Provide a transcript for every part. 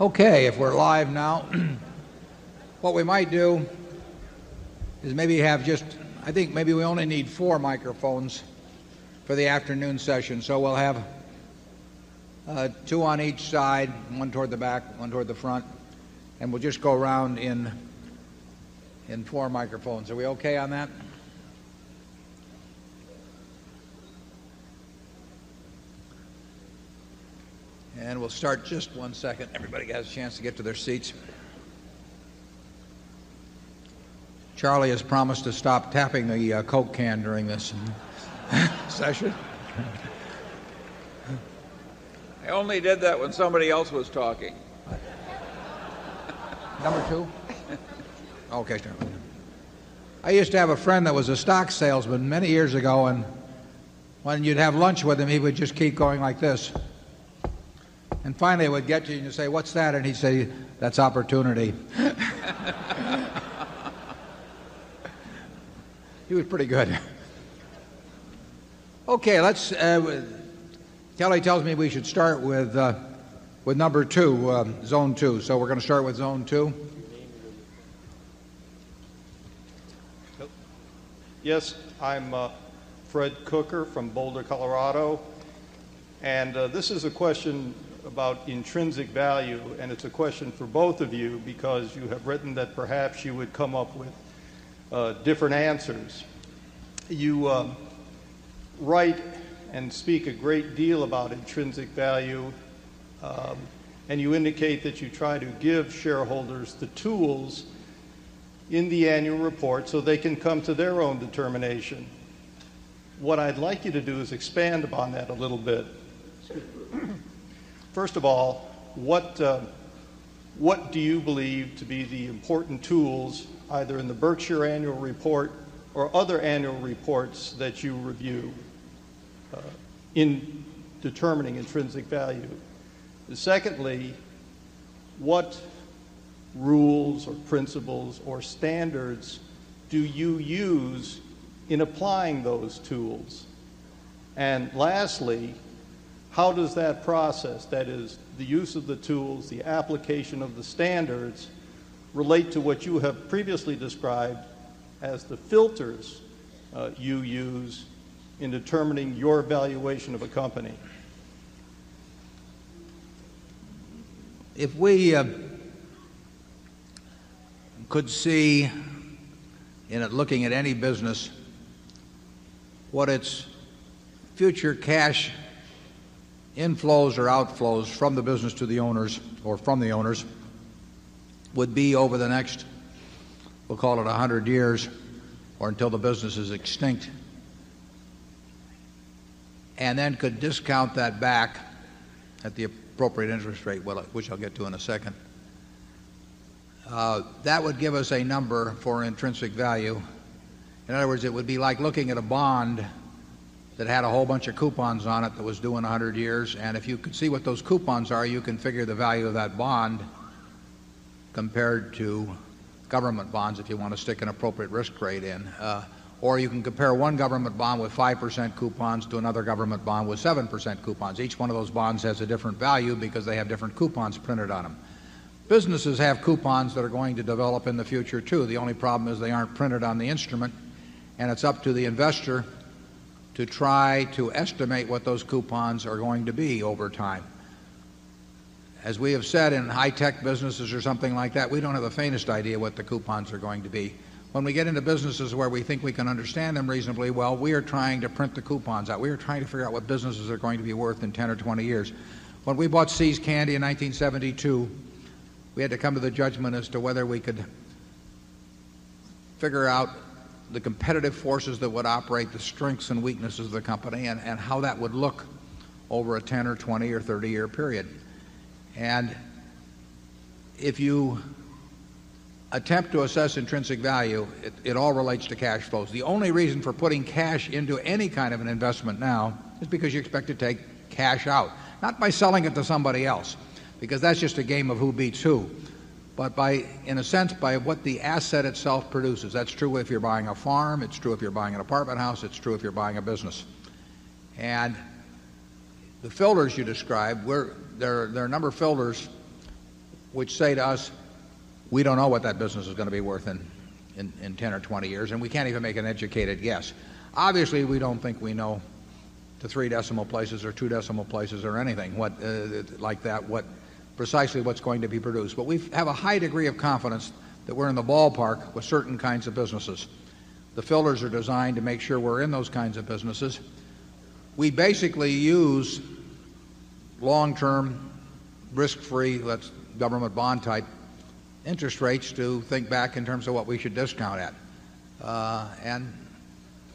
Okay. If we're live now, what we might do is maybe have just think maybe we only need 4 microphones for the afternoon session. So we'll have, 2 on each side, 1 toward the back, one toward the front. And we'll just go around in 4 microphones. Are we okay on that? And we'll start just one second. Everybody got a chance to get to their seats. Charlie has promised to stop tapping the Coke can during this session. I only did that when somebody else was talking. Number 2? Okay. I used to have a friend that was a stock salesman many years ago, and when you'd have lunch with him, he would just keep going like this. And finally, we'd get you and you say, what's that? And he'd say, that's opportunity. He was pretty good. Okay. Let's, Kelly tells me we should start with, with number 2, zone 2. So we're going to start with zone 2. Yes. I'm, Fred Cooker from Boulder, Colorado. And this is a question about intrinsic value. And it's a question for both of you because you have written that perhaps you would come up with different answers. You write and speak a great deal about intrinsic value, And you indicate that you try to give shareholders the tools in the annual report so they can come to their own determination. What I'd like you to do is expand upon that a little bit. First of all, what what do you believe to be the important tools, either in the Berkshire Annual Report or other annual reports that you review in determining intrinsic value? Secondly, what rules or principles or standards do you use in applying those tools? And lastly, how does that process that is, the use of the tools, the application of the standards, relate to what you have previously described as the filters you use in determining your valuation of a company? If we could see in it, looking at any business, what its future cash inflows or outflows from the business to the owners or from the owners would be over the next, we'll call it, a 100 years or until the business is extinct and then could discount that back at the appropriate interest rate, which I'll get to in a second. That would give us a number for intrinsic value. In other words, it would be like looking at a bond that had a whole bunch of coupons on it that was due in a 100 years. And if you could see what those coupons are, you can figure the value of that bond compared to government bonds if you want to stick an appropriate risk rate in. Or you can compare 1 government bond with 5% coupons to another government bond with 7% coupons. Each one of those bonds has a different value because they have different coupons printed on them. Businesses have coupons that are going to develop in the future too. The only problem is they aren't printed on the instrument. And it's up to the investor to try to estimate what those coupons are going to be over time. As we have said in high-tech businesses or something like that, we don't have the faintest idea what the coupons are going to be. When we get into businesses where we think we can understand them reasonably well, we are trying to print the coupons out. We are trying to figure out what businesses are going to be worth in 10 or 20 years. When we bought See's Candy in 1972, we had to come to the judgment as to whether we could figure out the competitive forces that would operate the strengths and weaknesses of the company and how that would look over a 10 or 20 or 30 year period. And if you attempt to assess intrinsic value, it all relates to cash flows. The only reason for putting cash into any kind of an investment now is because you expect to take cash out, not by selling it to somebody else because that's just a game of who beats who, but by, in a sense, by what the asset itself produces. That's true if you're buying a farm. It's true if you're buying an apartment house. It's true if you're buying a business. And the filters you described were there are there are a number of filters which say to us, we don't know what that business is going to be worth in in in 10 or 20 years, and we can't even make an educated guess. Obviously, we don't think we know to 3 decimal places or 2 decimal places or anything what, like that, what precisely what's going to be produced. But we have a high degree of confidence that we're in the ballpark with certain kinds of businesses. The fillers are designed to make sure we're in those kinds of businesses. We basically use long term risk free, let's government bond type, interest rates to think back in terms of what we should discount at.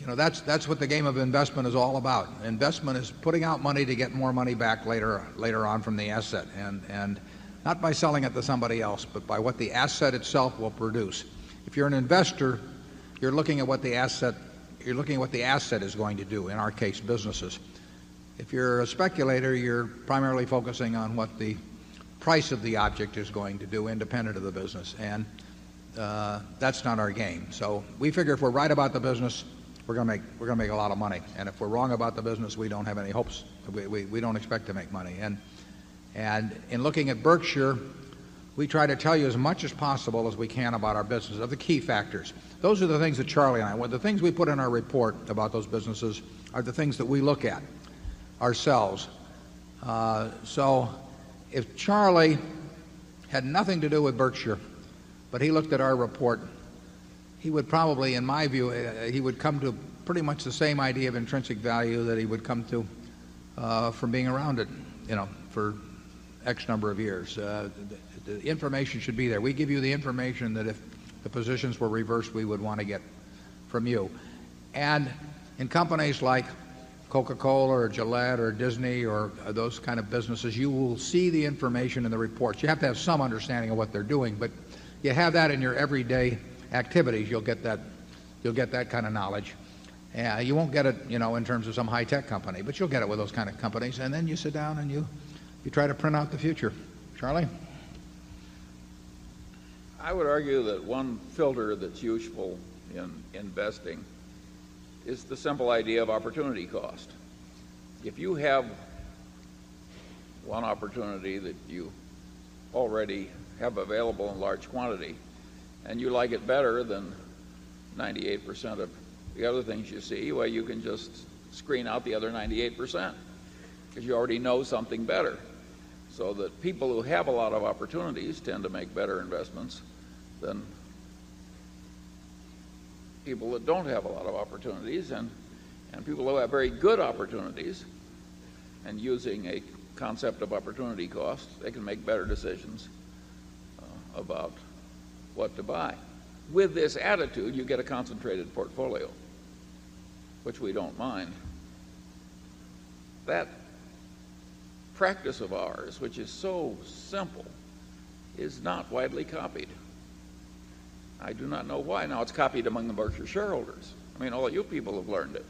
And that's what the game of investment is all about. Investment is putting out money to get more money back later on from the asset and not by selling it to somebody else, but by what the asset itself will produce. If you're an investor, you're looking at what the asset is going to do, in our case, businesses. If you're a speculator, you're primarily focusing on what the price of the object is going to do independent of the business. And, that's not our game. So we figure if we're right about the business, we're going to make a lot of money. And if we're wrong about the business, we don't have any hopes we don't expect to make money. And in looking at Berkshire, we try to tell you as much as possible as we can about our business of the key factors. Those are the things that Charlie and I the things we put in our report about those businesses are the things that we look at ourselves. So if Charlie had nothing to do with Berkshire but he looked at our report, he would probably, in my view, he would come to pretty much the same idea of intrinsic value that he would come to, for being around it for x number of years. The information should be there. We give you the information that if the positions were reversed, we would want to get from you. And in companies like Coca Cola or Gillette or Disney or those kind of businesses, you will see the information in the reports. You have to have some understanding of what they're doing, but you have that in your everyday activities. You'll get that you'll get that kind of knowledge. You won't get it, you know, in terms of some high-tech company, but you'll get it with those kind of companies. And then you sit down and you you try to print out the future. Charlie? I would argue that one filter that's useful in investing is the simple idea of opportunity cost. If you have one opportunity that you already have available in large quantity and you like it better than 98% of the other things you see, well, you can just screen out the other 98% because you already know something better. So that people who have a lot of opportunities tend to make better investments than people that don't have a lot of opportunities. And people who have very good opportunities and using a concept of opportunity cost, they can make better decisions about what to buy. With this attitude, you get a concentrated portfolio which we don't mind. That practice of ours, which is so simple, is not widely copied. I do not know why now it's copied among the Berkshire shareholders. I mean, all of you people have learned it.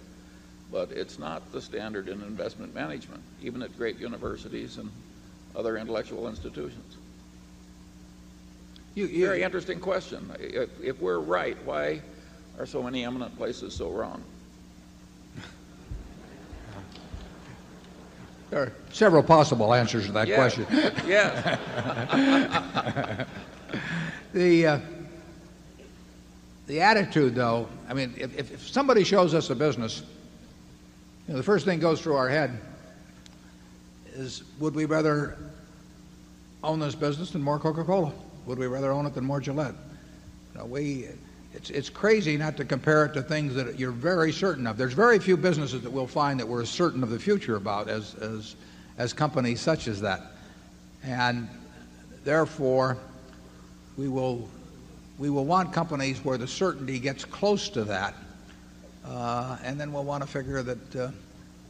But it's not the standard in investment management, even at great universities and other intellectual institutions. You're an interesting question. If we're right, why are so many eminent places so wrong? There are several possible answers to that question. Yeah. The the attitude, though I mean, if if somebody shows us a business, the first thing goes through our head is would we rather own this business than more Coca Cola? Would we rather own it than more Gillette? We it's it's crazy not to compare it to things that you're very certain of. There's very few businesses that we'll find that we're certain of the future about as as as companies such as that. And therefore, we will we will want companies where the certainty gets close to that, and then we'll want to figure that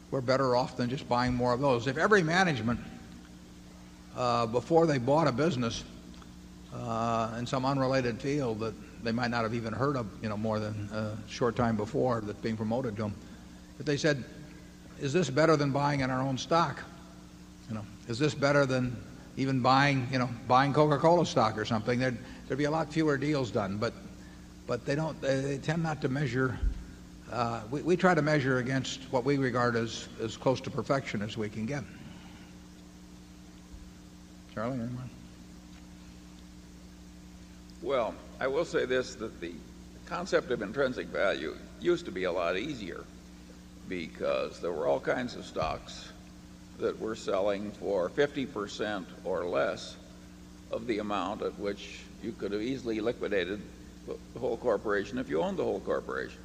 we're better off than just buying more of those. If every management, before they bought a business, in some unrelated deal that they might not have even heard of more than a short time before that being promoted to them, But they said, is this better than buying in our own stock? You know, is this better than even buying, you know, buying Coca Cola stock or something? There'd be a lot fewer deals done, but they don't they tend not to measure we try to measure against what we regard as close to perfection as we can get. Of intrinsic value used to be a lot easier because there were all kinds of stocks that were selling for 50% or less of the amount at which you could have easily liquidated the whole corporation if you owned the whole corporation.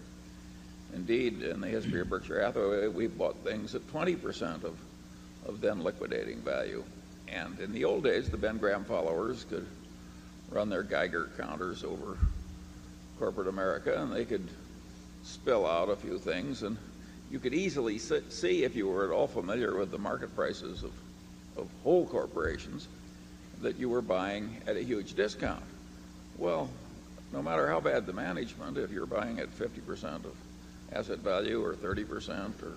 Indeed, in the history of Berkshire Hathaway, we bought things at 20% of them liquidating value. And in the old days, the Ben Graham followers could run their Geiger counters over corporate America and they could spill out a few things. And you could easily see if you were at all familiar with the market prices of whole corporations that you were buying at a huge discount. Well, no matter how bad the manage fund, if you're buying at 50% of asset value or 30% or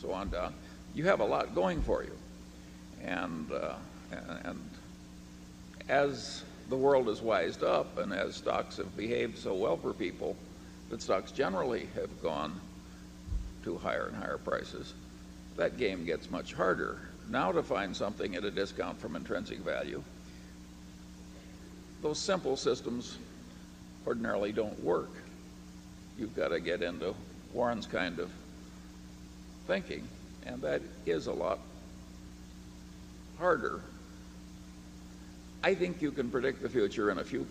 so on down, you have a lot going for you. And as the world has wised up and as stocks have behaved so well for people that stocks generally have gone to higher and higher prices, that game gets much harder now to find something at a discount from intrinsic value. Those simple systems ordinarily don't work. You've got to get into Warren's kind of of thinking. And that is a lot harder. I think you can predict the future in a few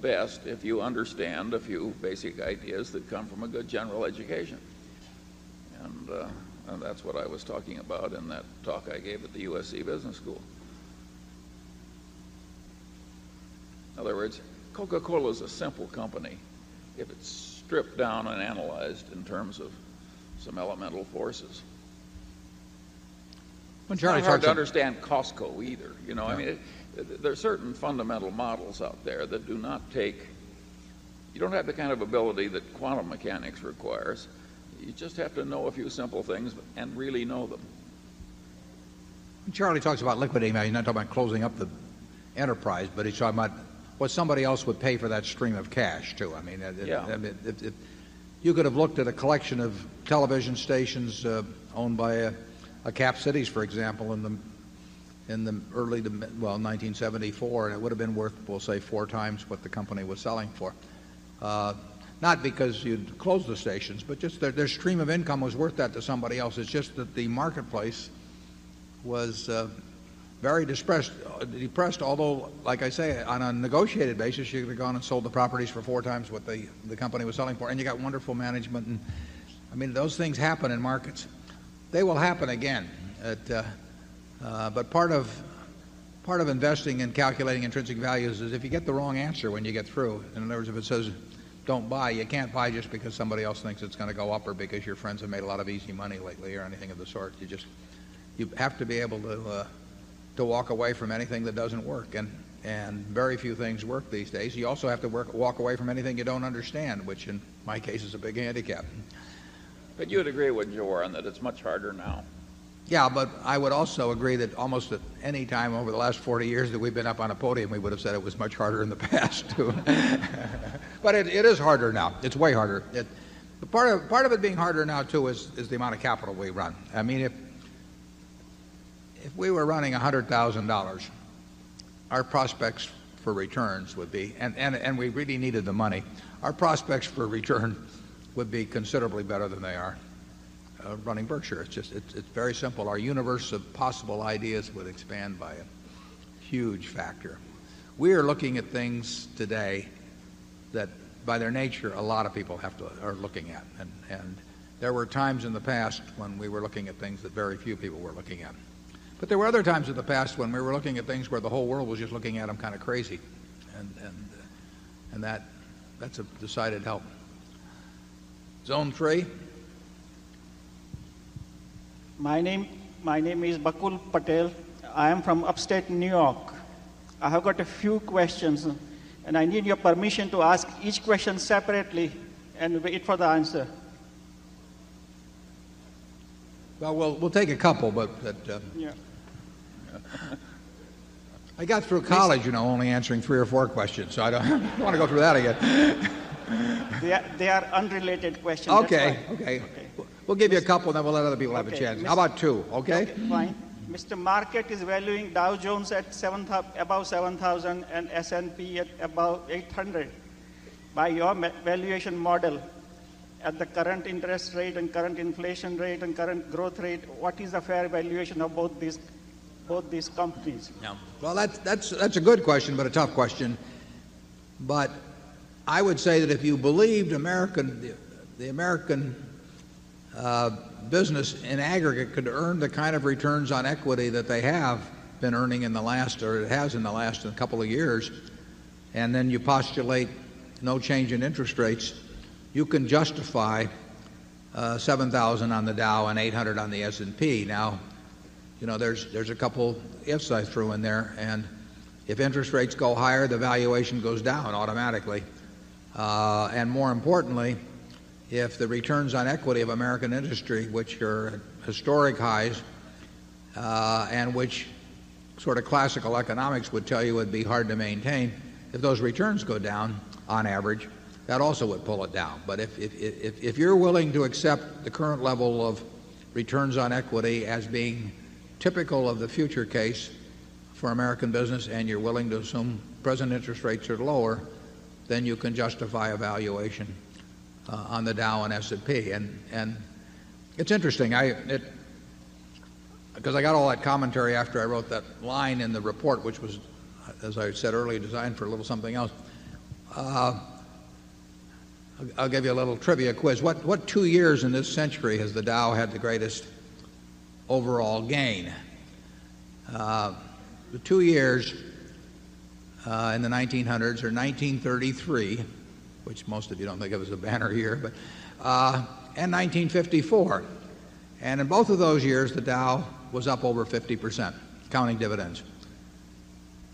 best if you understand a few basic ideas that come from a good general education. And that's what I was talking about in that talk I gave at the USC Business School. In other words, Coca Cola is a simple company. Yet it's stripped down and analyzed in terms of some elemental forces. I'm not sure if I don't understand Costco either. I mean, there are certain fundamental models out there that do not take you don't have the kind of ability that quantum mechanics requires. You just have to know a few simple things and really know them. Charlie talks about liquidating. You're not talking about closing up the enterprise, but he's talking about what somebody else would pay for that stream of cash, too. I mean, I mean, if you could have looked at a collection of television stations owned by a cap cities, for example, in the in the early to well, 1974. And it would have been worth, we'll say, 4 times what the company was selling for, Not because you'd closed the stations, but just their their stream of income was worth that to somebody else. It's just that the marketplace was very depressed. Although, like I say, on a negotiated basis, you could have gone and sold the properties for 4 times what the the company was selling for, and you got wonderful management. And I mean, those things happen in markets. They will happen again at, but part of of investing and calculating intrinsic values is if you get the wrong answer when you get through, in other words, if it says don't buy, you can't buy just because somebody else thinks it's going to go up or because your friends have made a of easy money lately or anything of the sort. You just you have to be able to walk away from anything that doesn't work and very few things work these days. You also have to walk away from anything you don't understand, which in my case is a big handicap. But you would agree with Jaworan that it's much harder now. Yes. But I would also agree that almost at any time over the last 40 years that we've been up on a podium, we would have said it was much harder in the past. But it is harder now. It's way harder. Part of it being harder now, too, is the amount of capital we run. I mean, if we were running $100,000 our prospects for returns would be and we really needed the money. Our prospects for return would be considerably better than they are running Berkshire. It's just it's very simple. Our universe of possible ideas would expand by a huge factor. We are looking at things today that, by their nature, a lot of people have to are looking at. And there were times in the past when we were looking at things that very few people were looking at. But there were other times in the past when we were looking at things where the whole world was just looking at them kind of crazy. And that's a decided help. Zone 3. My name is Bakul Patel. I am from upstate New York. I have got a few questions, and I need your permission to ask each question separately and wait for the answer. Well, we'll take a couple, but I got through college, you know, only answering 3 or 4 questions. So I don't want to go through that again. They are unrelated questions. Okay. We'll give you a couple and then we'll let other people have a chance. How about 2, okay? Fine. Mr. Market is valuing Dow Jones at above 7,000 and S and P at above 800. By your valuation model, at the current interest rate and current inflation rate and current growth rate, what is the fair valuation of both these companies? Well, that's a good question but a tough question. But I would say that if you believed American the American business, in aggregate, could earn the kind of returns on equity that they have been earning in the last or it has in the last couple of years and then you postulate no change in interest rates, you can justify, 7,000 on the Dow and 800 on the S and P. Now, you know, there's there's a couple ifs I threw in there. And if interest rates go higher, the valuation goes down automatically. And more importantly, if the returns on equity of American industry, which are historic highs, and which sort of classical economics would tell you would be hard to maintain, if those returns go down on average, that also would pull it down. But if you're willing to accept the current level of returns on equity as being typical of the future case for American business and you're willing to assume present interest rates are lower, then you can justify a valuation, on the Dow and S and P. And and it's interesting. I because I got all that commentary after I wrote that line in the report, which was, as I said earlier, designed for a little something else. I'll give you a little trivia quiz. What what 2 years in this century has the Dow had the greatest overall gain? The 2 years in the 1900 or 1933, which most of you don't think of as a banner year, but and 1954. And in both of those years, the Dow was up over 50% counting dividends.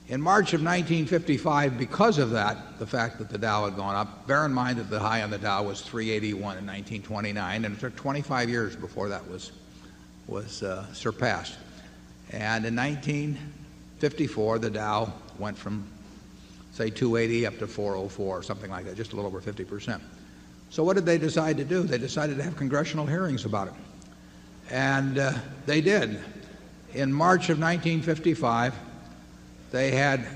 In March of 1955, because of that, the fact that the Dow had gone up, bear in mind that the high on the Dow was 3.81 in 1929, and it took 25 years before that was was surpassed. And in 1954, the Dow went from, say, 280 up to 404 or something like that, just a little over 50%. So what did they decide to do? They decided to have congressional hearings about it, and, they did. In March of 1955, they had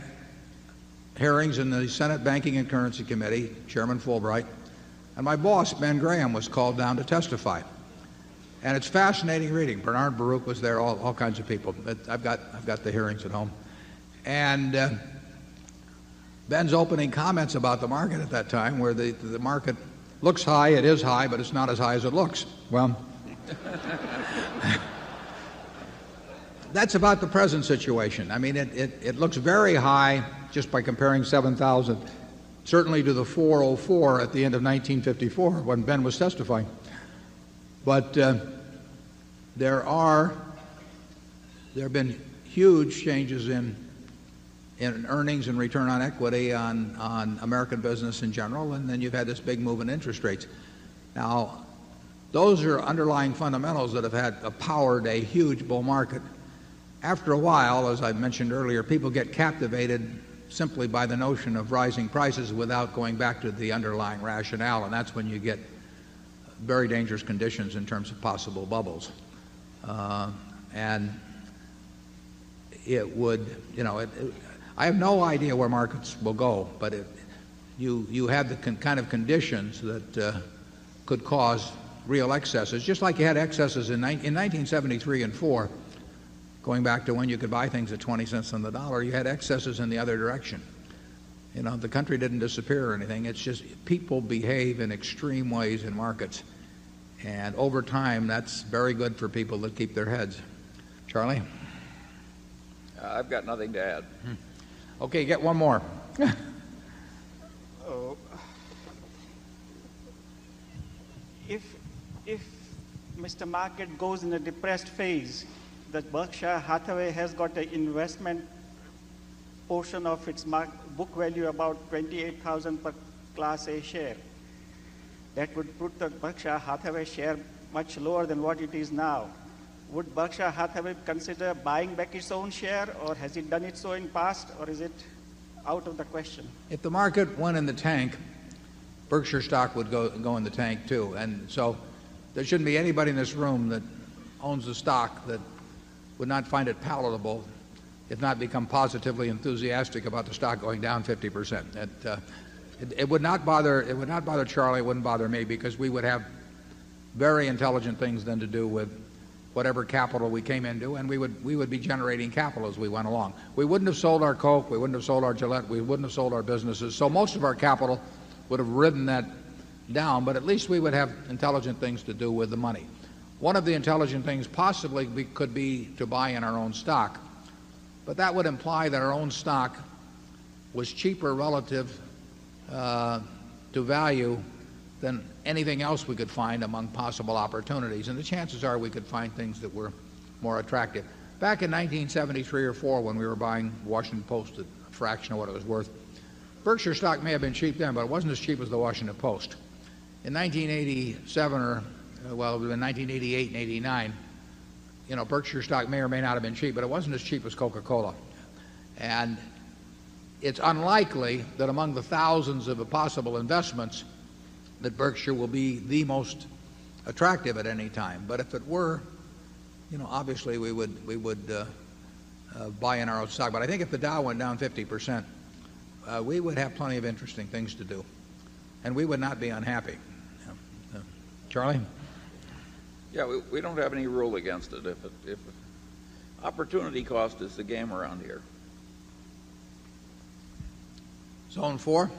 hearings in the Senate Banking and Currency Committee, Chairman Fulbright, and my boss, Ben Graham, was called down to testify. And it's fascinating reading. Bernard Barouch was there, all all kinds of people. I've got I've got the hearings at home. And Ben's opening comments about the market at that time where the the market looks high, it is high, but it's not as high as it looks. Well, that's about the present situation. I mean, it it it looks very high just by comparing 7,000, certainly to the 404 at the end of 1954 when Ben was testifying. But there are there have been huge changes in in earnings and return on equity on American business in general, and then you've had this big move in interest rates. Now those are underlying fundamentals that have had powered a huge bull market. After a while, as I mentioned earlier, people get captivated simply by the notion of rising prices without going back to the underlying rationale. And that's when you get very dangerous conditions in terms of possible bubbles. And it would I have no idea where markets will go, but you have the kind of conditions that could cause real excesses. Just like you had excesses in 1973 and 'four, going back to when you could buy things at 20¢ on the dollar, you had excesses in the other direction. You know, the country didn't disappear or anything. It's just people behave in extreme ways in markets. And over time, that's very good for people that keep their heads. Charlie? I've got nothing to add. Okay. Get one more. If Mr. Market goes in a depressed phase that Berkshire Hathaway has got an investment portion of its book value about 28,000 Class A share. That would put the Berkshire Hathaway share much lower than what it is now. Would Berkshire Hathaway consider buying back its own share? Or has it done it so in the past? Or is it out of the question? If the market went in the tank, Berkshire stock would go in the tank, too. And so there shouldn't be anybody in this room that owns the stock that would not find it palatable, if not become positively enthusiastic about the stock going down 50%. It would not bother Charlie. It wouldn't bother me because we would have very intelligent things than to do with whatever capital we came into. And we would be generating capital as we went along. We wouldn't have sold our Coke. We wouldn't have sold our Gillette. We wouldn't have sold our businesses. So most of our capital would have ridden that down, but at least we would have intelligent things to do with the money. One of the intelligent things possibly could be to buy in our own stock. But that would imply that our own stock was cheaper relative to value than anything else we could find among possible opportunities. And the chances are we could find things that were more attractive. Back in 1973 or 4 when we were buying Washington Post at a fraction of what it was worth, Berkshire stock may have been cheap then, but it wasn't as cheap as the Washington Post. In 1987 or well, it was in 1988, 'eighty nine. You know, Berkshire stock may or may not have been cheap, but it wasn't as cheap as Coca Cola. And it's unlikely that among the 1,000 of possible investments that Berkshire will be the most attractive at any time. But if it were, obviously, we would buy in our own stock. But I think if the Dow went down 50%, we would have plenty of interesting things to do and we would not be unhappy. Charlie? Yes, we don't have any rule against it. Opportunity cost is the game around here. Zone 4.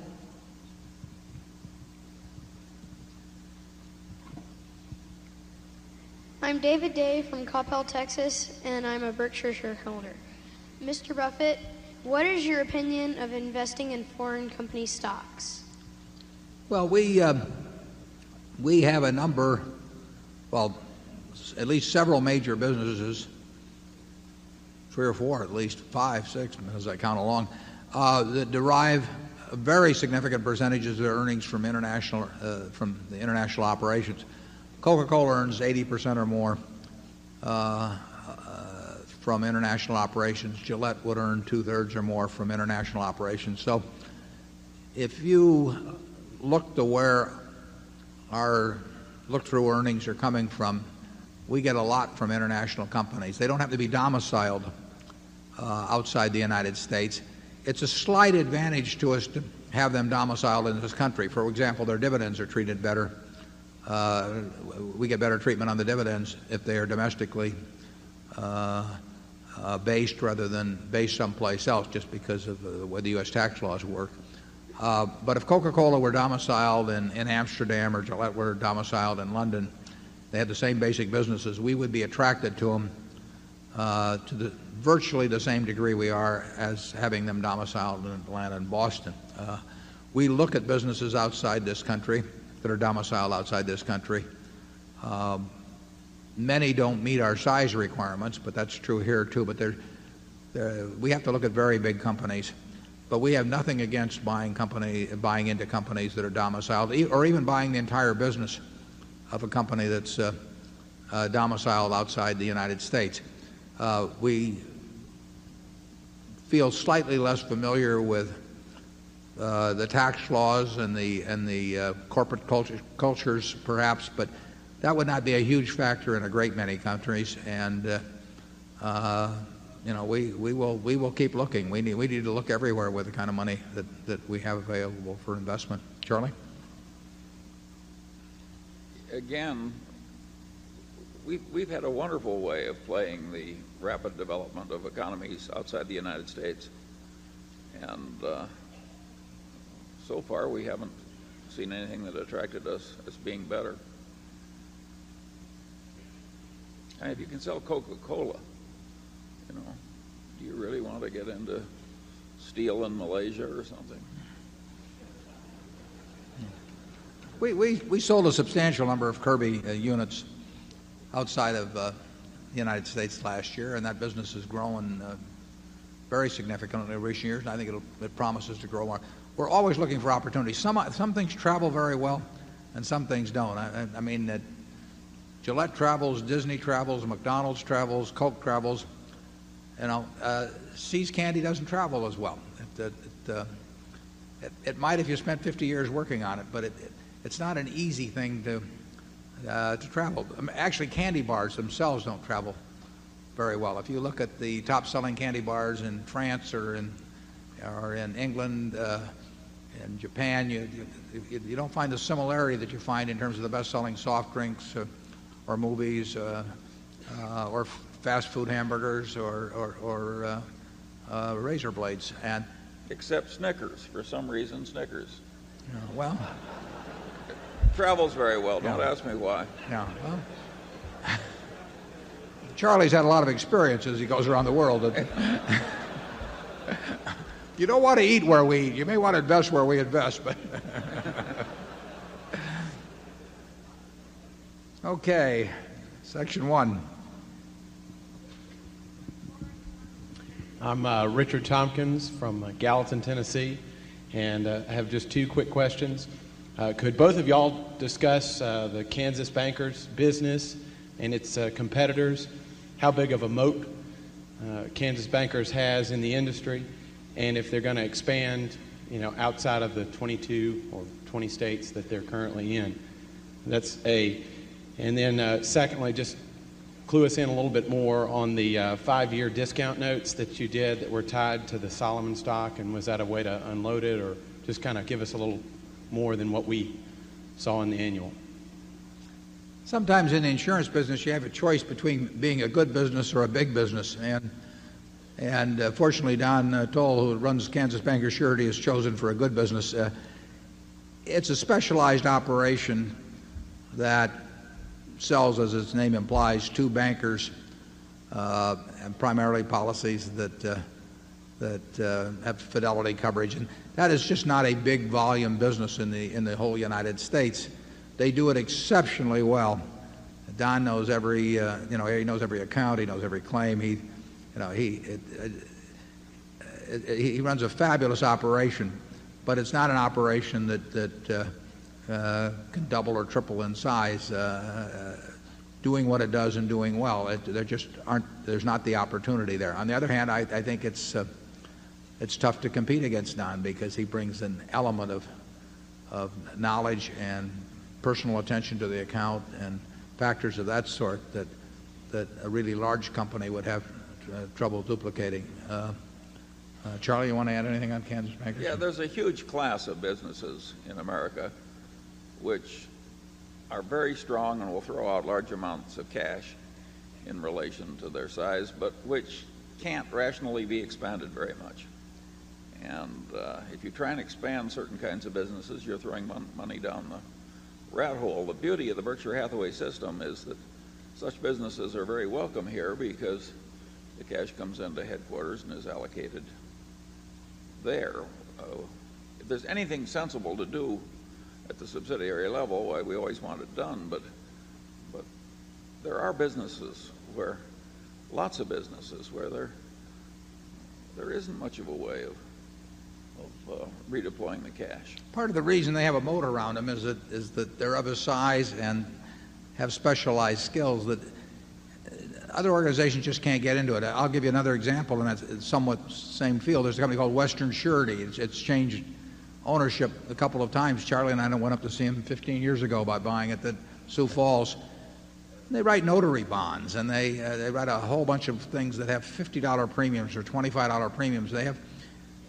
I'm David Day from Coppell, Texas, and I'm a Berkshire shareholder. Mister Buffett, what is your opinion of investing in foreign company stocks? Well, we have a number well, at least several major businesses, 3 or 4 at least, 5, 6 as I count along, that derive very significant percentages of their earnings from international from international operations. Coca Cola earns 80% or more from international operations. Gillette would earn 2 thirds or more from international operations. So if you look to where our look through earnings are coming from, we get a lot from international companies. They don't have to be domiciled outside the United States. It's a slight advantage to us to have them domiciled in this country. For example, their dividends are treated better. We get better treatment on the dividends if they are domestically based rather than based someplace else just because of the way the US tax laws work. But if Coca Cola were domiciled in Amsterdam or Gillette were domiciled in London, they had the same basic businesses, we would be attracted to them to the virtually the same degree we are as having them domiciled in Atlanta and Boston. We look at businesses outside this country that are domiciled outside this country. Many don't meet our size requirements, but that's true here too. But we have to look at very big companies. But we have nothing against buying company buying into companies that are domiciled or even buying the entire business of a company that's, domiciled outside the United States. We feel slightly less familiar with the tax laws and the and the corporate cultures, perhaps, but that would not be a huge factor in a great many countries. And, you know, we we will we will keep looking. We need we need to look everywhere with the kind of money that that we have available for investment. Charlie? Again, we've we've had a wonderful way of playing the rapid development of economies outside the United States. And so far, we haven't seen anything that attracted us as being better. And if you can sell Coca Cola, you know, do you really want to get into steel in Malaysia or something? We sold a substantial number of Kirby units outside of United States last year, and that business has grown very significantly over recent years. And I think it'll it promises to grow. We're always looking for opportunities. Some things travel very well and some things don't. I mean, Gillette travels, Disney travels, McDonald's travels, Coke travels. And I'll, See's candy doesn't travel as well. It it might if you spent 50 years working on it, but it it's not an easy thing to, to travel. Actually, candy bars themselves don't travel very well. If you look at the top selling candy bars in France or in or in England and Japan, you don't find the similarity that you find in terms of the best selling soft drinks or movies or fast food hamburgers or razor blades. Except Snickers. For some reason, Snickers. Well, travels very well. Don't ask me why. Yeah. Well, Charlie's had a lot of experiences. He goes around the world. You don't want to eat where we you may want to invest where we invest, but okay. Section 1. I'm Richard Tompkins from Gallatin, Tennessee. And I have just two quick questions. Could both of you all discuss the Kansas Bankers business and its competitors? How big of a moat Kansas Bankers has in the industry, and if they're going to expand outside of the 22 or 20 states that they're currently in? That's a and then secondly, just clue us in a little bit more on the 5 year discount notes that you did that were tied to the Solomon stock? And was that a way to unload it? Or just kind of give us a little more than what we saw in the annual. Sometimes in the insurance business, you have a choice between being a good business or a big business. And and fortunately, Don Toll, who runs Kansas Bank of Surety, has chosen for a good business. It's a specialized operation that sells, as its name implies, 2 bankers, and primarily policies that that have fidelity coverage. And that is just not a big volume business in the in the whole United States. They do it exceptionally well. Don knows every, you know, he knows every account. He knows every claim. You know, he he runs a fabulous operation, but it's not an operation that that can double or triple in size, doing what it does and doing well. There just aren't there's not the opportunity there. On the other hand, I I think it's it's tough to compete against Don because he brings an element of of knowledge and personal attention to the account and factors of that sort that a really large company would have trouble duplicating. Charlie, you want to add anything on Kansas Bankers? Yeah. There's a huge class of businesses in America which are very strong and will throw out large amounts of cash in relation to their size but which can't rationally be expanded very much. And if you try and expand certain kinds of business, you're throwing money down the rat hole. The beauty of the Berkshire Hathaway system is that such businesses are very welcome here because the cash comes into headquarters and is allocated there. If there's anything sensible to do at the subsidiary level, why we always want it done. But there are businesses where lots of businesses where there isn't much of a way of redeploying the cash. Part of the reason they have a moat around them is that they're of a size and have specialized skills that other organizations just can't get into it. I'll give you another example, and it's somewhat the same field. There's a company called Western Surety. It's changed ownership a couple of times. Charlie and I went up to see them 15 years ago by buying at the Sioux Falls. They write notary bonds and they write a whole bunch of things that have $50 premiums or $25 premiums. They have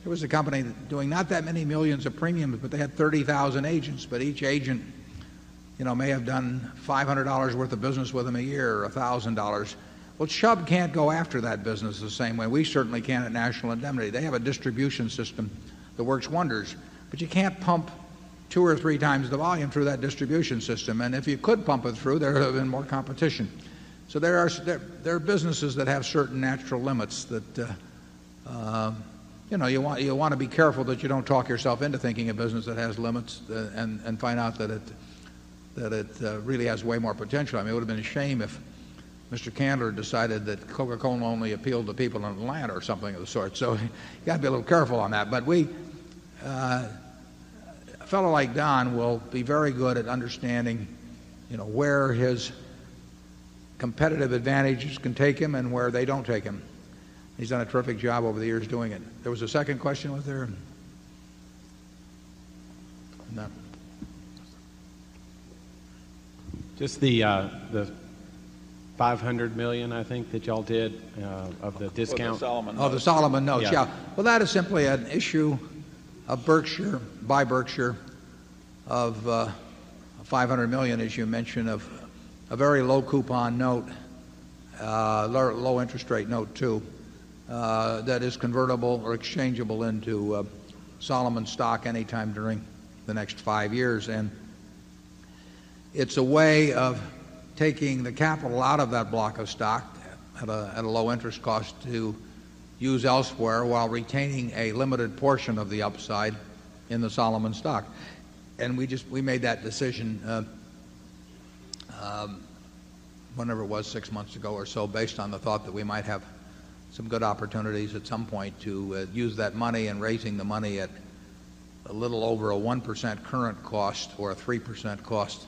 there was a company doing not that many millions of premiums, but they had 30,000 agents. But each agent may have done $500 worth of business with them a year or $1,000 Well, Chubb can't go after that business the same way. We certainly can at National Indemnity. They have a distribution system that works wonders, but you can't pump 2 or 3 times the volume through that distribution system. And if you could pump it through, there would have been more competition. So there are businesses that have certain natural limits that, you know, you want to be careful that you don't talk yourself into thinking a business that has limits and and find out that it that it really has way more potential. I mean, it would have been a shame if mister Candler decided that Coca Cola only appealed to people on Atlanta or something of the sort. So you got to be a little careful on that. But we a fellow like Don will be very good at understanding, you know, where his competitive advantages can take him and where they don't take him. He's done a terrific job over the years doing it. There was a second question, was there? Just the $500,000,000 I think that you all did of the discount? The Solomon notes. Of the Solomon notes, yes. Well, that is simply an issue of Berkshire by Berkshire of $500,000,000 as you mentioned, of a very low coupon note, low interest rate note too, that is convertible or exchangeable into Solomon stock anytime during the next 5 years. And it's a way of taking the capital out of that block of stock at a low interest cost to use elsewhere while retaining a limited portion of the upside in the Solomon stock. And we just we made that decision, whenever it was, 6 months ago or so based on the thought that we might have some good opportunities at some point to use that money and raising the money at a little over a 1% current cost or a 3% cost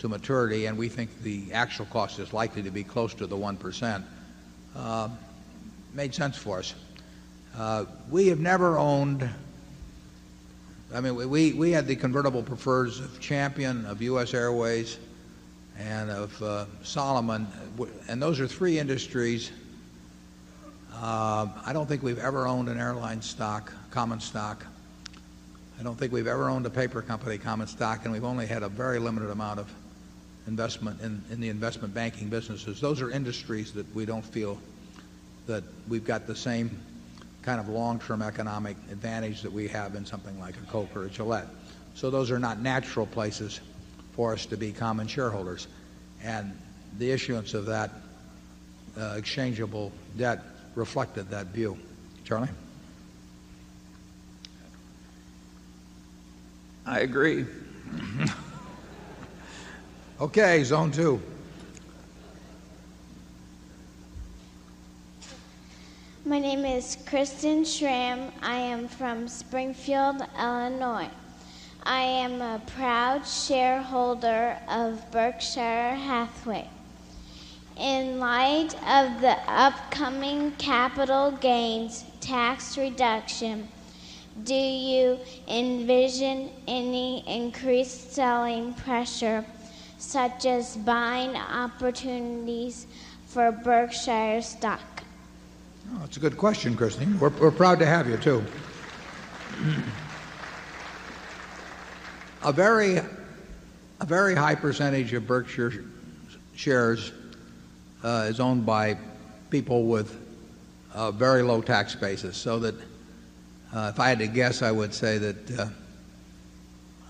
to maturity, and we think the actual cost is likely to be close to the 1%, made sense for us. We have never owned I mean, we we had the convertible preferred champion of US Airways and of, Solomon. And those are 3 industries. I don't think we've ever owned an airline stock common stock. I don't think we've ever owned a paper company common stock, and we've only had a very limited amount of investment in the investment banking businesses. Those are industries that we don't feel that we've got the same kind of long term economic advantage that we have in something like a coke or a Gillette. So those are not natural places for us to be common shareholders. And the issuance of that, exchangeable debt reflected that view. Charlie? I agree. Okay. Zone 2. My name is Kristen Schramm. I am from Springfield, Illinois. I am a proud shareholder of Berkshire Hathaway. In light of the do you envision any increased selling pressure such as buying opportunities for Berkshire stock? It's a good question, Christine. We're we're proud to have you too. A very a very high percentage of Berkshire shares is owned by people with very low tax basis. So that if I had to guess, I would say that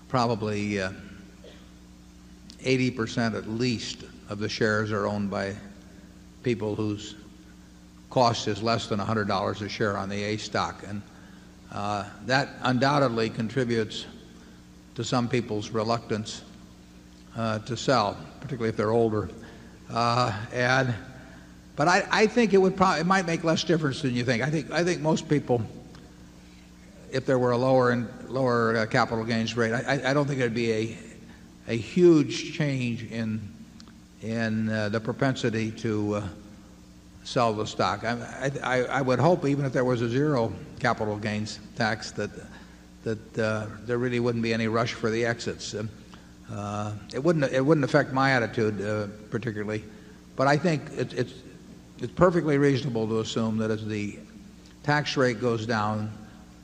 probably 80% at least of the shares are owned by people whose cost is less than $100 a share on the A Stock. And that undoubtedly contributes to some people's reluctance to sell, particularly if they're older. And but I think it would it might make less difference than you think. I think most people, if there were a lower capital gains rate, I don't think it would be a huge change in the propensity to sell the stock. I would hope, even if there was a 0 capital gains tax, that there really wouldn't be any rush for the exits. It wouldn't it wouldn't affect my attitude particularly, but I think it's it's perfectly reasonable to assume that as the tax rate goes down,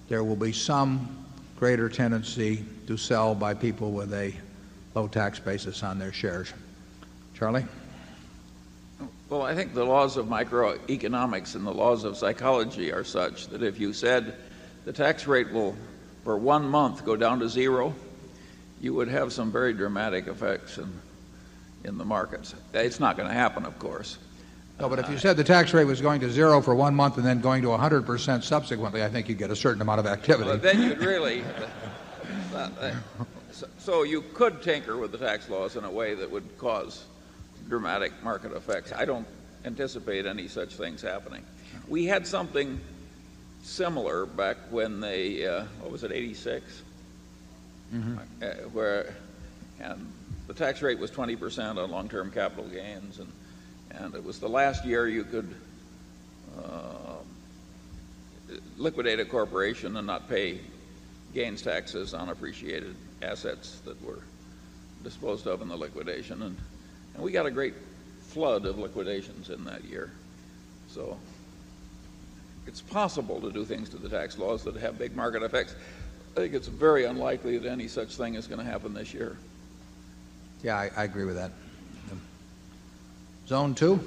there will be some greater tendency to sell by people with a low tax basis on their shares. Charlie? Well, I think the laws of microeconomics and the laws of psychology are such that if you said the tax rate will for 1 month go down to 0, you would have some very dramatic effects in the markets. It's not going to happen, of course. But if you said the tax rate was going to 0 for 1 month and then going to 100% subsequently, I think you'd get a certain amount of activity. But then you'd really so you could tinker with the tax laws in a way that would cause dramatic market effects. I don't anticipate any such things happening. We had something similar back when they Where and the tax rate was 20% on long term capital gains, and it was the last year you could liquidate a corporation and not pay gains taxes on appreciated assets that were disposed of in the liquidation. And we got a great flood of liquidations in that year. So it's possible to do things to the tax laws that have big market effects. I think it's very unlikely that any such thing is going to happen this year. Yes, I agree with that. Zone 2?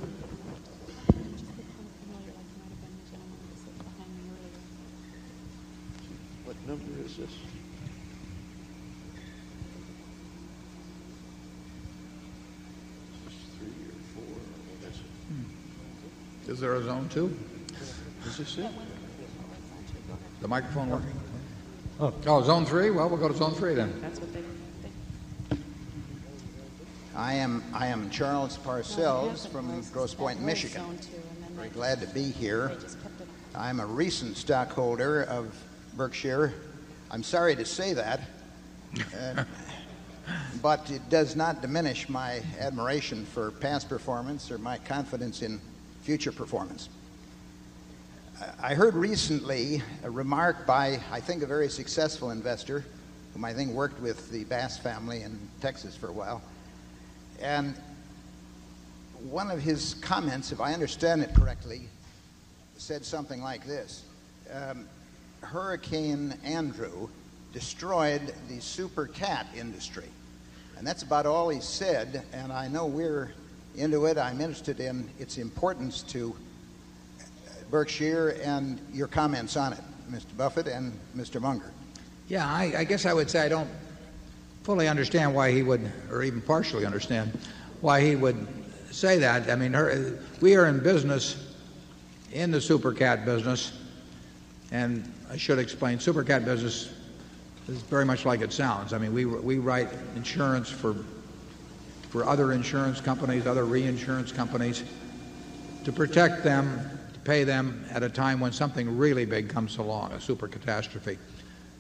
Is there a zone 2? The microphone working? Oh, zone 3? Well, we'll go to zone 3 then. I am Charles Parcells from Grosse Pointe, Michigan. Very glad to be here. I'm a recent stockholder of Berkshire. I'm sorry to say that, but it does not diminish my admiration for past performance or my confidence in future performance. I heard recently a remark by, I think, a very successful investor whom I think worked with the Bass family in Texas for a while. And one of his comments, if I understand it correctly, said something like this. Hurricane Andrew destroyed the super cat industry, And that's about all he said, and I know we're into it. I'm interested in its importance to Berkshire and your comments on it, mister Buffett and mister Bunker? Yeah. I I guess I would say I don't fully understand why he would or even partially understand why he would say that. I mean, we are in business in the Super Cat business, and I should explain Super Cat business is very much like it sounds. I mean, we we write insurance for for other insurance companies, other reinsurance companies to protect them, to pay them at a time when something really big comes along, a super catastrophe.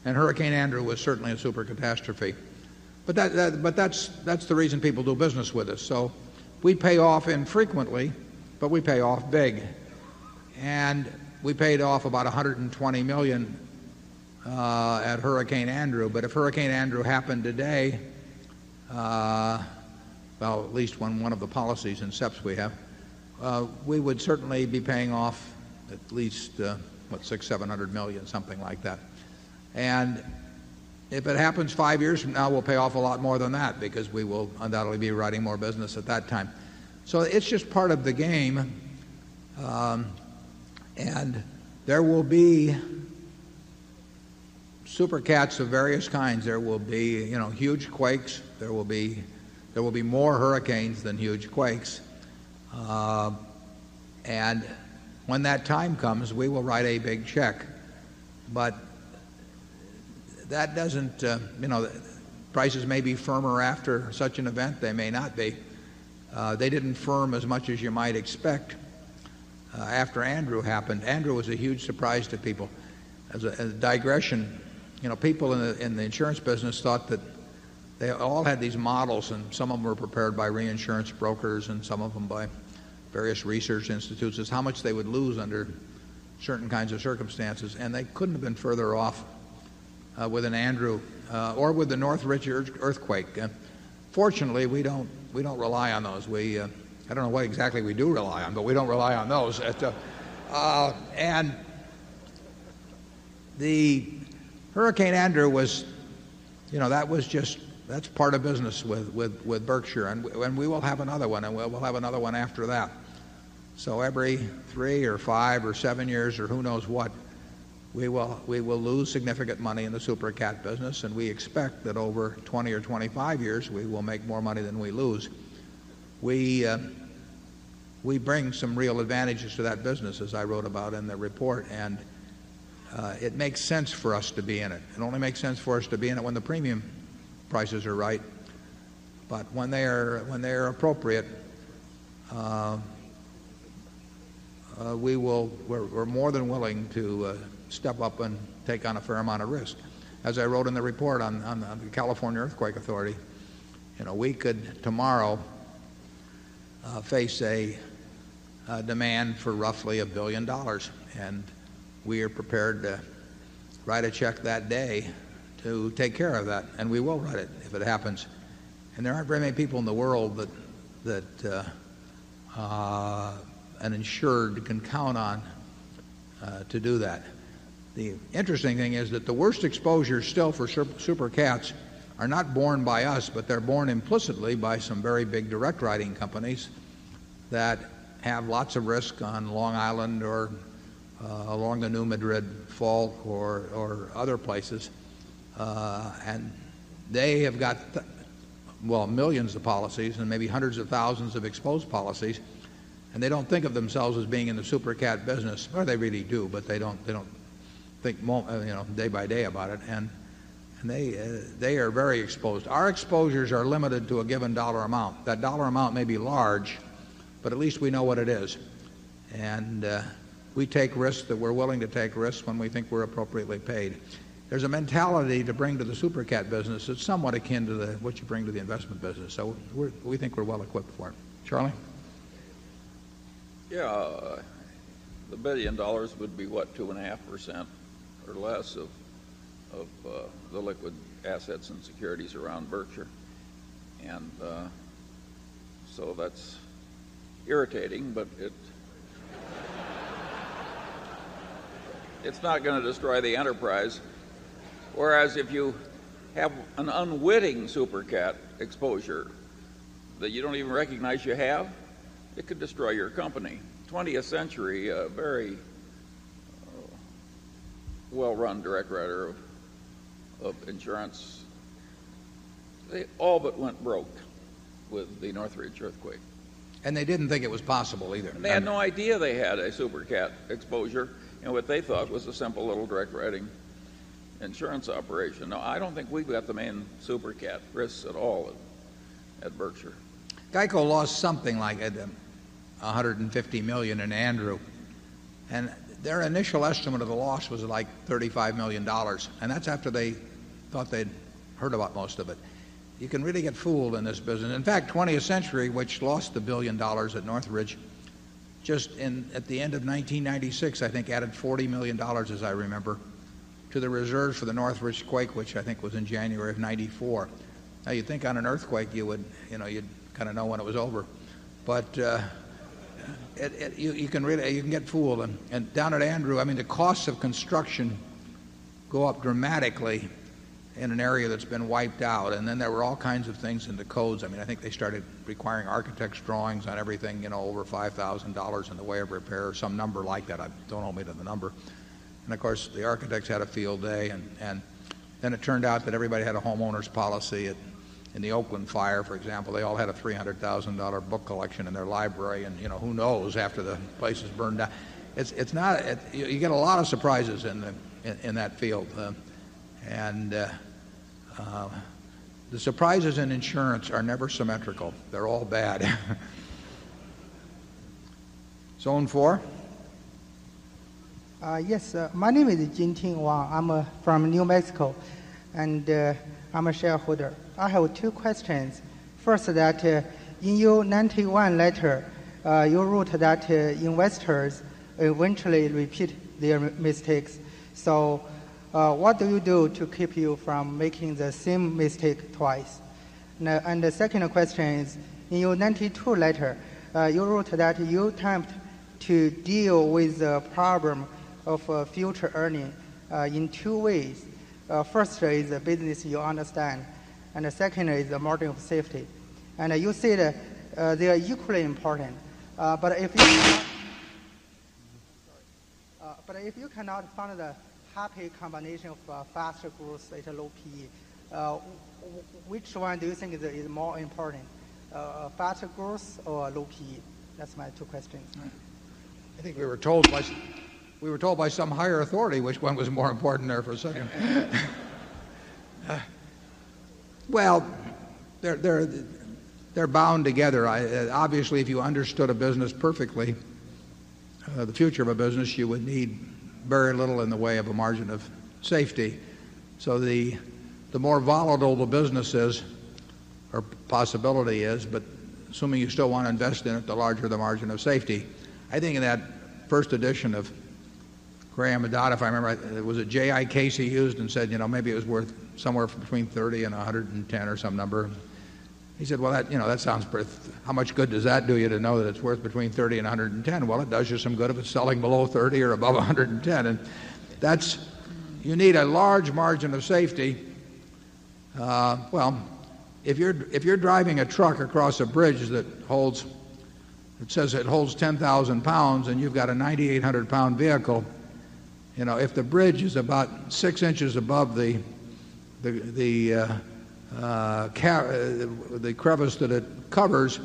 And hurricane Andrew was certainly a super catastrophe, But that that but that's that's the reason people do business with us. So we pay off infrequently, but we pay off big. And we paid off about a 120,000,000 at hurricane Andrew. But if hurricane Andrew happened today, well, at least one one of the policies and steps we have, we would certainly be paying off at least, what, 6, 700,000,000, something like that. And if it happens 5 years from now, we'll pay off a lot more than that because we will undoubtedly be writing more business at that time. So it's just part of the game. And there will be super cats of various kinds. There will be, you know, huge quakes. There will be there will be more hurricanes than huge quakes. And when that time comes, we will write a big check. But that doesn't, prices may be firmer after such an event. They may not be. They didn't firm as much as you might expect after Andrew happened. Andrew was a huge surprise to people as a digression. People in the insurance business thought that they all had these models and some of them were prepared by reinsurance brokers and some of them by various research institutes, is how much they would lose under certain kinds of circumstances, and they couldn't have been further off with an Andrew or with the North Rich earthquake. Fortunately, we don't rely on those. We I don't know what exactly we do rely on, but we don't rely on those. And the Hurricane Andrew was that was just that's part of business with Berkshire. And we will have another one, and we'll have another one after that. So every 3 or 5 or 7 years or who knows what, we will lose significant money in the super cat business, and we expect that over 20 or 25 years, we will make more money than we lose. We bring some real advantages to that business, as I wrote about in the report, and it makes sense for us to be in it. It only makes sense for us to be in it when the premium prices are right. But when they are appropriate, we will we're more than willing to step up and take on a fair amount of risk. As I wrote in the report on the California Earthquake Authority, we could tomorrow face a demand for roughly $1,000,000,000 And we are prepared to write a check that day to take care of that, and we will write it if it happens. And And there aren't very many people in the world that that, an insured can count on to do that. The interesting thing is that the worst exposure still for super cats are not borne riding companies that have lots of risk on Long Island or along the New Madrid Fault or other places. And they have got, well, millions of policies and maybe hundreds of thousands of exposed policies, And they don't think of themselves as being in the super cat business. Well, they really do, but they don't they don't think, you know, day by day about it. And they are very exposed. Our exposures are limited to a given dollar amount. That dollar amount may be large, but at least we know what it is. And we take risks that we're willing to take risks when we think we're appropriately paid. There's a mentality to bring to the super cat business that's somewhat akin to the what you bring to the investment business. So we think we're well equipped for it. Charlie? Yes. The $1,000,000,000 would be what, 2.5% or less of the liquid assets and securities around Berkshire. And so that's irritating, but it's not going to destroy the enterprise. Whereas if you have an unwitting super cat exposure that you don't even recognize you have, it could destroy your company. 20th century, a very well run direct writer of insurance, They all but went broke with the Northridge earthquake. And they didn't think it was possible either. They had no idea they had a super cat exposure. And What they thought was a simple little direct writing insurance operation. No, I don't think we've got the main super cat risks at all at VirTra. GEICO lost something like $150,000,000 in Andrew, and their initial estimate of the loss was like $35,000,000 and that's after they thought they'd heard about most of it. You can really get fooled in this business. In fact, 20th Century, which lost $1,000,000,000 at Northridge, just in at the end of 1996, I think added $40,000,000 as I remember, to the reserve for the Northridge quake, which I think was in January of 94. Now you'd think on an earthquake, you would, you know, you'd kind of know when it was over. But, you you can really you can get fooled. And down at Andrew, I mean, the costs of construction go up dramatically in an area that's been wiped out. And then there were all kinds of things in the codes. I mean, I think they started requiring architects' drawings on everything over $5,000 in the way of repair or some number like that. I don't owe me the number. And of course, the architects had a field day and then it turned out that everybody had a homeowner's policy in the Oakland fire, for example. They all had a $300,000 book collection in their library and who knows after the place is burned down. It's not you get a lot of surprises in that field. And the surprises in insurance are never symmetrical. They're all bad. Zone 4? Yes. My name is Jingting Wang. I'm from New Mexico, and I'm a shareholder. I have two questions. First that in your 91 letter, you wrote that investors eventually repeat their mistakes. So what do you do to keep you from making the same mistake twice? And the second question is, in your 92 letter, you wrote that you attempt to deal with the problem of future earning in 2 ways. First is a business you understand and the second is a margin of safety. And you see that they are equally important. But if you cannot find the happy combination of faster growth at a low PE, Which one do you think is more important, faster growth or low PE? That's my two questions. I think we were told by some higher authority which one was more important there for a second. Well, they're they're they're bound together. I obviously, if you understood a business perfectly, the future of a business, you would need very little in the way of a margin of safety. So the more volatile the business is or possibility is, but assuming you still want to invest in it, the larger the margin of safety. I think in that first edition of Graham Adata, if I remember was it J. I. Casey Houston said, you know, maybe it was worth somewhere between $30,000,000 $110,000,000 or some number. He said, well, that, you know, that sounds pretty how much good does that do you to know that it's worth between 30 110? Well, it does you some good if it's selling below 30 or above 110. And that's you need a large margin of safety. Well, if you're driving a truck across a bridge that holds it says it holds £10,000 and you've got a 9,800 pound vehicle, if the bridge is about 6 inches above the the the the crevice that it covers,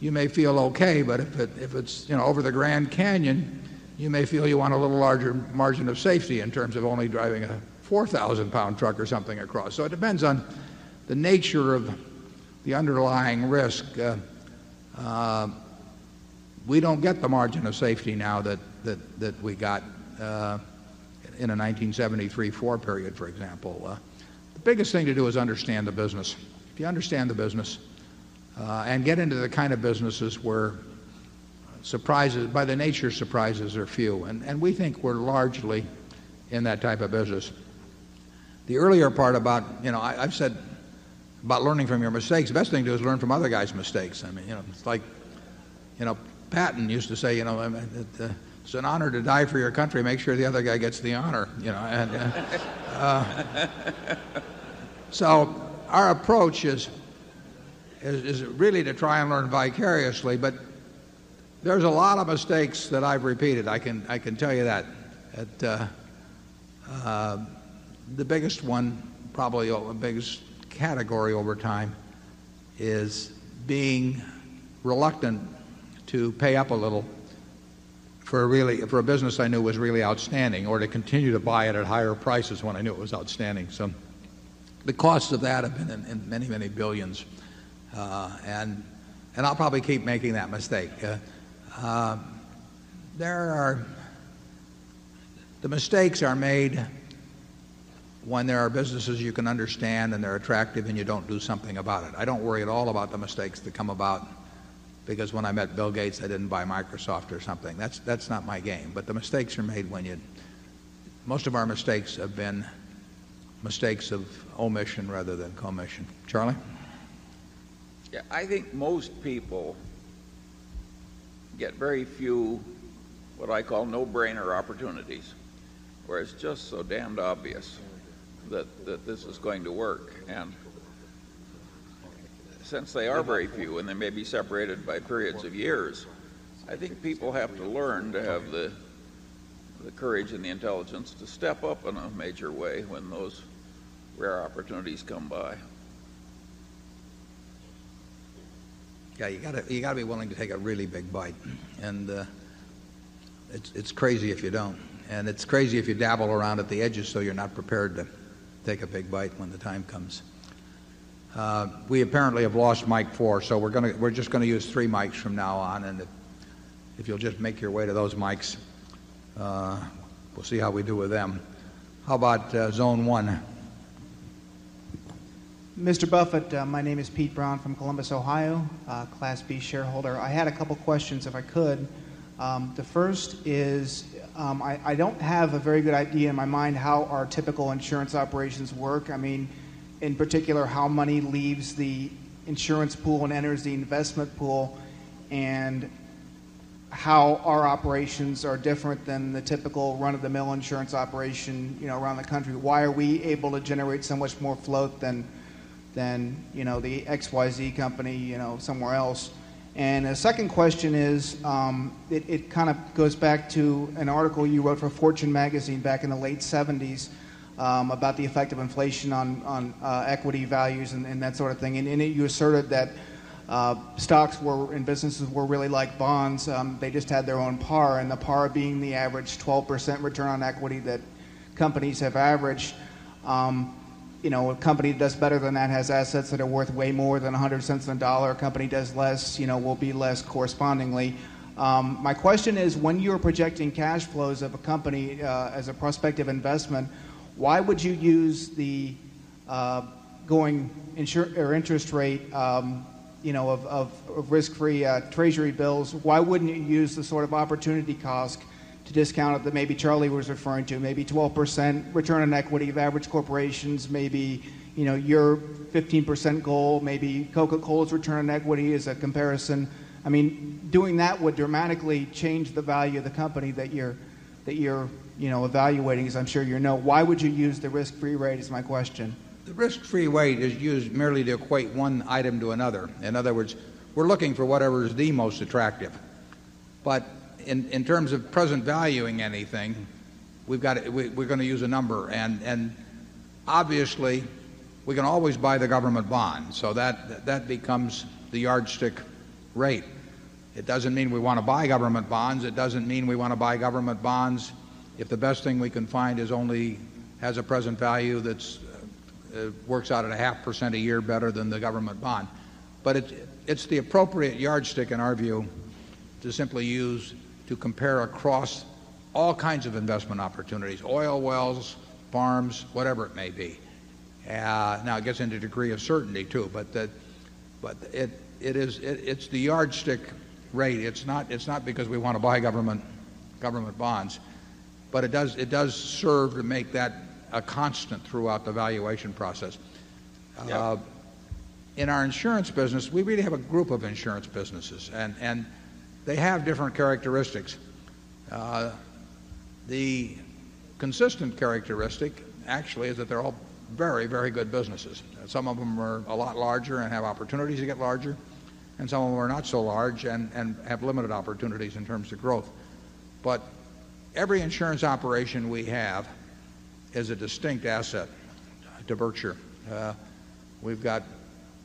you may feel okay. But if it's, you know, over the Grand Canyon, you may feel you want a little larger margin of safety in terms of only driving a 4,000 pound truck or something across. So it depends on the nature of the underlying risk. We don't get the margin of safety now that we got in a 1973 'four period, for example. The biggest thing to do is understand the business. If you understand the business and get into the kind of businesses where surprises by the nature surprises are few, and and we think we're largely in that type of business. The earlier part about, you know, I I've said about learning from your mistakes. The best thing to do is learn from other guys' mistakes. I mean, you know, it's like, you know, Patton used to say, you know, it's an honor to die for your country. Make sure the other guy gets the honor, you know. So our approach is really to try and learn vicariously, but there's a lot of mistakes that I've repeated. I can I can tell you that? The biggest one, probably the biggest category over time, is being reluctant to pay up a little for a really for a business I knew was really outstanding or to continue to buy at higher prices when I knew it was outstanding. So the costs of that have been in many, many billions. And I'll probably keep making that mistake. There are the mistakes are made when there are businesses you can understand and they're attractive and you don't do something about it. I don't worry at all about the mistakes that come about because when I met Bill Gates, I didn't buy Microsoft or something. That's not my game. But the mistakes are made when you'd most of our mistakes have been mistakes of omission rather than commission. Charlie? Yeah. I think most people get very few what I call no brainer opportunities where it's just so damned obvious that this is going to work. And since they are very few and they may be separated by periods of years, I think people have to learn to have the courage and the intelligence to step up in a major way when those rare opportunities come by. Yeah. You got to be willing to take a really big bite. And it's crazy if you don't. And it's crazy if you dabble around at the edges so you're not prepared to take a big bite when the time comes. We apparently have lost mic 4, so we're going to we're just going to use 3 mics from now on. And if you'll just make your way to those mics, we'll see how we do with them. How about Zone 1? Mr. Buffet, my name is Pete Brown from Columbus, Ohio, Class B shareholder. I had a couple of questions if I could. The first is, I don't have a very good idea in my mind how our typical insurance operations work. I mean, in particular, how money leaves the insurance pool and enters the investment pool and how our operations are different than the typical run of the mill insurance operation around the country? Why are we able to generate so much more float than the XYZ company somewhere else? And the second question is, it kind of goes back to an article you wrote for Fortune Magazine back in the late '70s, about the effect of inflation on equity values and that sort of thing. And you asserted that, stocks were and businesses were really like bonds. They just had their own par and the par being the average 12% return on equity that companies have averaged. A company that's better than that has assets that are worth way more than $100 a dollar, a company does less, will be less correspondingly. My question is when you're projecting cash flows of a company as a prospective investment, why would you use the going interest rate of risk free treasury bills? Why wouldn't you use the sort of opportunity cost to discount that maybe Charlie was referring to, maybe 12% return on equity of average corporations, maybe your 15% goal, maybe Coca Cola's return on equity as a comparison. I mean, doing that would dramatically change the value of the company that you're evaluating, as I'm sure you know. Why would you use the risk free rate is my question? The risk free rate is used merely to equate one item to another. In other words, we're looking for whatever is the most attractive. But in in terms of present valuing anything, we've got we're we're going to use a number. And and, obviously, we can always buy the government bonds. So that that becomes the yardstick rate. It doesn't mean we want to buy government bonds. It doesn't mean we want to buy government bonds if the best thing we can find is only has a present value that works out at a half percent a year better than the government bond. But it's it's the appropriate yardstick, in our view, to simply use to compare across all kinds of investment opportunities, oil wells, farms, whatever it may be. Now it gets into degree of certainty too, but that but it is it's the yardstick rate. It's not it's not because we want to buy government government bonds, but it does it does serve to make that a constant throughout the valuation process. In our insurance business, we really have a group of insurance businesses, and and they have different characteristics. The consistent characteristic, actually, is that they're all very, very good businesses. Some of them are a lot larger and have opportunities to get larger, and some of them are not so large and and have limited opportunities in terms of growth. But every insurance operation we have is a distinct asset to Vircher. We've got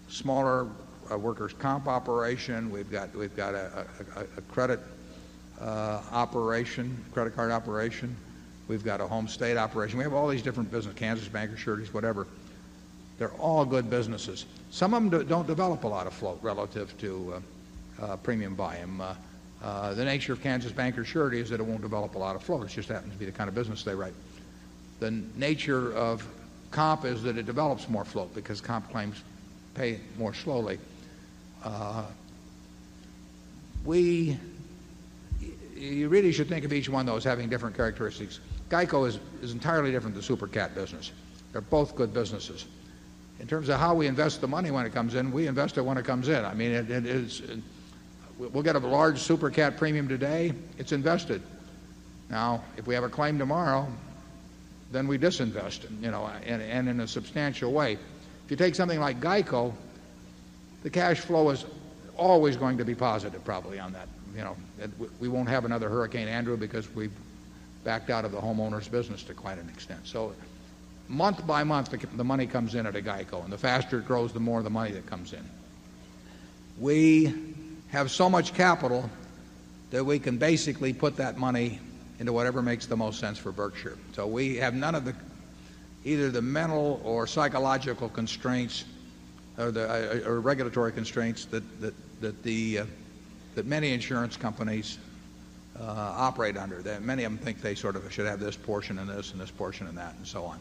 smaller workers' comp operation. We've got we've got a credit operation credit card operation. We've got a home state operation. We have all these different businesses Kansas Bank Assertities, whatever. They're all good businesses. Some of them don't develop a lot of float relative to, premium volume. The nature of Kansas Banker Surety is that it won't develop a lot of flow. It just happens to be the kind of business they write. The nature of comp is that it develops more flow because comp claims pay more slowly. We you really should think of each one of those having different characteristics. GEICO is is entirely different than the super cat business. They're both good businesses. In terms of how we invest the money when it comes in, we invest it when it comes in. I mean, it it is we'll get a large super cat premium today. It's invested. Now if we have a claim tomorrow, then we disinvest, you know, and in a substantial way. If you take something like GEICO, the cash flow is always going to be positive, probably, on that. You know, we won't have another Hurricane Andrew because we've backed out of the homeowners business to quite an extent. So month by month, the money comes in at GEICO. And the faster it grows, the more the money that comes in. We have so much capital that we can basically put that money into whatever makes the most sense for Berkshire. So we have none of the either the mental or psychological constraints or regulatory constraints that the that many insurance companies operate under. Many of them think they sort of should have this portion and this and this portion and that and so on.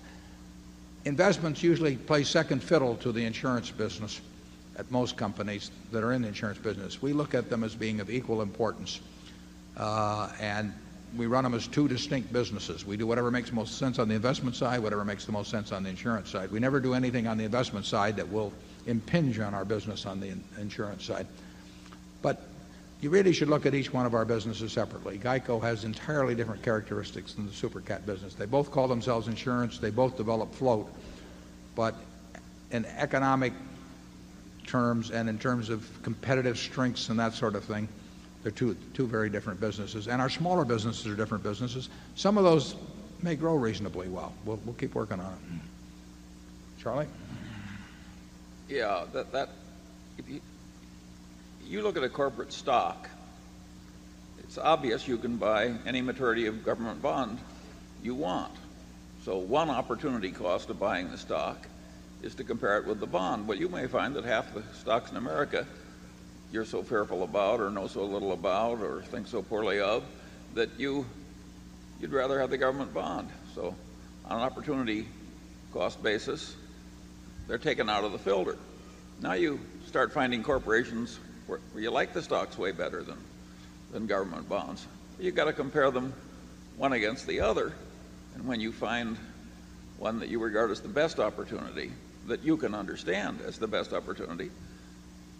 Investments usually play second fiddle to the insurance business at most companies that are in the insurance business. We look at them as being of equal importance, and we run them as 2 distinct businesses. We do whatever makes most sense on the investment side, whatever makes the most sense on the insurance side. We never do anything on the investment side that will impinge on our business on the insurance side. But you really should look at each one of our businesses separately. GEICO has entirely different characteristics than the super cat business. They both call themselves insurance. They both develop float. But in economic terms and in terms of competitive strengths and that sort of thing, they're 2 very different businesses. And our smaller businesses are different businesses. Some of those may grow reasonably well. We'll keep working on it. Charlie? Yes. That if you look at a corporate stock, it's obvious you can buy any maturity of government bond you want. So one opportunity cost of buying the stock is to compare it with the bond. But you may find that half the stocks in America you're so fearful about or know so little about or think so poorly of that you'd rather have the government bond. So on an opportunity cost basis, they're taken out of the filter. Now you start finding corporations where you like the stocks way better than government bonds, you've got to compare them one against the other. And when you find one that you regard as the best opportunity that you can understand as the best opportunity,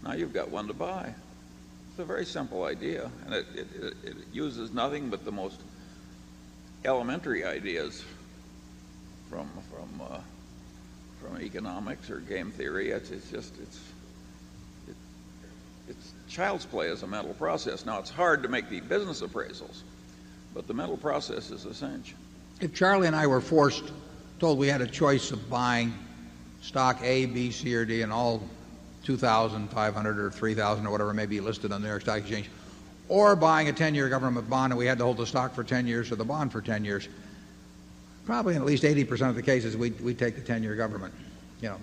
now you've got one to buy. It's a very simple idea and it uses nothing but the most elementary ideas from economics or game theory. It's child's play as a mental process. Now it's hard to make the business appraisals, but the mental process is essential. Charlie and I were forced told we had a choice of buying stock A, B, C, or D in all 2,500 or 3,000 or whatever may be listed on the Air Stock Exchange or buying a 10 year government bond and we had to hold the stock for 10 years or the bond for 10 years, probably in at least 80% of the cases, we'd take the 10 year government. In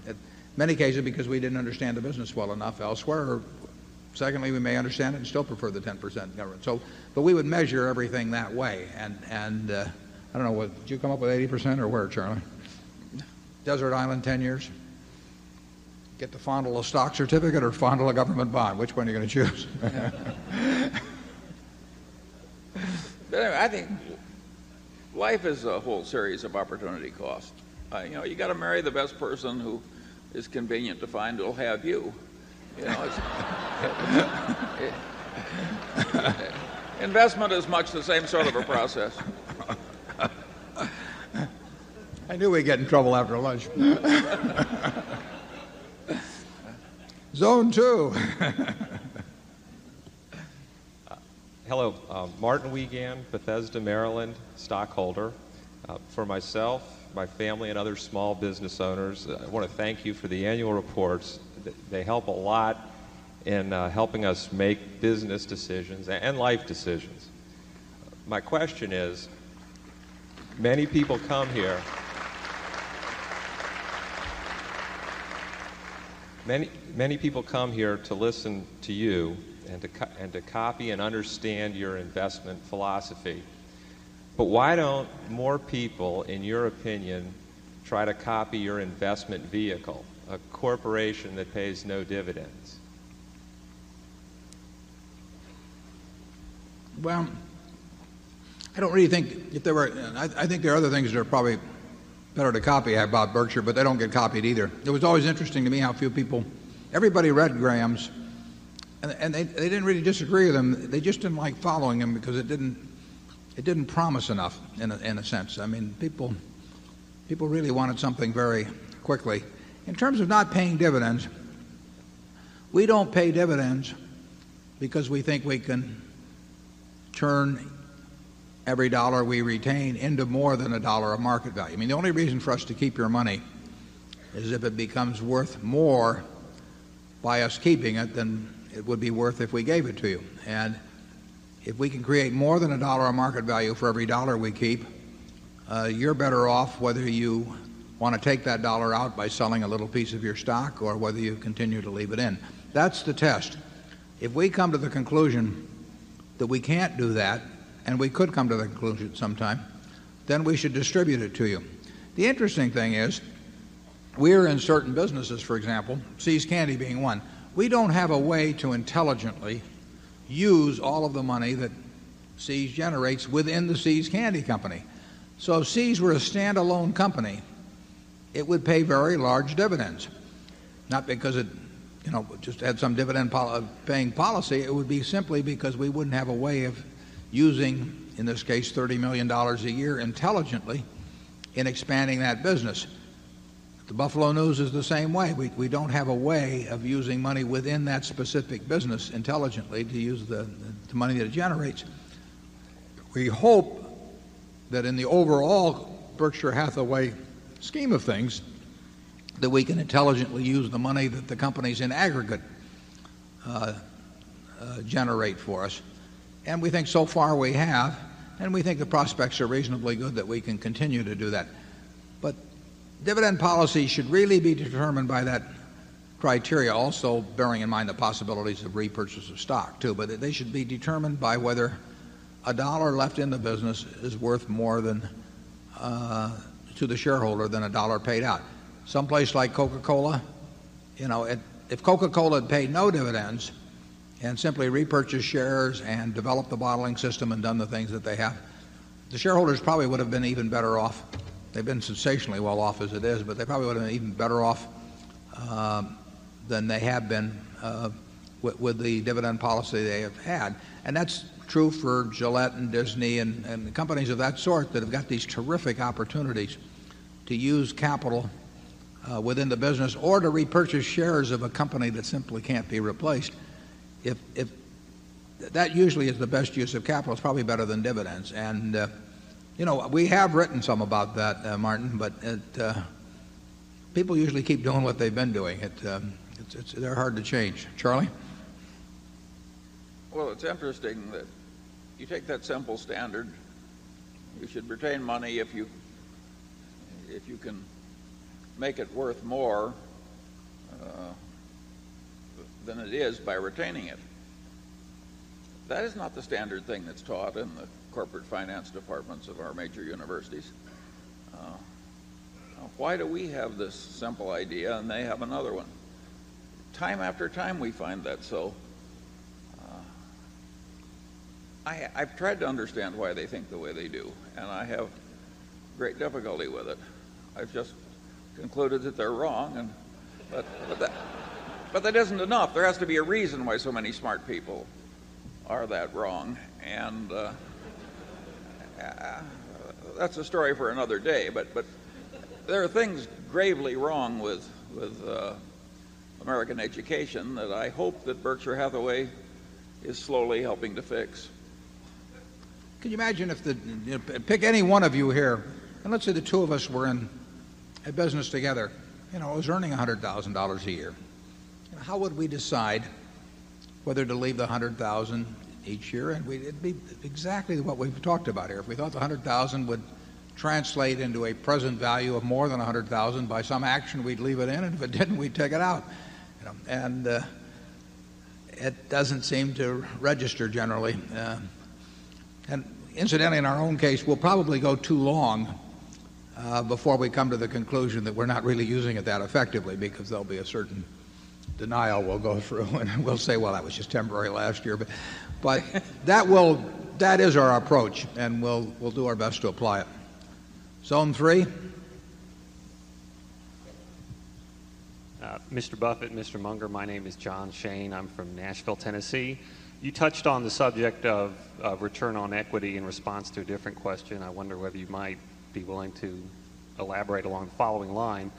many cases, because we didn't understand the business well enough elsewhere. Secondly, we may understand it and still prefer the 10% government. So but we would measure everything that way. And and I don't know what did you come up with 80% or where, Charlie? Desert Island 10 years? Get to fondle a stock certificate or fondle a government bond? Which one are you gonna choose? I think life is a whole series of opportunity cost. You got to marry the best person who is convenient to find who'll have you. Investment is much the same sort of a process. I knew we'd get in trouble after lunch. Hello. Martin Wiegand, Bethesda, Maryland stockholder. For myself, my family and other small business owners, I want to thank you for the annual reports. They help a lot in helping us make business decisions and life decisions. My question is, many people come here many people come here to listen to you and to copy and understand your investment philosophy. But why don't more people, in your opinion, try to copy your investment vehicle, a corporation that pays no dividends? Well, I don't really think if there were I I think there are other things that are probably better to copy. I have Bob Berkshire, but they don't get copied either. It was always interesting to me how few people everybody read Graham's and and they they didn't really disagree with him. They just didn't like following him because it didn't it didn't promise enough in a in a sense. I mean, people people really wanted something very quickly. In terms of not paying dividends, we don't pay dividends because we think we can turn every dollar we retain into more than a dollar of market value. I mean, the only reason for us to keep your money is if it becomes worth more by us keeping it than it would be worth if we gave it to you. And if we can create more than a dollar of market value for every dollar we keep, you're better off whether you want to take that dollar out by selling a little piece of your stock or whether you continue to leave it in. That's the test. If we come to the conclusion that we can't do that, and we could come to the conclusion sometime, then we should distribute it to you. The interesting thing is we're in certain businesses, for example, See's Candy being 1. We don't have a way to intelligently use all of the money that See's generates within the See's Candy Company. So if See's were a standalone company, it would pay very large dividends, not because it, you know, just had some dividend paying policy. It would be simply because we wouldn't have a way of using, in this case, dollars 30,000,000 a year intelligently in expanding that business. The Buffalo News is the same way. We don't have a way of using money within that specific business intelligently to use the money that it generates. We hope that in the overall Berkshire Hathaway scheme of things, that we can intelligently use the money that the companies in aggregate generate for us. And we think so far, we have. And we think the prospects are reasonably good that we can continue to do that. But dividend policy should really be determined by that criteria also bearing in mind the possibilities of repurchase of stock too. But they should be determined by whether $1 left in the business is worth more than to the shareholder than $1 paid out. Someplace like Coca Cola, you know, if Coca Cola paid no dividends and simply repurchased shares and developed the bottling system and done the things that they have, the shareholders probably would have been even better off. They've been sensationally well off as it is, but they probably would have been even better off than they have been with the dividend policy they have had. And that's true for Gillette and Disney and companies of that sort that have got these terrific opportunities to use capital within the business or to repurchase shares of a company that simply can't be replaced. If that usually is the best use of capital, it's probably better than dividends. And we have written some about that, Martin, but people usually keep doing what they've been doing. It's they're hard to change. Charlie? Well, it's interesting that you take that simple standard. You should retain money if you can make it worth more than it is by retaining it. That is not the standard thing that's taught in the corporate finance departments of our major universities. Why do we have this simple idea and they have another one? Time after time, we find that so. I've tried to understand why they think the way they do I have great difficulty with it. I've just concluded that they're wrong. But that isn't enough. There has to be a reason why so many smart people are that wrong. And that's a story for another day. But there are things gravely wrong with American education that I hope that Berkshire Hathaway is slowly helping to fix. Can you imagine if the pick any one of you here, and let's say the 2 of us were in business together, I was earning $100,000 a year. How would we decide whether to leave the $100,000 each year? And we'd it'd be exactly what we've talked about here. If we thought the 100,000 would translate into a present value of more than 100,000 by some action, we'd leave it in. And if it didn't, we'd take it out. And it doesn't seem to register generally. And incidentally, in our own case, we'll probably go too long before we come to the conclusion that we're not really using it that effectively because there'll be a certain denial we'll go through. And we'll say, well, that was just temporary last year. But that will that is our approach, and we'll do our best to apply it. Zone 3? Mr. Buffet, Mr. Munger, my name is John Shane. I'm from Nashville, Tennessee. You touched on the subject of return on equity in response to a different question. I wonder whether you might be willing to elaborate along the following line.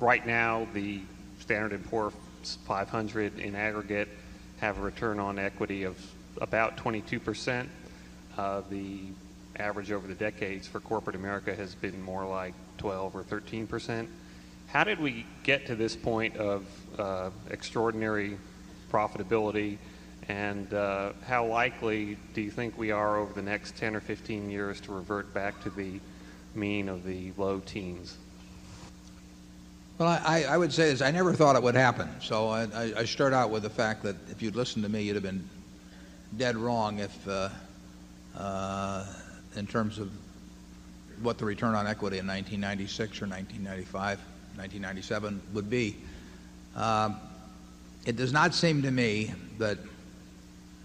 Right now, the Standard and Poor 500 in aggregate have a return on equity of about 22%. The average over the decades corporate America has been more like 12% or 13%. How did we get to this point of extraordinary profitability? And how likely do you think we are over the next 10 or 15 years to revert back to the mean of the low teens? Well, I would say is I never thought it would happen. So I start out with the fact that if you'd listened to me, you'd have been dead wrong if in terms of what the return on equity in 1996 or 1995, 1997 would be. It does not seem to me that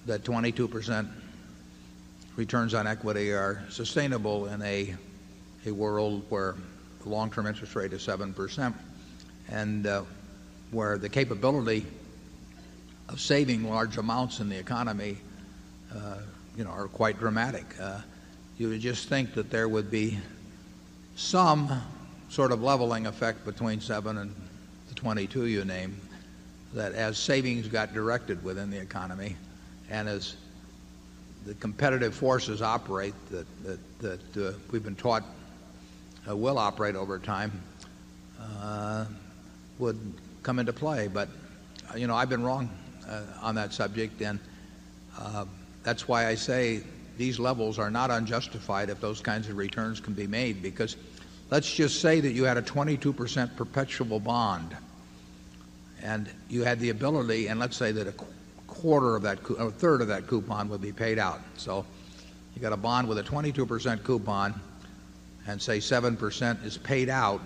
22% returns on equity are sustainable in a world where the long term interest rate is 7% and where the capability of saving large amounts in the economy are quite dramatic. You would just think that there would be some sort of leveling effect between 7 and 22, you name, that as savings got directed within the economy and as the competitive forces operate that we've been taught will operate over time would come into play. But I've been wrong on that subject, and that's why I say these levels are not unjustified if those kinds of returns can be made. Because let's just say that you had a 22% perpetual bond and you had the ability and let's say that a quarter of that or a third of that coupon would be paid out. So you got a bond with a 22% coupon and, say, 7% is paid out,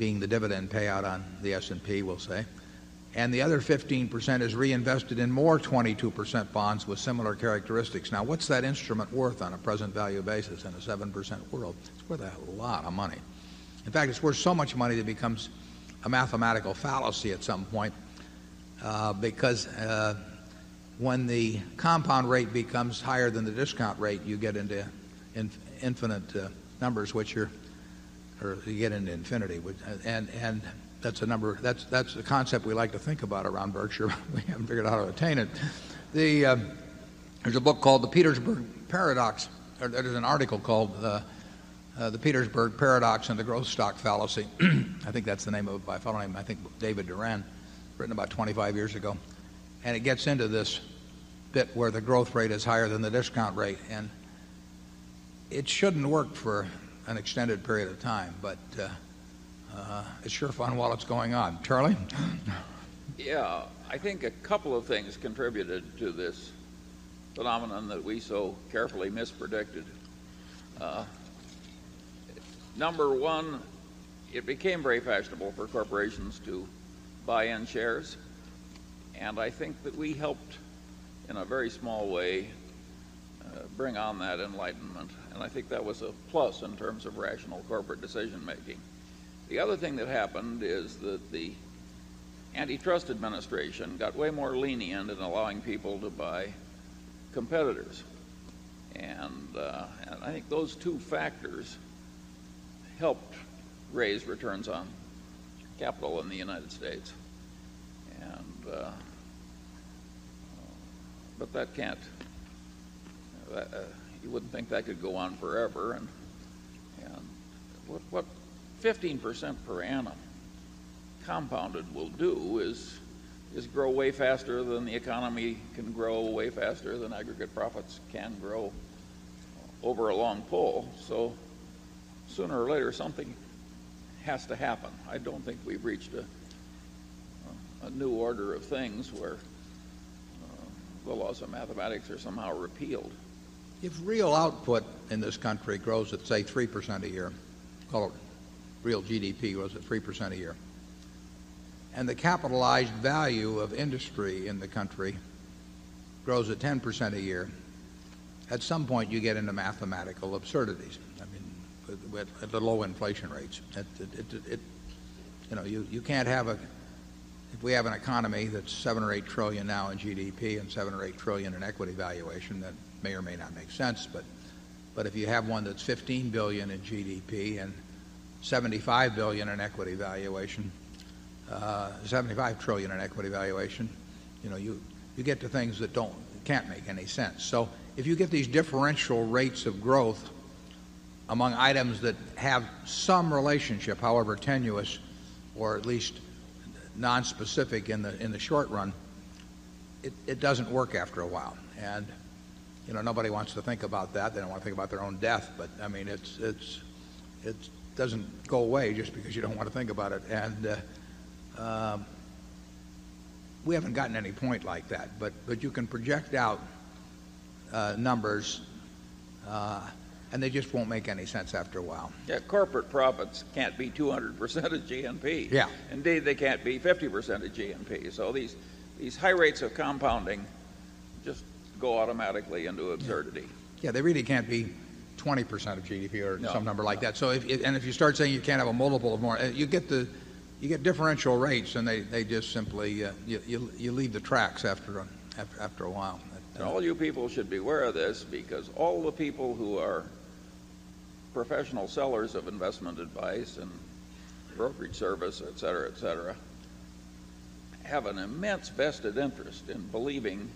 being the dividend payout on the S and P, we'll say, and the other 15% is reinvested in more 22% bonds with similar characteristics. Now what's that instrument worth on a present value basis in a 7% world? It's worth a lot of money. In fact, it's worth so much money that becomes a mathematical fallacy at some point, because when the compound rate becomes higher than the discount rate, you get into infinite numbers, which you're you get into infinity. And and that's a number that's that's the concept we like to think about around Berkshire. We haven't figured out how to attain it. The there's a book called The Petersburg Paradox or there's an article called The Petersburg Paradox and the Growth Stock Fallacy. I think that's the name of I don't know, I think David Duran, written about 25 years ago. And it gets into this bit where the growth rate is higher than the discount rate. And it shouldn't work for an extended period of time, but it's sure fun while it's going on. Charlie? Yes. I think a couple of things contributed to this phenomenon that we so carefully mispredicted. Number 1, it became very fashionable for corporations to buy in shares. And I think that we helped, in a very small way, bring on that enlightenment. And I think that was a plus in terms of rational corporate decision making. The other thing that happened is that the Antitrust Administration got way more lenient in allowing people to buy competitors. And I think those two factors helped raise returns on capital in the United States. And but that can't you wouldn't think that could go on forever. And what 15% per annum compounded will do is grow way faster than the economy can grow way faster than aggregate profits can grow over a long pole. So sooner or later, something has to happen. I don't think we've reached a new order of things where the laws of mathematics are somehow repealed. If real output in this country grows at, say, 3% a year call it real GDP grows at 3% a year and the capitalized value of industry in country grows at 10% a year, at some point, you get into mathematical absurdities. I mean, with the low inflation rates, it you can't have a if we have an economy that's $7,000,000,000,000 or $8,000,000,000,000 now in GDP and $7,000,000,000,000 or $8,000,000,000 in equity valuation, that may or may not make sense. But if you have one that's $15,000,000,000 in GDP and $75,000,000,000 in equity valuation, dollars 75,000,000,000,000 in equity valuation, you get to things that don't can't make any sense. So if you get these differential rates of growth among items that have some relationship, however tenuous or at least nonspecific in the short run, it doesn't work after a while. And nobody wants to think about that. They don't want to think about their own death, but I mean it doesn't go away just because you don't want to think about it. And we haven't gotten any point like that, but you can project out numbers, and they just won't make any sense after a while. Yes. Corporate profits can't be 200% of GMP. Indeed, they can't be 50% of GNP. So these high rates of compounding just go automatically into absurdity. Yeah. They really can't be 20% of GDP or some number like that. So if and if you start saying you can't have a multiple of more, you get differential rates and they just simply you leave the tracks after a while. And all you people should be aware of this because all the people who are professional sellers of investment advice and brokerage service, etcetera, etcetera, have an immense vested interest in believing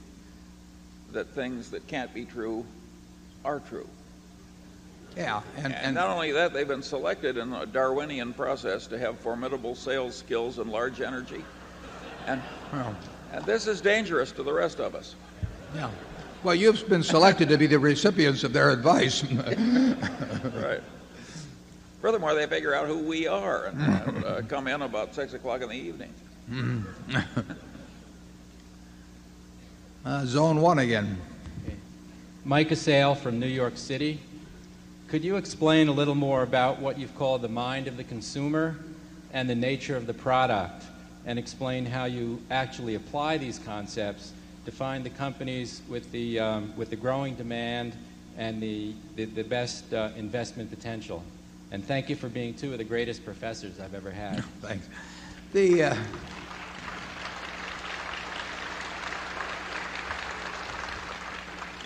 that things that can't be true are true. And not only that, they've been selected in the Darwinian process to have you've you've been selected to be the recipients of their advice. Right. Furthermore, they figure out who we are and come in about 6 o'clock in the evening. Zone 1 again. Mike Assail from New York City. Could you explain a little more about what you've called the mind of the consumer and the nature of the product and explain how you actually apply these concepts to find the companies with the growing demand and the best investment potential. Thank you for being 2 of the greatest professors I've ever had. Thanks.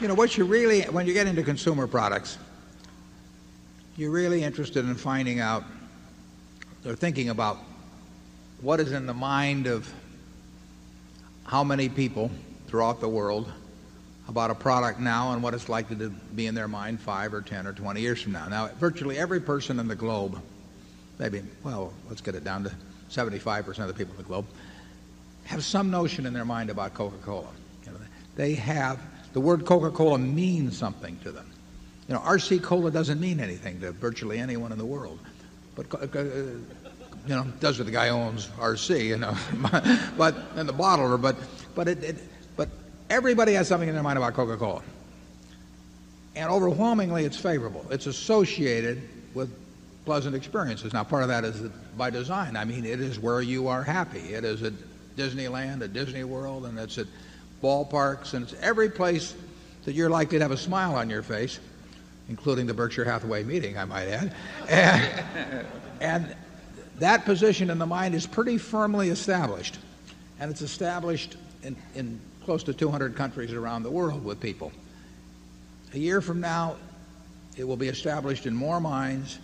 You know, what you really when you get into consumer products, you're really interested in finding out or thinking about what is in the mind of how many people throughout the world about a product now and what it's likely to be in their mind 5 or 10 or 20 years from now. Now virtually every person in the globe, maybe, well, let's get it down to 75% of the people in the globe, have some notion in their mind about Coca Cola. They have the word Coca Cola means something to them. You know, RC Cola doesn't mean anything to virtually anyone in the world, But it does with the guy who owns RC, but and the bottle. But it but everybody has something in their mind about Coca Cola. And overwhelmingly, it's favorable. It's associated with pleasant experiences. Now part of that is by design. I mean, it is where you are happy. It is Disneyland, at Disney World, and that's at ballparks. And it's every place that you're likely to have a smile on your face, including the Berkshire Hathaway meeting, I might add. And that position in the mind is pretty firmly established, and it's established in in close to 200 countries around the world with people. A year from now, it will be established in more minds,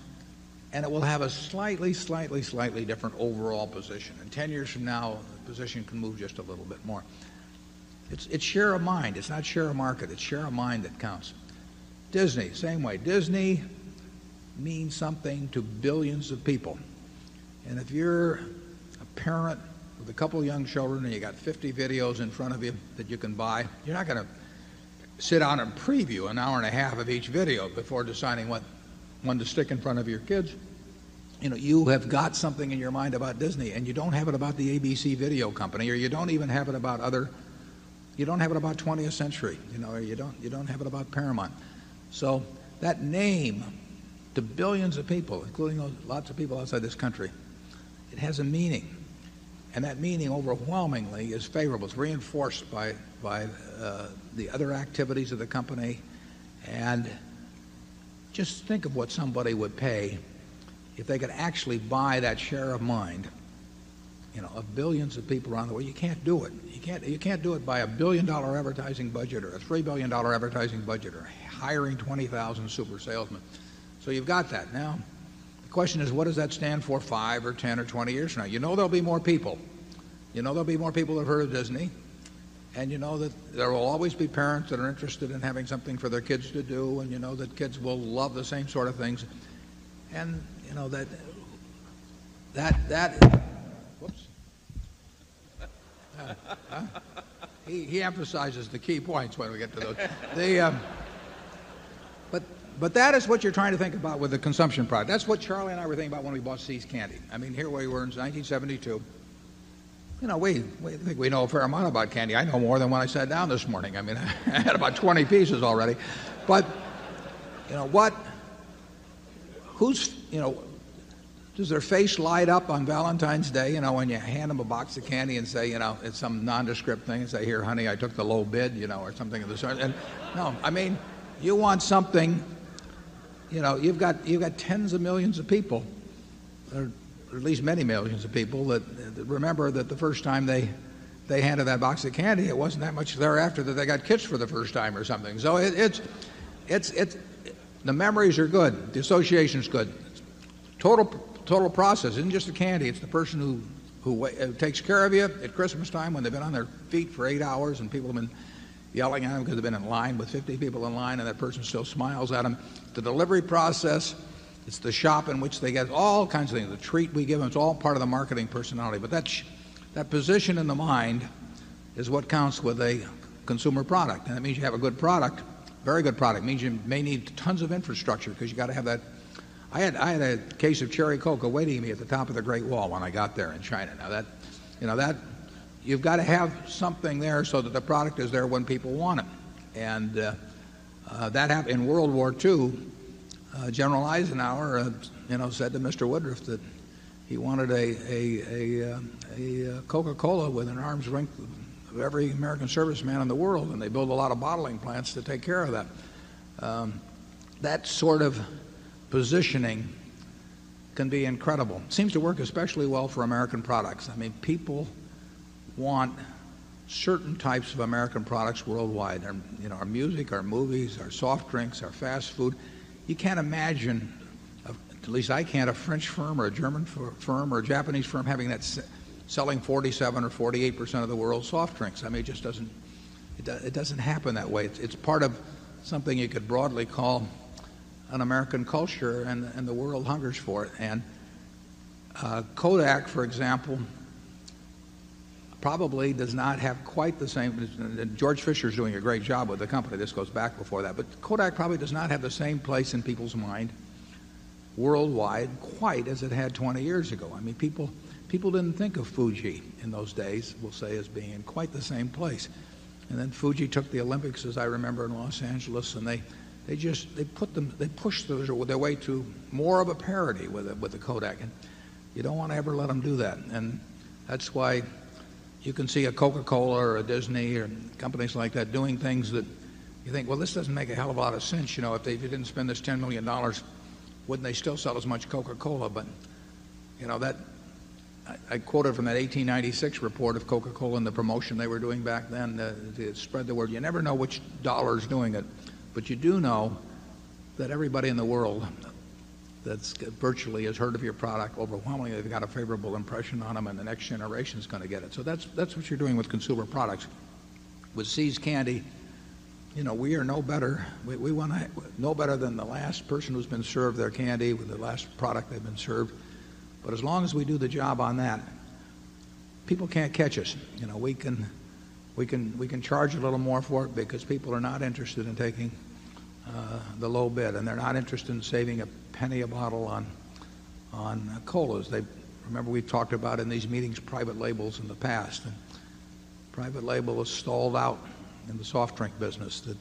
and it will have a slightly, slightly, slightly different overall position. And 10 years from now, the position can move just a little bit more. It's it's share of mind. It's not share of market. It's share of mind that counts. Disney, same way. Disney means something to 1,000,000,000 of people. And if you're a parent of a couple of young children and you got 50 videos in front of you that you can buy, you're not gonna sit on and preview an hour and a half of each video before deciding what one to stick in front of your kids. You know, You have got something in your mind about Disney and you don't have it about the ABC Video Company or you don't even have it about other you don't have it about 20th Century or you don't have it about Paramount. So that name to billions of people, including lots of people outside this country, It has a meaning, and that meaning overwhelmingly is favorable. It's reinforced by by, the other activities of the company. And just think of what somebody would pay if they could actually buy that share of mind, you know, of billions of people around the world. You can't do it. You can't you can't do it by a $1,000,000,000 advertising budget or a $3,000,000,000 advertising budget or hiring 20,000 super salesman. So you've got that. Now the question is what does that stand for 5 or 10 or 20 years from now? You know there'll be more people. You know there'll be more people that have heard of Disney. And you know that there will always be parents that are interested in having something for their kids to do and you know that kids will love the same sort of things. And that that whoops. He emphasizes the key points when we get to those. But that is what you're trying to think about with the consumption product. That's what Charlie and I were thinking about when we bought See's Candy. I mean, here we were in 1972. You know, we we think we know a fair amount about candy. I know more than when I sat down this morning. I mean, I had about 20 pieces already. But, you know, what who's does their face light up on Valentine's Day when you hand them a box of candy and say it's some nondescript thing and say, here, honey, I took the low bid, you know, or something of this sort. And, no, I mean, you want something, you know, you've got you've got tens of millions of people or at least many millions of people that remember that the first time they they handed that box of candy, it wasn't that much thereafter that they got kits for the first time or something. So it's it's it's the memories are good. The association's good. Total total process isn't just the candy. It's the person who who takes care of you at Christmas time when they've been on their feet for 8 hours and people have been yelling at them because they've been in line with 50 people in line and that person still smiles at them. The delivery process, it's the shop in which they get all kinds of things. The treat we give them is all part of the marketing personality. But that position in the mind is what counts with a consumer product. And it means you have a good product, very good product. It means you may need tons of infrastructure because you got to have that. I had I had a case of cherry coca waiting at me at the top of the Great Wall when I got there in China. Now that, you know, that you've got to have something there so that the product is there when people want it. And, that hap in World War II, General Eisenhower, you know, said to mister Woodruff that he wanted a a a a Coca Cola with an arm's ring of every American serviceman in the world, and they build a lot of bottling plants to take care of that. That sort of positioning can be incredible. It seems to work especially well for American products. I mean, people want certain types of American products worldwide. Our music, our movies, our soft drinks, our fast food. You can't imagine, at least I can't, a French firm or a German firm or a Japanese firm having that selling 47% or 48% of the world's soft drinks. I mean, it just doesn't it doesn't happen that way. It's part of something you could broadly call an American culture, and and the world hungers for it. And Kodak, for example, probably does not have quite the same George Fisher is doing a great job with the company. This goes back before that. But Kodak probably does not have the same place in people's mind worldwide quite as it had 20 years ago. I mean, people people didn't think of Fuji in those days, we'll say, as being in quite the same place. And then Fuji took the Olympics, as I remember, in Los Angeles. And they they just they put them they pushed those with their way to more of a parity with with the Kodak. And you don't want to ever let them do that. And that's why you can see a Coca Cola or a Disney or companies like that doing things that you think, well, this doesn't make a hell of a lot of sense. If they didn't spend this $10,000,000 wouldn't they still sell as much Coca Cola? But you know, that I quoted from that 18/96 report of Coca Cola and the promotion they were doing back then. To spread the word. You never know which dollar is doing it, but you do know that everybody in the world that virtually has heard of your product overwhelmingly. They've got a favorable impression on them, and the next generation is gonna get it. So that's what you're doing with consumer products. With See's candy, we are no better. We want to no better than the last person who's been served their candy with the last product they've been served. But as long as we do the job on that, people can't catch us. You know, we can we can charge a little more for it because people are not interested in taking, the low bid and they're not interested in saving a penny a bottle on colas. They remember we've talked about in these meetings private labels in the past. Private label is stalled out in the soft drink business that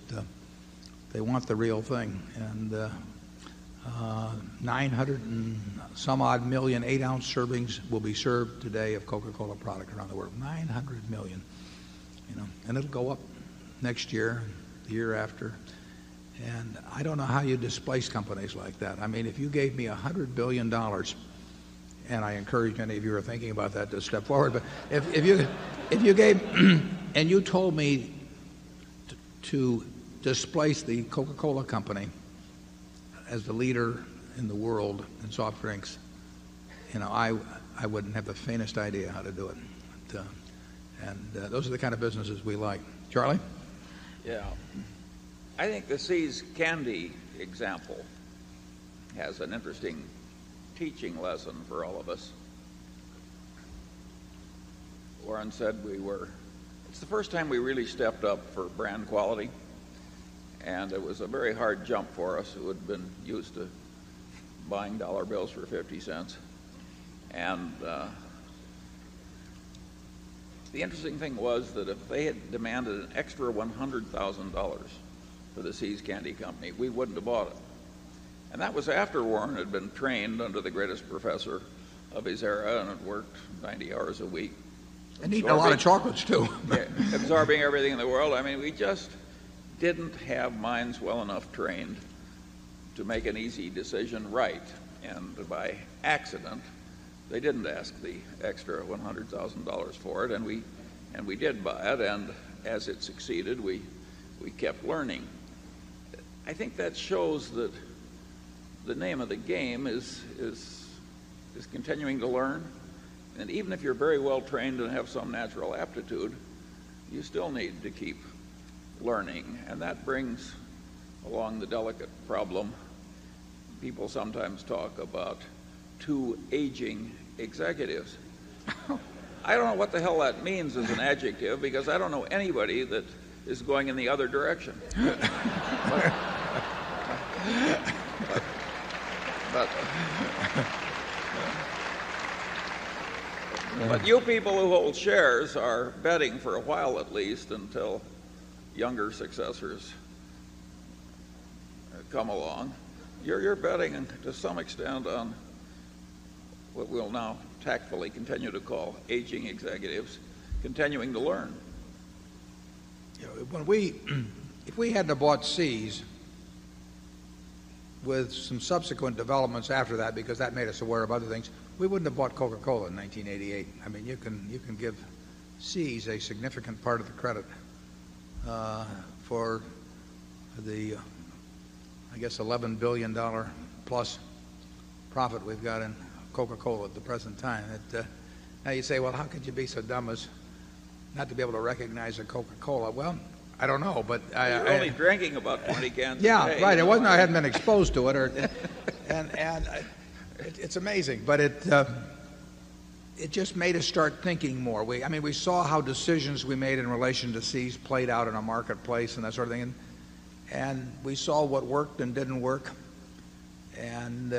they want the real thing. And 900 and some odd 1000000 8 ounce servings will be served today of Coca Cola product around the world. 900,000,000. And it'll go up next year, the year after. And I don't know how you displace companies like that. I mean, if you gave me $100,000,000,000 and I encourage any of you who are thinking about that to step forward, but if you gave and you told me to displace the Coca Cola Company as the leader in the world in soft drinks, I wouldn't have the faintest idea how to do it. And those are the kind of businesses we like. Charlie? Yes. I think the Sea's Candy example has an interesting teaching lesson for all of us. Warren said we were the first time we really stepped up for brand quality. And it was a very hard jump for us who had been used to buying dollar bills for $0.50 And the interesting thing was that if they had demanded an extra $100,000 for the See's Candy Company, we wouldn't have bought it. And that was after Warren had been trained under the greatest professor of his era and had worked 90 hours a week. And he ate a lot of chocolates too. Absorbing everything in the world. I mean, we just didn't have minds well enough trained to make an easy decision right. And by accident, they didn't ask the extra $100,000 for it, and we did buy it. And as it succeeded, we kept learning. I think that shows that the name of the game is continuing to learn. And even if you're very well trained and have some natural aptitude, you still need to keep learning. And that brings along the delicate problem. People sometimes talk about 2 aging executives. I don't know what the hell that means as an adjective because I don't know anybody that is going in the other direction. But you people who hold shares are betting for a while at least until younger successors come along, you're betting to some extent on what we'll now tactfully continue to call aging executives continuing to learn. When we if we hadn't have bought seas with some subsequent developments after that because that made us aware of other things, we wouldn't have bought Coca Cola in 1988. I mean, you can you can give SEAS a significant part of the credit, for the, I guess, $11,000,000,000 plus profit we've got in Coca Cola at the present time. Now you say, well, how could you be so dumb as not to be able to recognize a Coca Cola? Well, I don't know, but I Only drinking about 20 cans today. Yeah, right. It wasn't. I hadn't been exposed to it. And it's amazing. But it just made us start thinking more. We I mean, we saw how decisions we made in relation to seas played out in our marketplace and that sort of thing, and we saw what worked and didn't work. And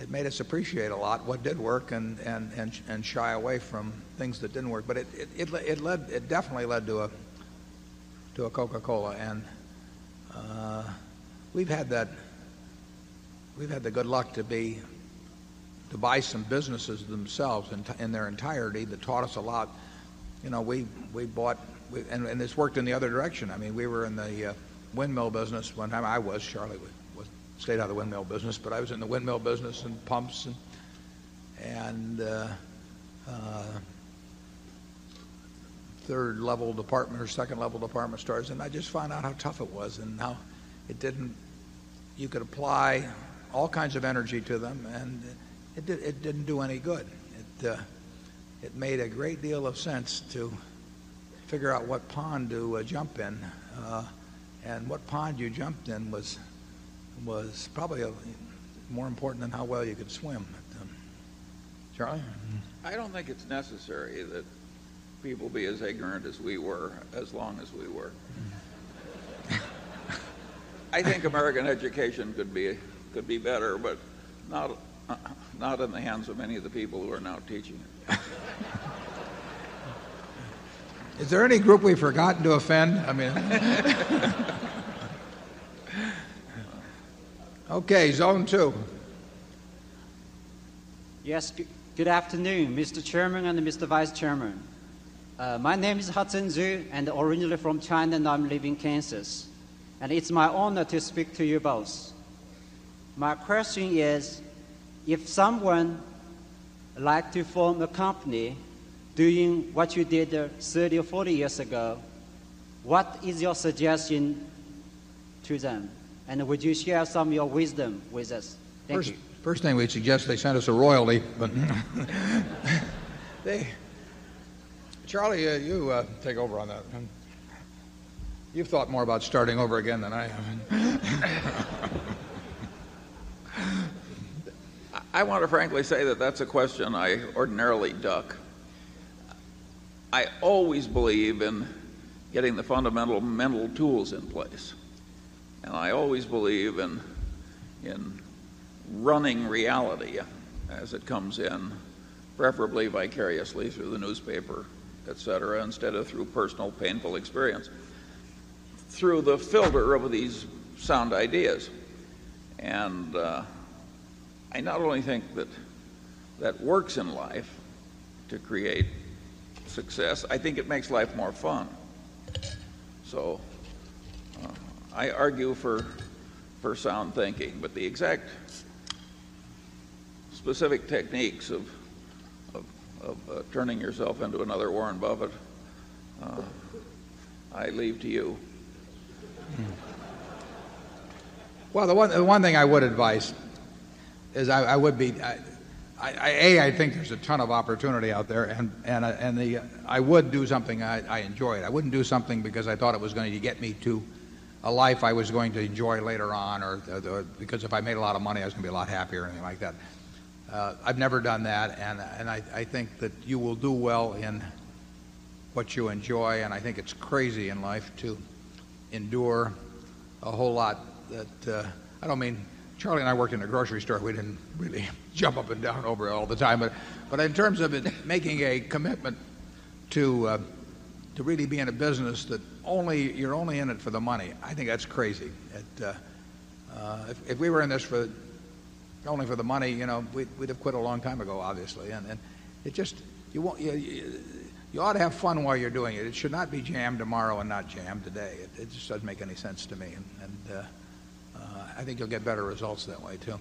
it made us appreciate a lot what did work and and and and shy away from things that didn't work. But but it led it definitely led to a Coca Cola. And we've had that we've had the good luck to be to buy some businesses themselves in their entirety that taught us a lot. We bought and this worked in the other direction. I mean, we were in the windmill business one time. I was. Charlie stayed out of the windmill business, but I was in the windmill business and pumps. And 3rd level department or 2nd level department stores. And I just found out how tough it was and how it didn't. You could apply all kinds of energy to them, and it didn't do any good. It made a great deal of sense to figure out what pond to jump in. And what pond you jumped in was probably more important than how well you could swim. Charlie? I don't think it's necessary that people be as ignorant as we were as long as we were. I think American education could be better, but not in the hands of many of the people who are now teaching. Is there any group we've forgotten to offend? Okay. Zone 2. Yes. Good afternoon, Mr. Chairman and Mr. Vice Chairman. My name is and originally from China, and I'm living in Kansas. And it's my honor to speak to you both. My question is, if someone like to form a company doing what you did 30 or 40 years ago, what is your suggestion to them? And would you share some of your wisdom with us? Thank you. First thing we'd suggest, they send us a royalty. Charlie, you take over on that. You've thought more about starting over again than I am. I want to frankly say that that's a question I ordinarily duck. I always believe in getting the fundamental mental tools in place. And I always believe in running reality as it comes in, preferably vicariously through the newspaper, etcetera, instead of through personal painful experience through the filter of these sound ideas. And I not only think that, that works in life to create success, I think it makes life more fun. So I argue for sound thinking, but the exact specific techniques of turning yourself into another Warren Buffett, I leave to you. Well, the one thing I would advise is I would be I, a, I think there's a ton of opportunity out there, and I would do something I enjoyed. I wouldn't do something because I thought it was going to get me to a life I was going to enjoy later on or because if I made a lot of money, I was going to be a lot happier or anything like that. I've never done that, and I think that you will do well in what you enjoy. And I think it's crazy in life to endure a whole lot that, I don't mean Charlie and I worked in a grocery store. We didn't really jump up and down over it all the time. But in terms of making a commitment to really be in a business that only you're only in it for the money, I think that's crazy. If we were in this for only for the money, we'd have quit a long time ago, obviously. And it just you ought to have fun while you're doing it. It should not be jammed tomorrow and not jammed today. It just doesn't make any sense to me. And I think you'll get better results that way too.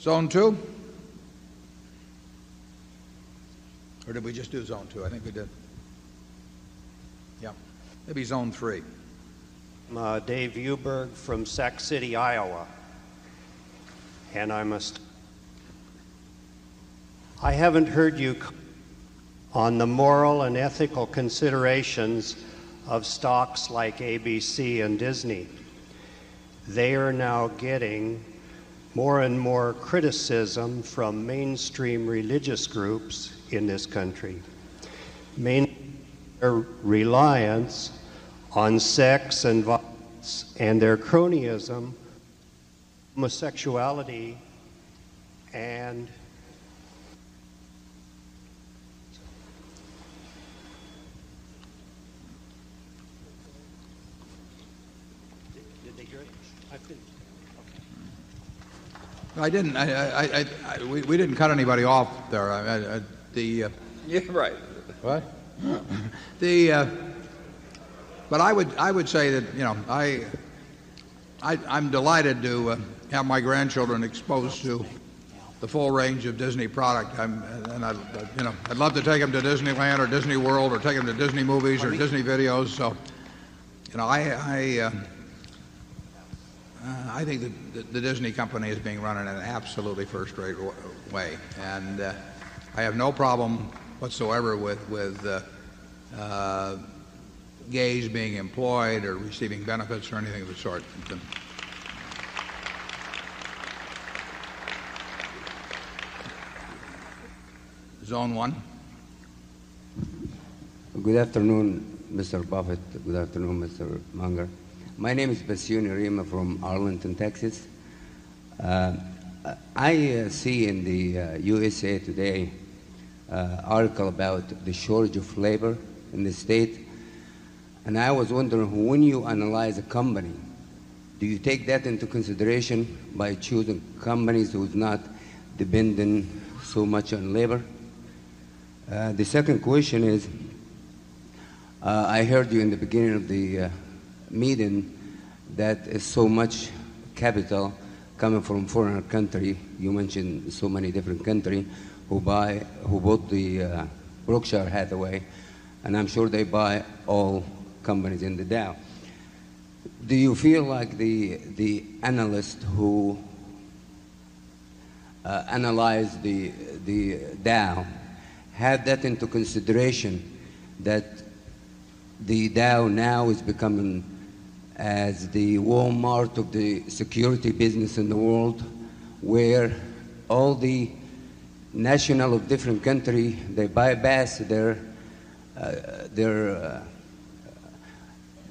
Zone 2? Or did we just do zone 2? I think we did. Yeah. Maybe zone 3. Dave Uberg from Sac City, Iowa. And I must I haven't heard you on the moral and ethical considerations of stocks like ABC and Disney. They are now getting more and more criticism from mainstream religious groups in this country, Main reliance on sex and violence and their cronyism, homosexuality, and I didn't. I we didn't cut anybody off there. The You're right. What? The but I would I would say that, you know, I I'm delighted to have my grandchildren exposed to the full range of Disney product. And I'd love to take them to Disneyland or Disney World or take them to Disney movies or Disney videos. So, you know, I I think that the Disney company is being run-in an absolutely first rate way. And I have no problem whatsoever with with gays being employed or receiving benefits or anything of the sort. Good afternoon, Mr. Buffet. Good afternoon, Mr. Munger. My name is Bessyounirima from Arlington, Texas. I see in the USA Today article about the shortage of labor in the state. And I was wondering when you analyze a company, do you take that into consideration by choosing companies who is not dependent so much on labor? The second question is, I heard you in the beginning of the meeting that is so much capital coming from foreign country, you mentioned so many different countries who buy who bought the Berkshire Hathaway, and I'm sure they buy all companies in the Dow. Do you feel like the analyst who analyzed the Dow had that into consideration that the DAO now is becoming as the Walmart of the security business in the world, where all the national of different country, they bypass their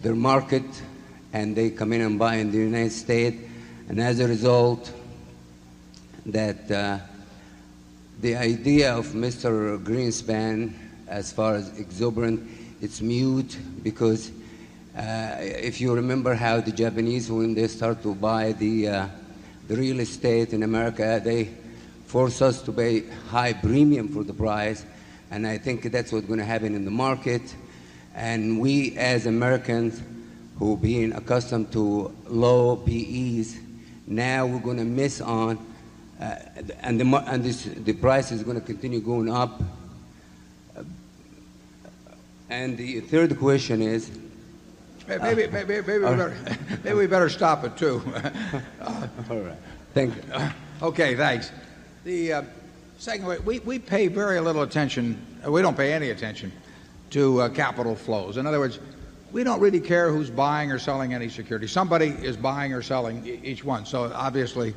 market and they come in and buy in the United States. And as a result, that the idea of Mr. Greenspan as far as exuberant, it's mute because if you remember how the Japanese when they start to buy the real estate in America, they force us to pay high premium for the price. And I think that's what's going to happen in the market. And we as Americans who have been accustomed to low PEs, now we're going to miss on on and the price is going to continue going up. And the third question is Maybe we better stop at 2. All right. Thank you. Okay. Thanks. The second way, we we pay very little attention. We don't pay any attention to capital flows. In other words, we don't really care who's buying or selling any security. Somebody is buying or selling each one. So, obviously,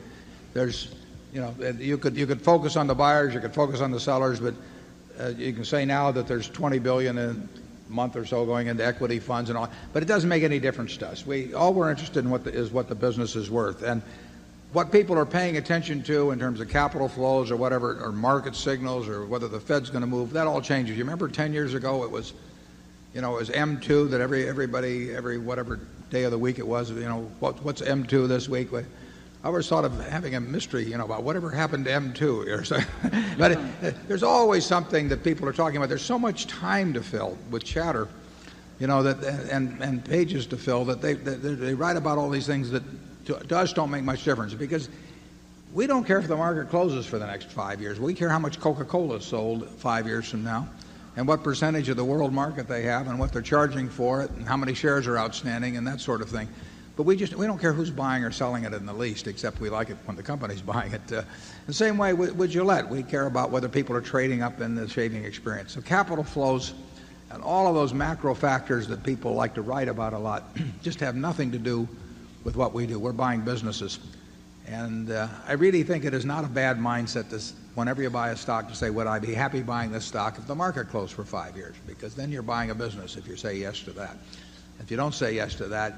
there's, you know, you could you could focus on the buyers. You could focus on the sellers. But you can say now that there's $20,000,000,000 a month or so going into equity funds and all. But it doesn't make any difference to us. We all we're interested in is what the business is worth. And what people are paying attention to in terms of capital flows or whatever or market signals or whether the Fed's going to move, that all changes. You remember 10 years ago, it was, you know, it was M2 that every everybody, every whatever day of the week it was, you know, what's M2 this week? I was sort of having a mystery, you know, about whatever happened to M2 here. So there's always something that people are talking about. There's so much time to fill with chatter, you know, that and and pages to fill that they they write about all these things that does don't make much difference because we don't care if the market closes for the next five years. We care how much Coca Cola is sold 5 years from now and what percentage of the world market they have and what they're charging for it and how many shares are outstanding and that sort of thing. But we just we don't care who's buying or selling it in the least, except we like it when the company's buying it. The same way with Gillette, we care about whether people are trading up in the shaving experience. So capital flows and all of those macro factors that people like to write about a lot just have nothing to do with what we do. We're buying businesses. And I really think it is not a bad mindset this whenever you buy a stock to say, would I be happy buying this stock if the market closed for 5 years? Because then you're buying a business if you say yes to that. If you don't say yes to that,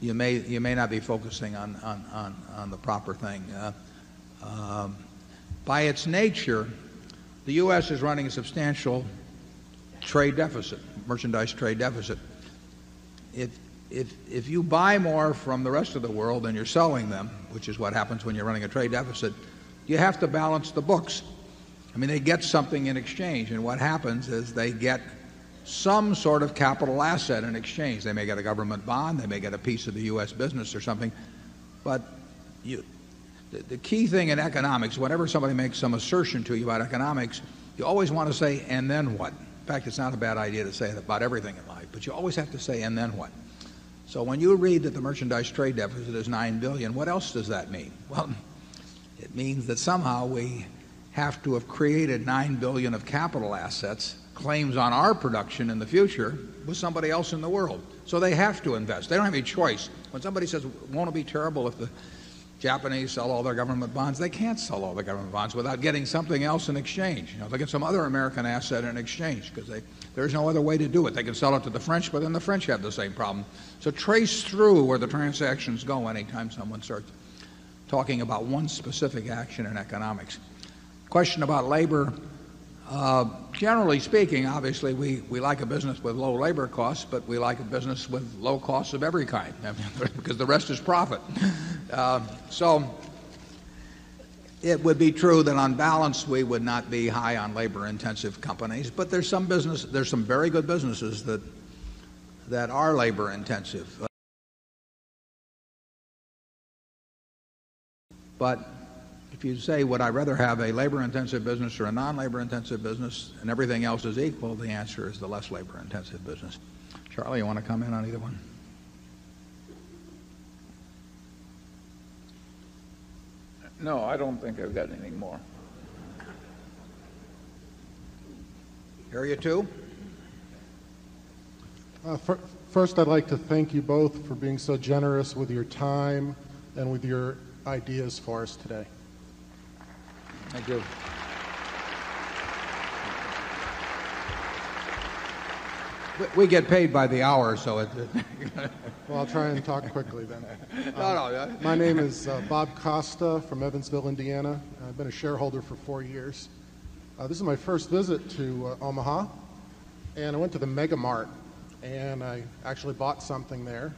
you may you may not be focusing on on on on the proper thing. By its nature, the U. S. Is running a substantial trade deficit merchandise trade deficit. If you buy more from the rest of the world and you're selling them, which is what happens when you're running a trade deficit, you have to balance the books. I mean, they get something in exchange. And what happens is they get some sort of capital asset in exchange. They may get a government bond. They may get a piece of the U. S. Business or something. But the key thing in economics, whenever somebody makes some assertion to you about economics, you always want to say, and then what? In fact, it's not a bad idea to say about everything in life, but you always have to say, and then what? So when you read that the merchandise trade deficit is $9,000,000,000 what else does that mean? Well, it means that somehow we have to have created $9,000,000,000 of capital assets, claims on our production in the future with somebody else in the world. So they have to invest. They don't have any choice. When somebody says, won't it be terrible if the Japanese sell all their government bonds, they can't sell all their government bonds without getting something else in exchange. Look at some other American asset in exchange because they there's no other way to do it. They can sell it to the French, but then the French have the same problem. So trace through where the transactions go anytime someone starts talking about one specific action in economics. Question about labor. Generally speaking, obviously, we we like a business with low labor costs, but we like a business with low costs of every kind because the rest is profit. So it would be true that on balance, we would not be high on labor intensive companies, but there's some business there's some very good businesses that are labor intensive. But if you say, would I rather have a labor intensive business or a non labor intensive business and everything else is equal, the answer is the less labor intensive business. Charlie, you wanna come in on either one? No. I don't think I've got anything more. 1st, I'd like to thank you both for being so generous with your time and with your ideas for us today. Thank you. We get paid by the hour, so Well, I'll try and talk quickly then. My name is Bob Costa from Evansville, Indiana. I've been a shareholder for 4 years. This is my first visit to Omaha. And I went to the Mega Mart and I actually bought something there.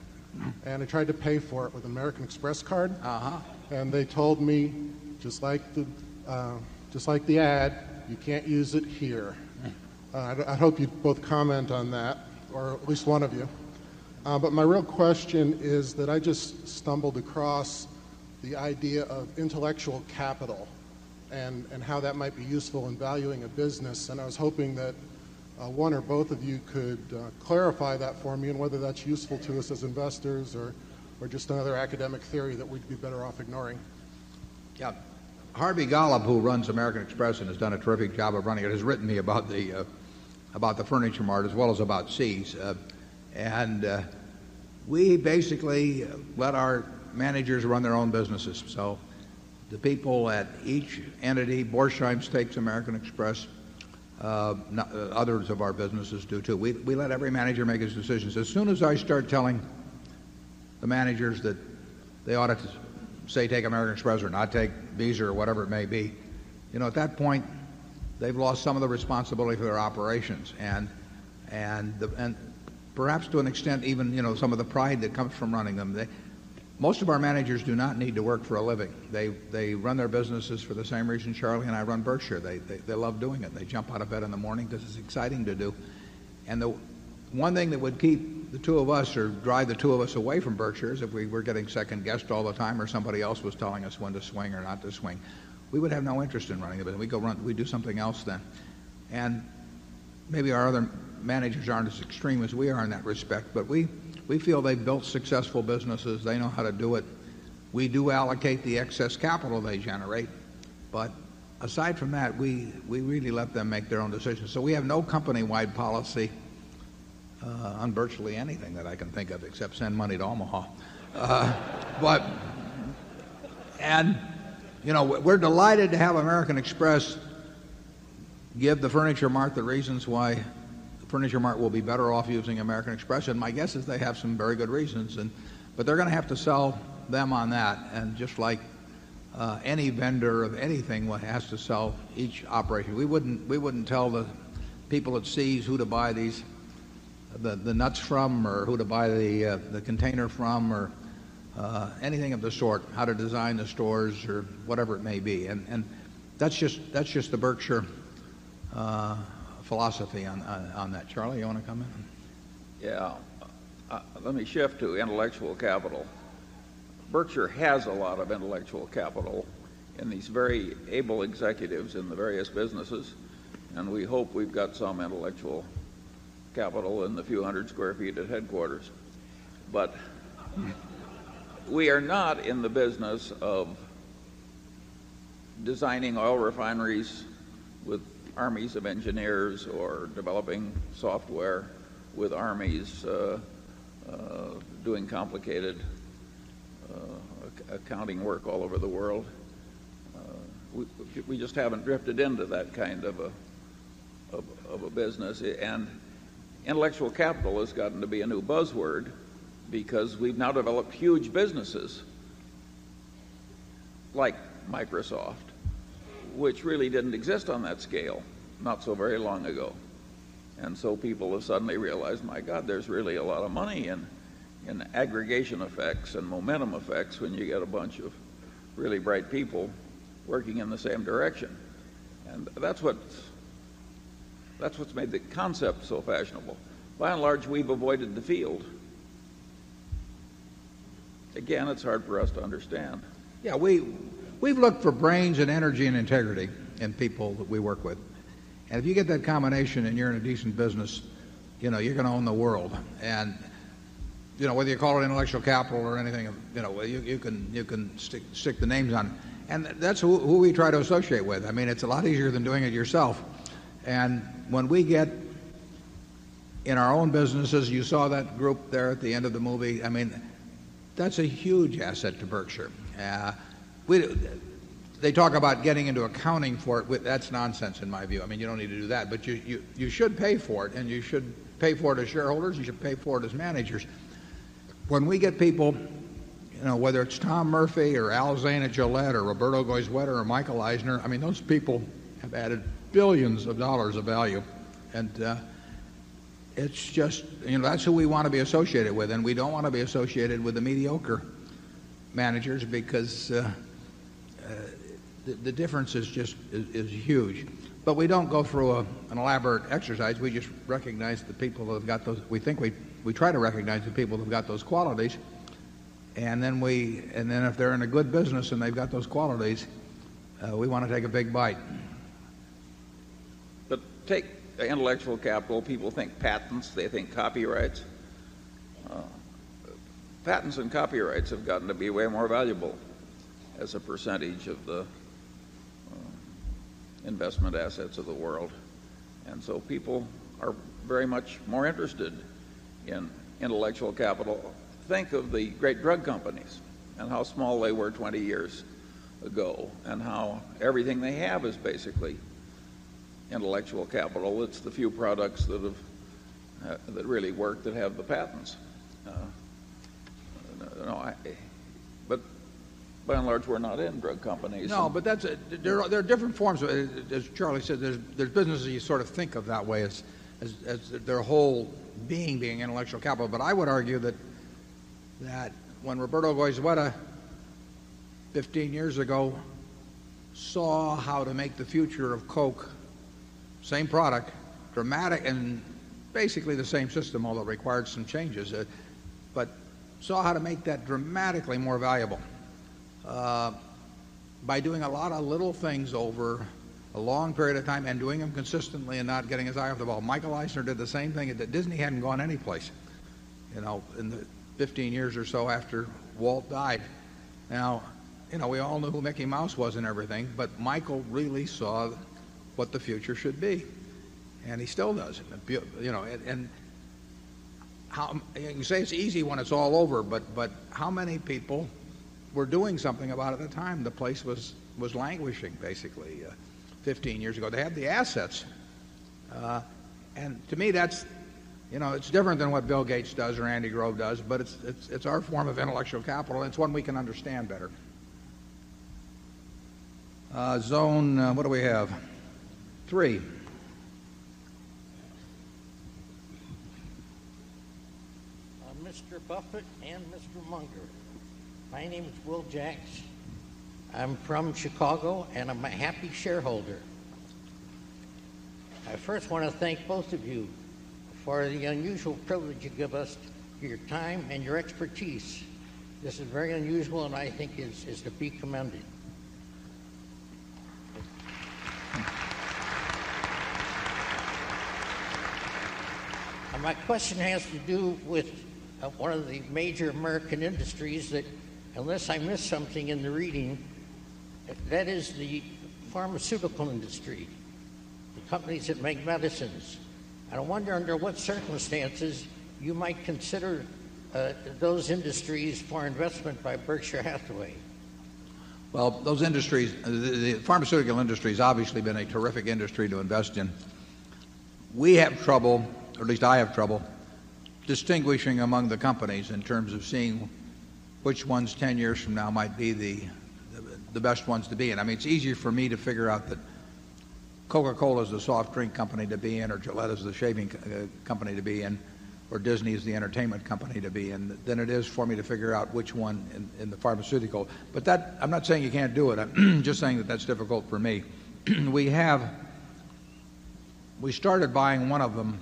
And I tried to pay for it with American Express card. And they told me just like the ad, you can't use it here. I hope you both comment on that or at least one of you. But my real question is that I just stumbled across the idea of intellectual capital and how that might be useful in valuing a business. And I was hoping that 1 or both of you could clarify that for me and whether that's useful to us as investors or just another academic theory that we'd be better off ignoring. Yeah. Harvey Golub, who runs American Express and has done a terrific job of running it, has written me about the about the furniture mart as well as about C's. And we basically let our managers run their own businesses. So the people at each entity, Borsheim stakes, American Express, others of our businesses do too. We we let every manager make his decisions. As soon as I start telling the managers that they ought to say take American Express or not take Visa or whatever it may be, you you know, at that point, they've lost some of the responsibility for their operations and and and perhaps to an extent even, you know, some of the pride that comes from running them. Most of our managers do not need to work for a living. They they run their businesses for the same reason. Charlie and I run Berkshire. They they love doing it. They jump out of bed in the morning. This is exciting to do. And the one thing that would keep the 2 of us or drive the 2 of us away from Berkshire is if we were getting second guessed all the time or somebody else was telling us when to swing or not to swing. We would have no interest in running it, but we go run we do something else then. And maybe our other managers aren't as extreme as we are in that respect, but we we feel they've built successful businesses. They know how to do it. We do allocate the excess capital they generate. But aside from that, we really let them make their own decisions. So we have no company wide policy, on virtually anything that I can think of except send money to Omaha. But and we're delighted to have American Express give the Furniture Mart the reasons why Furniture Mart will be better off using American Express. And my guess is they have some very good reasons. And but they're going to have to sell them on that. And just like, any vendor of anything, what has to sell each operation. We wouldn't we wouldn't tell the people at Sea's who to buy these the nuts from or who to buy the container from or anything of the sort, how to design the stores or whatever it may be. And that's just the Berkshire philosophy on that. Charlie, you want to comment? Yeah. Let me shift to intellectual capital. Berkshire has a lot of intellectual capital and he's very able executives in the various businesses. And we hope we've got some intellectual capital in the few 100 square feet of headquarters. But we are not in the business of designing oil refineries with armies of engineers or developing software with armies doing complicated accounting work all over the world. We just haven't drifted into that kind of a business. And intellectual capital has gotten to be a new buzzword because we've now developed huge businesses like Microsoft, which really didn't exist on that scale not so very long ago. And so people have suddenly realized, my God, there's really a lot of money in aggregation effects and momentum effects when you get a bunch of really bright people working in the same direction. And that's what's made the concept so fashionable. By and large, we've avoided the field. Again, it's hard for us to understand. Yes, we've looked for brains and energy and integrity in people that we work with. And if you get that combination and you're in a decent business, you know, you're going to own the world. And, you know, whether you call it intellectual capital or anything, you know, you you can you can stick stick the names on. And that's who we try to associate with. I mean, it's a lot easier than doing it yourself. And when we get in our own businesses, you saw that group there at the end of the movie. I mean, that's a huge asset to Berkshire. They talk about getting into accounting for it. That's nonsense in my view. I mean, you don't need to do that, but you you you should pay for it and you should pay for it as shareholders. You should pay for it as managers. When we get people, you know, whether it's Tom Murphy or Al Zaneh Gillett or Roberto Goizueta or Michael Eisner, I I mean, those people have added 1,000,000,000 of dollars of value. And it's just you know, that's who we want to be associated with. And we don't want to be associated with the mediocre the difference is just is is huge. But we don't go through an elaborate exercise. We just recognize the people who have got those we think we we try to recognize the people who've got those qualities. And then we and then if they're in a good business and they've got those qualities, we want to take a big bite. But take intellectual capital. People think patents. They think copyrights. Patents and copyrights have gotten to be way more valuable as a percentage of the investment assets of the world. And so people are very much more interested in intellectual capital. Think of the great drug companies and how small they were 20 years ago and how everything they have is basically intellectual capital. It's the few products that have that really worked that have the patents. But by and large, we're not in drug companies. No. But that's it. There are there are different forms. As Charlie said, there's businesses you sort of think of that way as their whole being, being intellectual capital. But I would argue that when Roberto Goizueta, 15 years ago, saw how to make the future of Coke, same product, dramatic and basically the same system, although it required some changes, but saw how to make that dramatically more valuable by doing a lot of little things over a long period of time and doing them consistently and not getting his eye off the ball. Michael Eisner did the same thing that Disney hadn't gone any place, you know, in the 15 years or so after Walt died. Now, you know, we all knew who Mickey Mouse was and everything, but Michael really saw what the future should be, and he still does. And you know, and how and you say it's easy when it's all over, but but how many people were doing something about it at the time the place was languishing basically 15 years ago? They had the assets. And to me, that's you know, it's different than what Bill Gates does or Andy Grove does, but it's it's it's our form of intellectual capital, and it's one we can understand better. Zone what do we have? 3. Mr. Buffett and Mr. Munger, my name is Will Jax. I'm from Chicago, and I'm a happy shareholder. I first want to thank both of you for the unusual privilege you give us, your time and your expertise. This is very unusual and I think is to be commended. And my question has to do with 1 of the major American industries that unless I miss something in the reading, that is the pharmaceutical industry, the companies that make medicines. I wonder under what circumstances you might consider those industries for investment by Berkshire Hathaway. Well, those industries, the pharmaceutical industry has obviously been a terrific industry to invest in. We have trouble, or at least I have trouble, distinguishing among the companies in terms of seeing which ones 10 years from now might be the the best ones to be in. I mean, it's easier for me to figure out that Coca Cola is a soft drink company to be in or Gillette is a shaving company to be in or Disney is the entertainment company to be in than it is for me to figure out which one in in the pharmaceutical. But that I'm not saying you can't do it. I'm just saying that that's difficult for me. We have we started buying one of them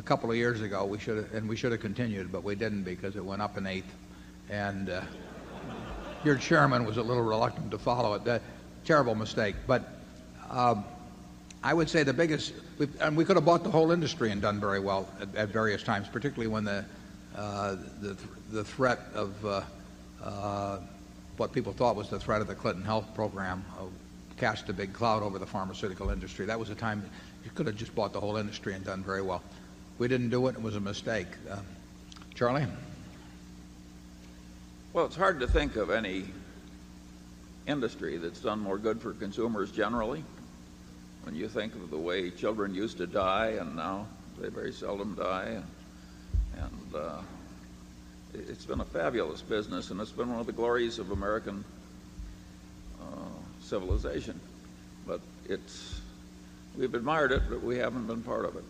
a couple of years ago. We should've and we should've continued, but we didn't because it went up an 8th. And your chairman was a little reluctant to follow it. That terrible mistake. But I would say the biggest and we could have bought the whole industry and done very well at various times, particularly when the threat of what people thought was the threat of the Clinton Health Program cast a big cloud over the pharmaceutical industry. That was a time you could have just bought the whole industry and done very well. We didn't do it. It was a mistake. Charlie? Well, it's hard to think of any industry that's done more good for consumers generally. When you think of the way children used to die and now they very seldom die. And it's been a fabulous business and it's been one of the glories of American civilization. But it's we've admired it, but we haven't been part of it.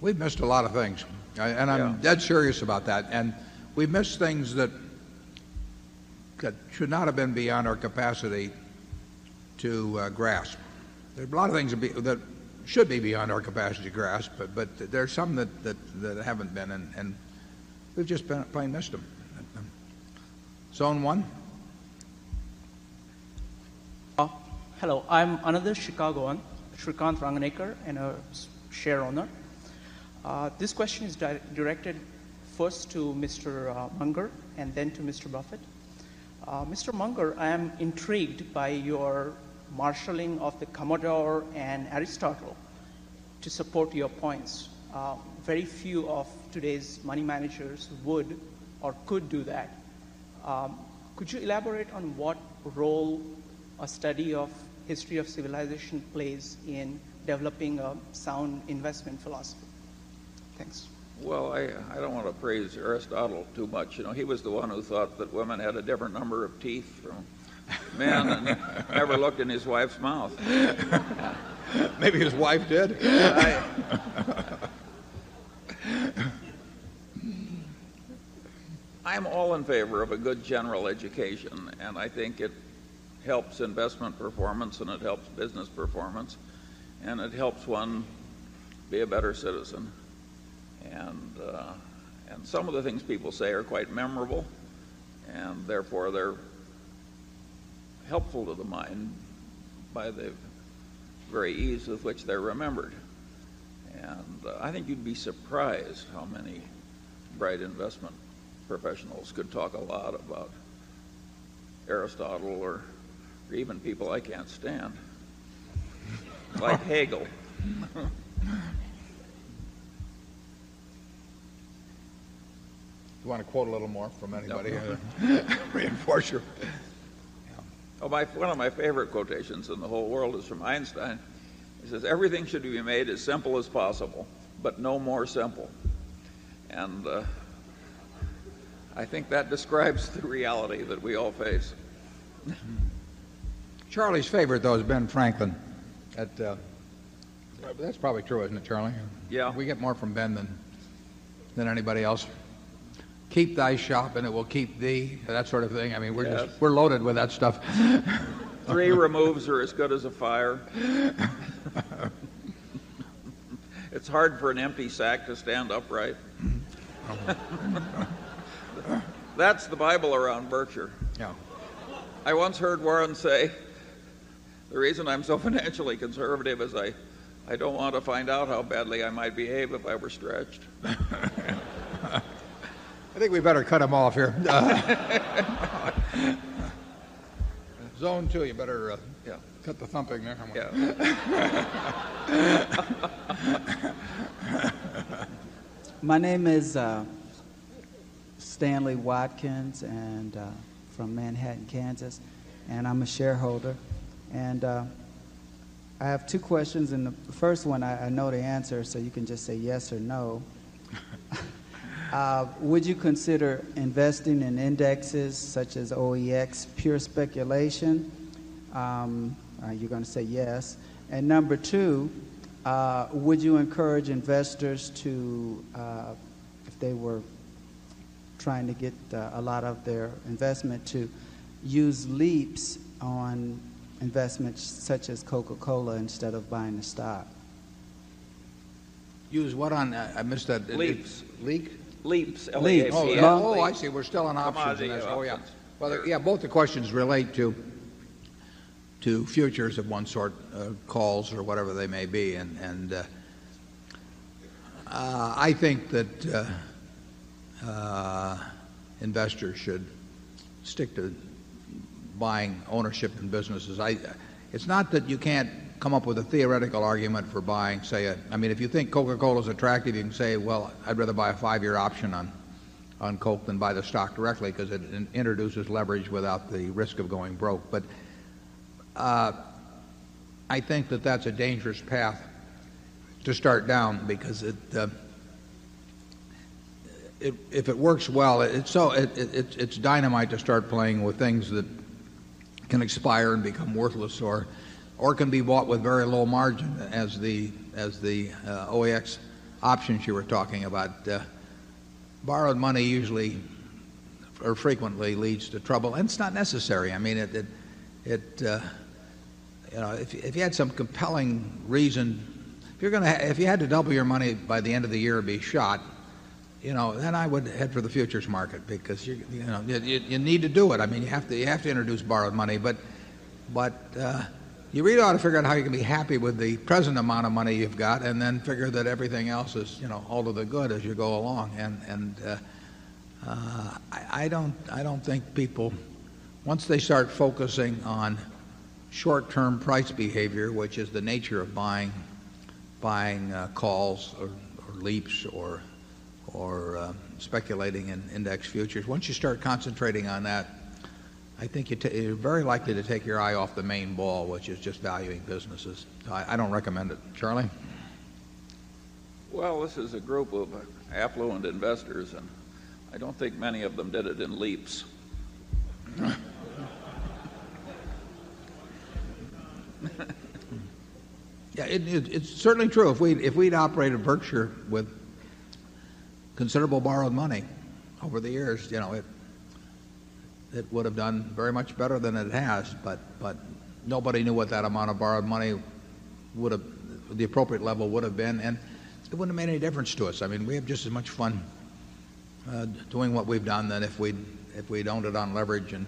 We've missed a lot of things, and I'm dead serious about that. And we missed things that could should not have been beyond our capacity to, grasp. There are a lot of things that should be beyond our capacity to grasp, but there are some that haven't been and we've just been playing this to them. Zone 1? Hello. I am Anadir Chicagoan, Shrikant Ranganekar and a share owner. This question is directed first to Mr. Munger and then to Mr. Buffet. Mr. Munger, I am intrigued by your marshaling of the Commodore and Aristotle to support your points. Very few of today's money managers would or could do that. Could you elaborate on what role a study of history of civilization plays in developing a sound investment philosophy? Thanks. PRESIDENT TRUMP: Well, I don't want to praise Aristotle too much. He was the one who thought that women had a different number of teeth from men and never looked in his wife's mouth. Maybe his wife did. I am all in favor of a good general education, and I think it helps investment performance and it helps one be a better citizen. And some of the things people say are quite memorable And therefore, they're helpful to the mind by the very ease of which they're remembered. And I think you'd be surprised how many bright investment professionals could talk a lot about Aristotle or even people I can't stand like Hegel. Do you want to quote a little more from anybody? Reinforce your One of my favorite quotations in the whole world is from Einstein. He says, Everything should be made as simple as possible but no more simple. And I think that describes the reality that we all face. Charlie's favorite, though, is Ben Franklin at, that's probably true, isn't it, Charlie? Yeah. We get more from Ben than than anybody else. Keep thy shop and it will keep thee, that sort of thing. I mean, we're just we're loaded with that stuff. Three removes are as good as a fire. It's hard for an empty sack to stand upright. That's the Bible around Berkshire. I once heard Warren say the reason I'm so financially conservative is I don't want to find out how badly I might behave if I were stretched. I think we better cut them off here. Zone 2, you better cut the thumping there. My name is Stanley Watkins and from Manhattan, Kansas and I'm a shareholder. And I have two questions. And the first one, I know the answer, so you can just say yes or no. Would you consider investing in indexes such as OEX pure speculation? Are you going to say yes? And number 2, would you encourage investors to, if they were trying to get a lot of their investment, to use leaps on investments such as Coca Cola instead of buying a stock. Use what on that? I missed that. Leak. Leak? Leaps. Leaps. Oh, I see. We're still on options. Oh, yes. Both the questions relate to futures of one sort, calls or whatever they may be. And and, I think that investors should stick to buying ownership in businesses. I it's not that you can't come up with a theoretical argument for buying, say, I mean, if you think Coca Cola is attractive, you can say, well, I'd rather buy a 5 year option on Coke than buy the stock directly because it introduces leverage without the risk of going broke. But I think that that's a dangerous path to start down because it if it works well, it's so it's dynamite to start playing with things that can expire and become worthless or or can be bought with very low margin as the as the, OAX options you were talking about. Borrowed money usually or frequently leads to trouble, and it's not necessary. I mean, it it if you had some compelling reason, if you're going to if you had to double your money by the end of the year and be shot, then I would head for the futures market because you need to do it. I mean, you have to introduce borrowed money. But you really ought to figure out how you can be happy with the present amount of money you've got and then figure that everything else is all to the good as you go along. And I don't think people once they start focusing on short term price behavior, which is the nature of buying buying calls or leaps or speculating in index futures. Once you start concentrating on that, I think you're very likely to take your eye off the main ball, which is just valuing businesses. I don't recommend it. Charlie? Well, this is a group of affluent investors, and I don't think many of them did it in leaps. It's certainly true. If we'd operated Berkshire with considerable borrowed money over the years, it would have done very much better than it has. But nobody knew what that amount of borrowed money would have the appropriate level would have been. And it wouldn't have made any difference to us. I mean, we have just as much fun doing what we've done than if we'd owned it on leverage and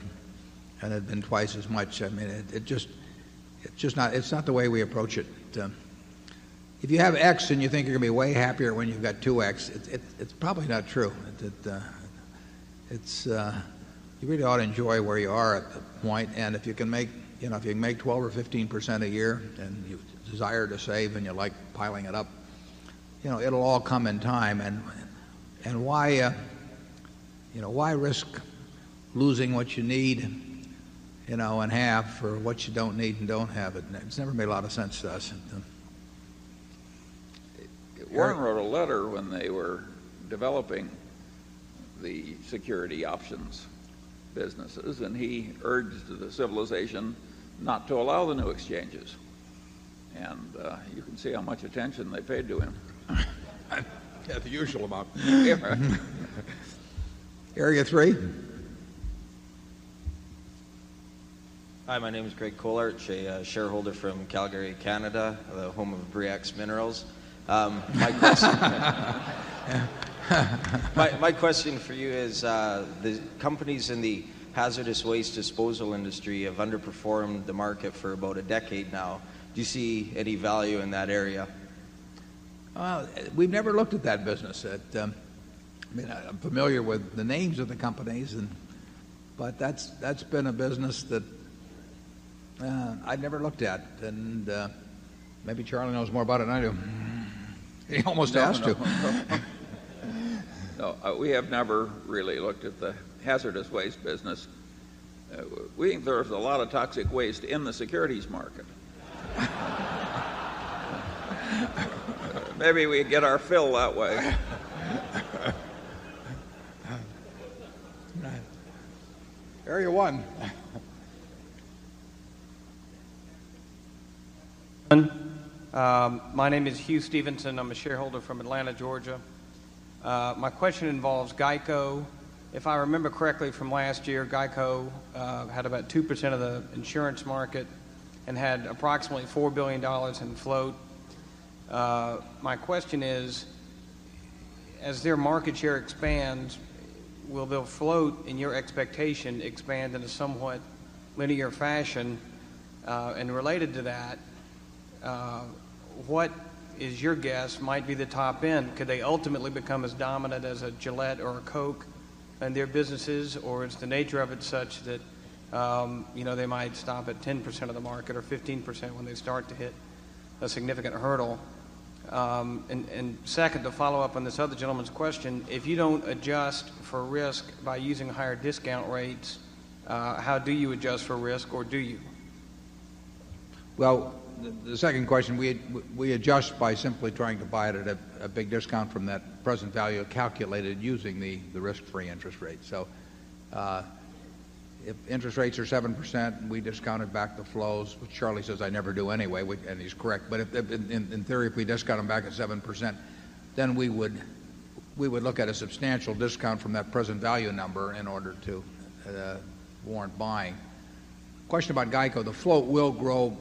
it had been twice as much. I mean, it's just not it's not the way we approach it. If you have X and you think you're going to be way happier when you've got 2 it's probably not true. It's you really ought to enjoy where you are at that point. And if you can 12% or 15% a year and you desire to save and you like piling it up, it'll all come in time. And why risk losing what you need in half for what you don't need and don't have it? It's never made a lot of sense to us. Warren wrote a letter when they were developing the security options business, And he urged the civilization not to allow the new exchanges. And you can see how much attention they paid to him. The usual amount. Area 3. Hi. Craig Colarch, a shareholder from Calgary, Canada, home of Briax Minerals. My question for you is, the companies in the hazardous waste disposal industry have underperformed business. I mean, I'm familiar with the names of the companies. But that's been a business that I never looked at. And maybe Charlie knows more about it than I do. He almost asked to. We have never really looked at the hazardous waste business. We think there's a lot of toxic waste in the securities market. Maybe we get our fill that way. Area 1. My name is Hugh Stevenson. I'm a shareholder from Atlanta, Georgia. My question involves GEICO. If I remember correctly from last year, GEICO had about 2% of the insurance market and had approximately $4,000,000,000 in float. My question is, as their market share expands, will they float in your expectation expand in a somewhat linear fashion? And related to that, what is your guess might be the top end? Could they ultimately become as dominant as a Gillette or a Coke and their businesses? Or is the nature of it such that they might stop at 10% of the market or 15% when they start to hit a significant hurdle? And second, to follow-up on this other gentleman's question, if you don't adjust for risk by using higher discount rates, how do you adjust for risk or do you? Well, the second question, we adjust by simply trying to buy it at a big discount from that present value calculated using the risk free rate. So if interest rates are 7%, we discount it back the flows, which Charlie says I never do anyway, and he's correct. But in in theory, if we discount them back at 7%, then we would we would look at a substantial discount from that present value number in order to warrant buying. Question about GEICO. The float will grow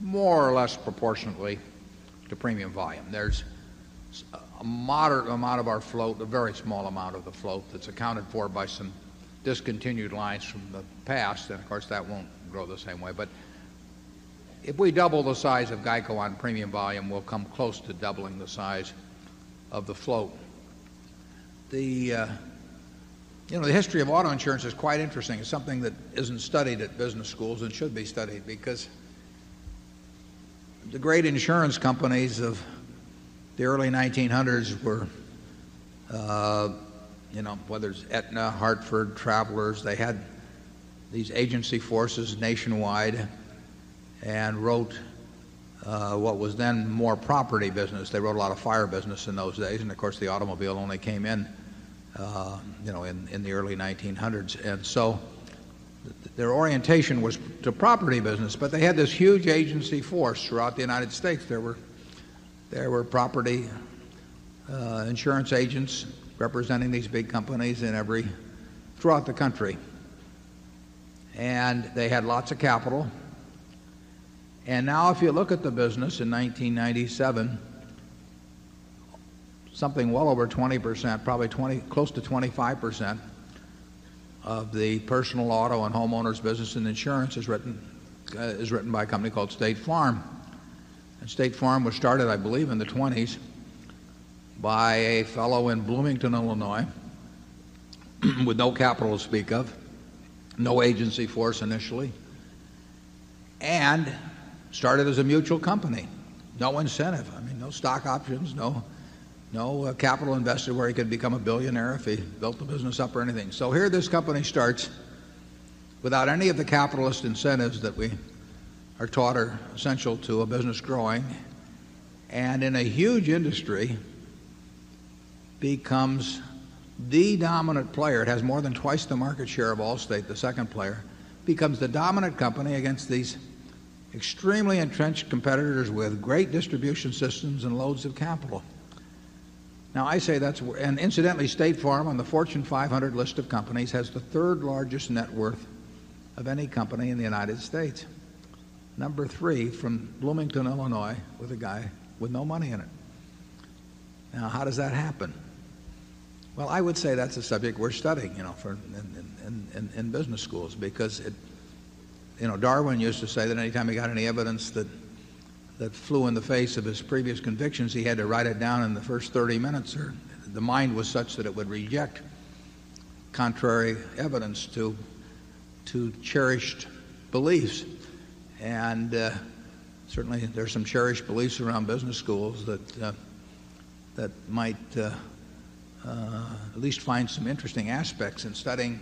more or less proportionately to premium volume. There's a moderate amount of our float, a very small amount of the float, that's accounted for by some discontinued lines from the past. And of course, that won't grow the same way. But if we double the size of GEICO on premium volume, we'll come close to doubling the size of the float. The, you know, the history of auto insurance is quite interesting. It's something that isn't studied at business schools and should be studied because the great insurance companies of the early 1900 were, you know, whether it's Aetna, Hartford, Travelers, they had these agency forces nationwide and wrote what was then more property business. They wrote a lot of fire business in those days. And, of course, the automobile only came in, you know, in in the early 1900. And so their orientation was to property business, but they had this huge agency force throughout the United States. There were there were property insurance agents representing these big companies in every throughout the country. And they had lots of capital. And now, if you look at the business in 1997, something well over 20%, probably 20 close to 25% of the personal auto and homeowners business and insurance is written is written by a company called State Farm. And State Farm was started, I believe, in the twenties by a fellow in Bloomington, Illinois with no capital to speak of, no agency force initially, and started as a mutual company. No incentive. I mean, no stock options, no no capital investor where he could become a billionaire if he built the business up or anything. So here, this company starts without any of the capitalist incentives that we are taught are essential to a business growing and, in a huge industry, becomes the dominant player. It has more than twice the market share of Allstate, the 2nd player, becomes the dominant company against these extremely entrenched competitors with great distribution systems and loads of capital. Now I say that's and incidentally, State Farm on the Fortune 500 list of companies has the 3rd largest net worth of any company in the United States. Number 3 from Bloomington, Illinois with a guy with no money in it. Now how does that happen? Well, I would say that's a subject we're studying for in in in business schools because it, you know, Darwin used to say that anytime he got any evidence that that flew in the face of his previous convictions, he had to write it down in the first 30 minutes or the mind was such that it would reject contrary evidence to to cherished beliefs. And, certainly, there's some cherished beliefs around business schools that that might at least find some interesting aspects in studying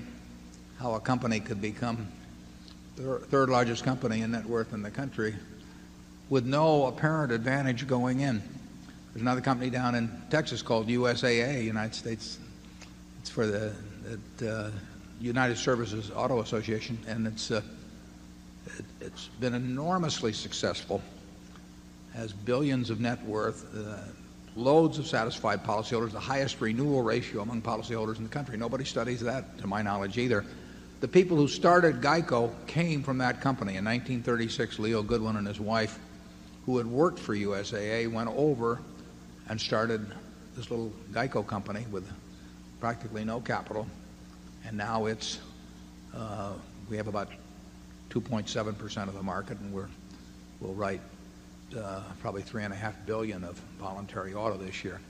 how a company could become 3rd largest company in net worth in the country with no apparent advantage going in. There's another company down in Texas called USAA, United States. It's for the United Services Auto Association, and it's been enormously successful, has billions of net worth, loads of satisfied policyholders, the highest renewal ratio among policyholders in the country. Nobody studies that to my knowledge either. The people who started GEICO came from that company. In 1936, Leo Goodland and his wife, who had worked for USAA, went over and started this little GEICO company with practically no capital. And now it's, we have about 2.7% of the market, and we're we'll write probably $3,500,000,000 of voluntary auto this year.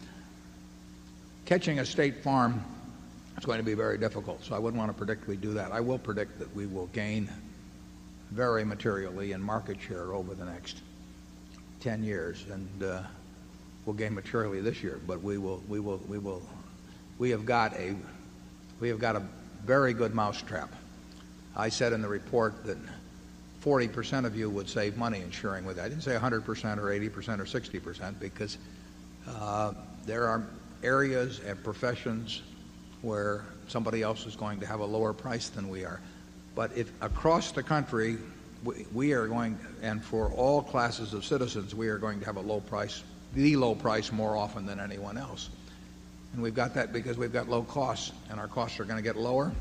Catching a State Farm is going to be very difficult, so I wouldn't want to predict we do that. I will predict that we will gain very materially in market share over the next 10 years and we'll gain materially this year. But we will we have got a we have got a very good mousetrap. I said in the report that 40% of you would save money insuring with that. I didn't say a 100% or 80% or 60% because, there are areas and professions where somebody else is going to have a lower price than we are. But if across the country, we are going and for all classes of citizens, we are going to have a low price the low price more often than anyone else. And we've got that because we've got low costs and our costs are going to get lower.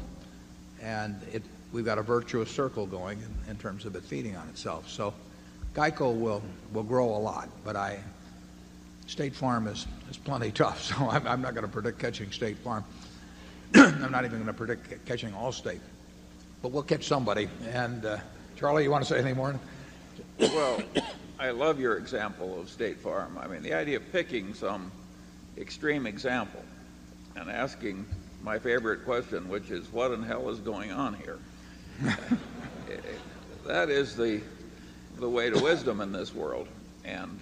And we've got a virtuous circle going in terms of it feeding on itself. So GEICO will grow a lot, but I State Farm is is plenty tough. So I'm I'm not gonna predict catching State Farm. I'm not even gonna predict catching Allstate, but we'll catch somebody. And, Charlie, you want to say any more? Well, I love your example of State Farm. I mean, the idea of picking some extreme example and asking my favorite question, which is what in hell is going on here? That is the way to wisdom in this world. And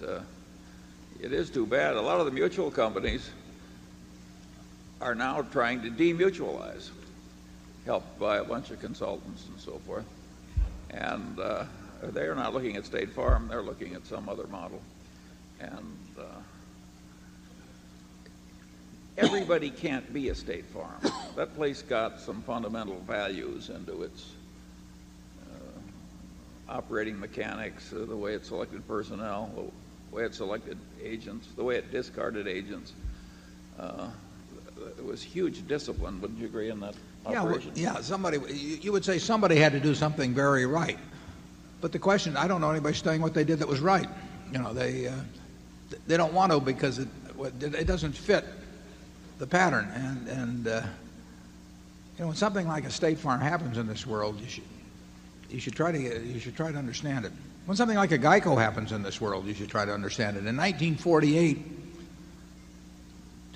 it is too bad. A lot of the mutual companies are now trying to demutualize, helped by a bunch of consultants and so forth. And they are not looking at State Farm. They're looking at some other model. And everybody can't be a State Farm. That place got some fundamental values into its operating mechanics, the way it selected personnel, the the way it selected agents, the way it discarded agents, it was huge discipline. Would you agree on that operation? Yeah. Somebody you would say somebody had to do something very right. But the question, I don't know anybody studying what they did that was right. You know, they don't want to because it doesn't fit the pattern. And and, you know, when something like a State Farm happens in this world, you should try to get you should try to understand it. When something like a GEICO happens in this world, you should try to understand it. In 1948,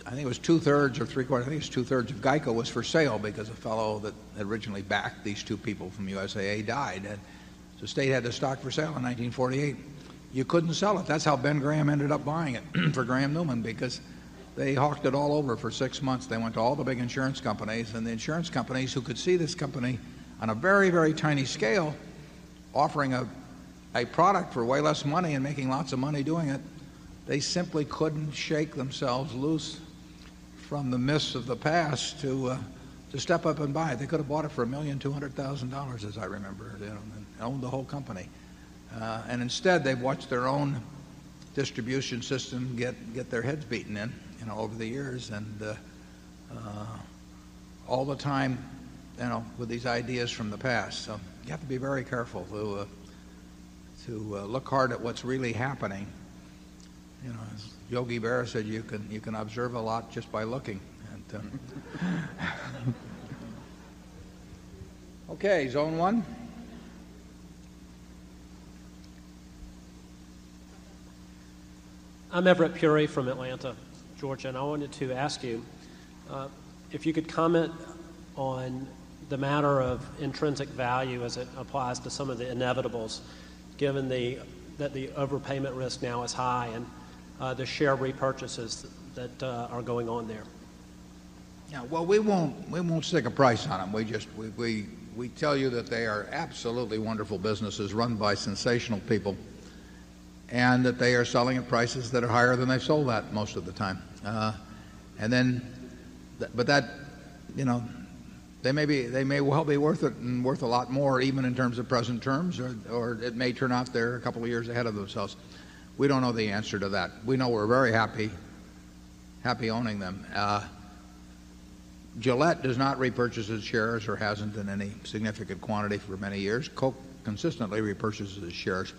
I think it was 2 thirds or 3 quarters. I think it's 2 thirds of GEICO was for sale because a fellow that originally backed these 2 people from USAA died. And The state had the stock for sale in 1948. You couldn't sell it. That's how Ben Graham ended up buying it for Graham Newman because they hawked it all over for 6 They went to all the big insurance companies and the insurance companies who could see this company on a very, very tiny scale offering a product for way less money and making lots of money doing it, they simply couldn't shake themselves loose from the mists of the past to step up and buy. They could have bought it for $1,200,000 as I remember, you know, and owned the whole company. And instead, they watched their own distribution system get get their heads beaten in, you know, over the years and, all the time, with these ideas from the past. So you have to be very careful to look hard at what's really happening. As Yogi Berra said, you can observe a lot just by looking. Okay. Zone 1. I'm Everett Peury from Atlanta, Georgia. And I wanted to ask you if you could comment on the matter of intrinsic value as it applies to some of the inevitables given the that the overpayment risk now is high and, the share repurchases that, are going on there? Well, we won't stick a price on them. We just we tell you that they are absolutely wonderful businesses run by sensational people and that they are selling at prices that are higher than they sold at most of the time. And then but that they may be they may well be worth it and worth a lot more even in terms of present terms, or it may turn out they're a couple of years ahead of themselves. We don't know the answer to that. We know we're very happy happy owning them. Gillette does not repurchase its shares or hasn't in any significant quantity for many years. Coke consistently repurchases its shares.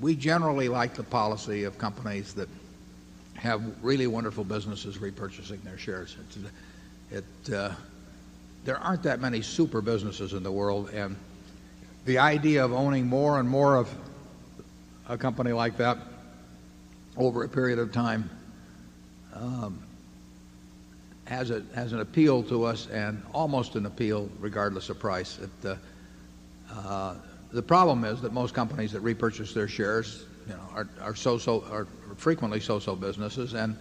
We generally like the policy of companies that have really wonderful businesses repurchasing their shares. It there aren't that many super businesses in the world. And the idea of owning more and more of a company like that over a period of time has an appeal to us and almost an appeal regardless of price. The problem is that most companies that repurchase their shares are so so are frequently so so businesses, and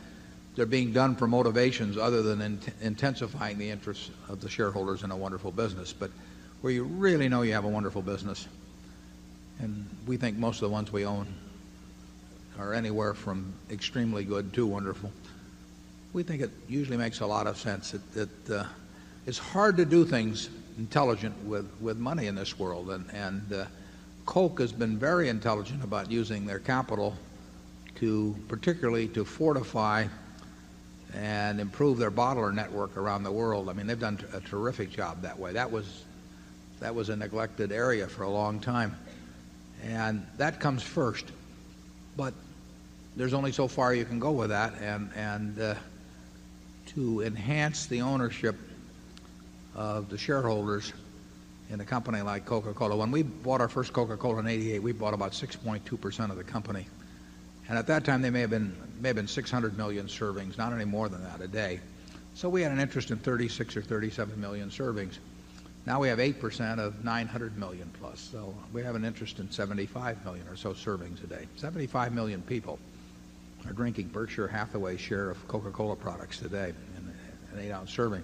they're being done for motivations other than intensifying the interests of the shareholders in a wonderful business. But where you really know you have a wonderful business, and we think most of the ones we own are anywhere from extremely good to wonderful, We think it usually makes a lot of sense that it's hard to do things intelligent with with money in this world. And and Coke has been very intelligent about using their capital to particularly to fortify and improve their bottler network around the world. I mean, they've done a terrific job that way. That was a neglected area for a long time, and that comes first. But there's only so far you can go with that and to enhance the ownership of the shareholders in a company like Coca Cola. When we bought our first Coca Cola in 'eighty eight, we bought about 6.2% of the company. And at that time, they may have been may have been 600,000,000 servings, not any more than that a day. So we had an interest in 36,000,000 or 37,000,000 servings. Now we have 8% of 900,000,000 So we have an interest in 75,000,000 or so servings a day. 75,000,000 people are drinking Berkshire Hathaway's share of Coca Cola products today in an 8 ounce serving.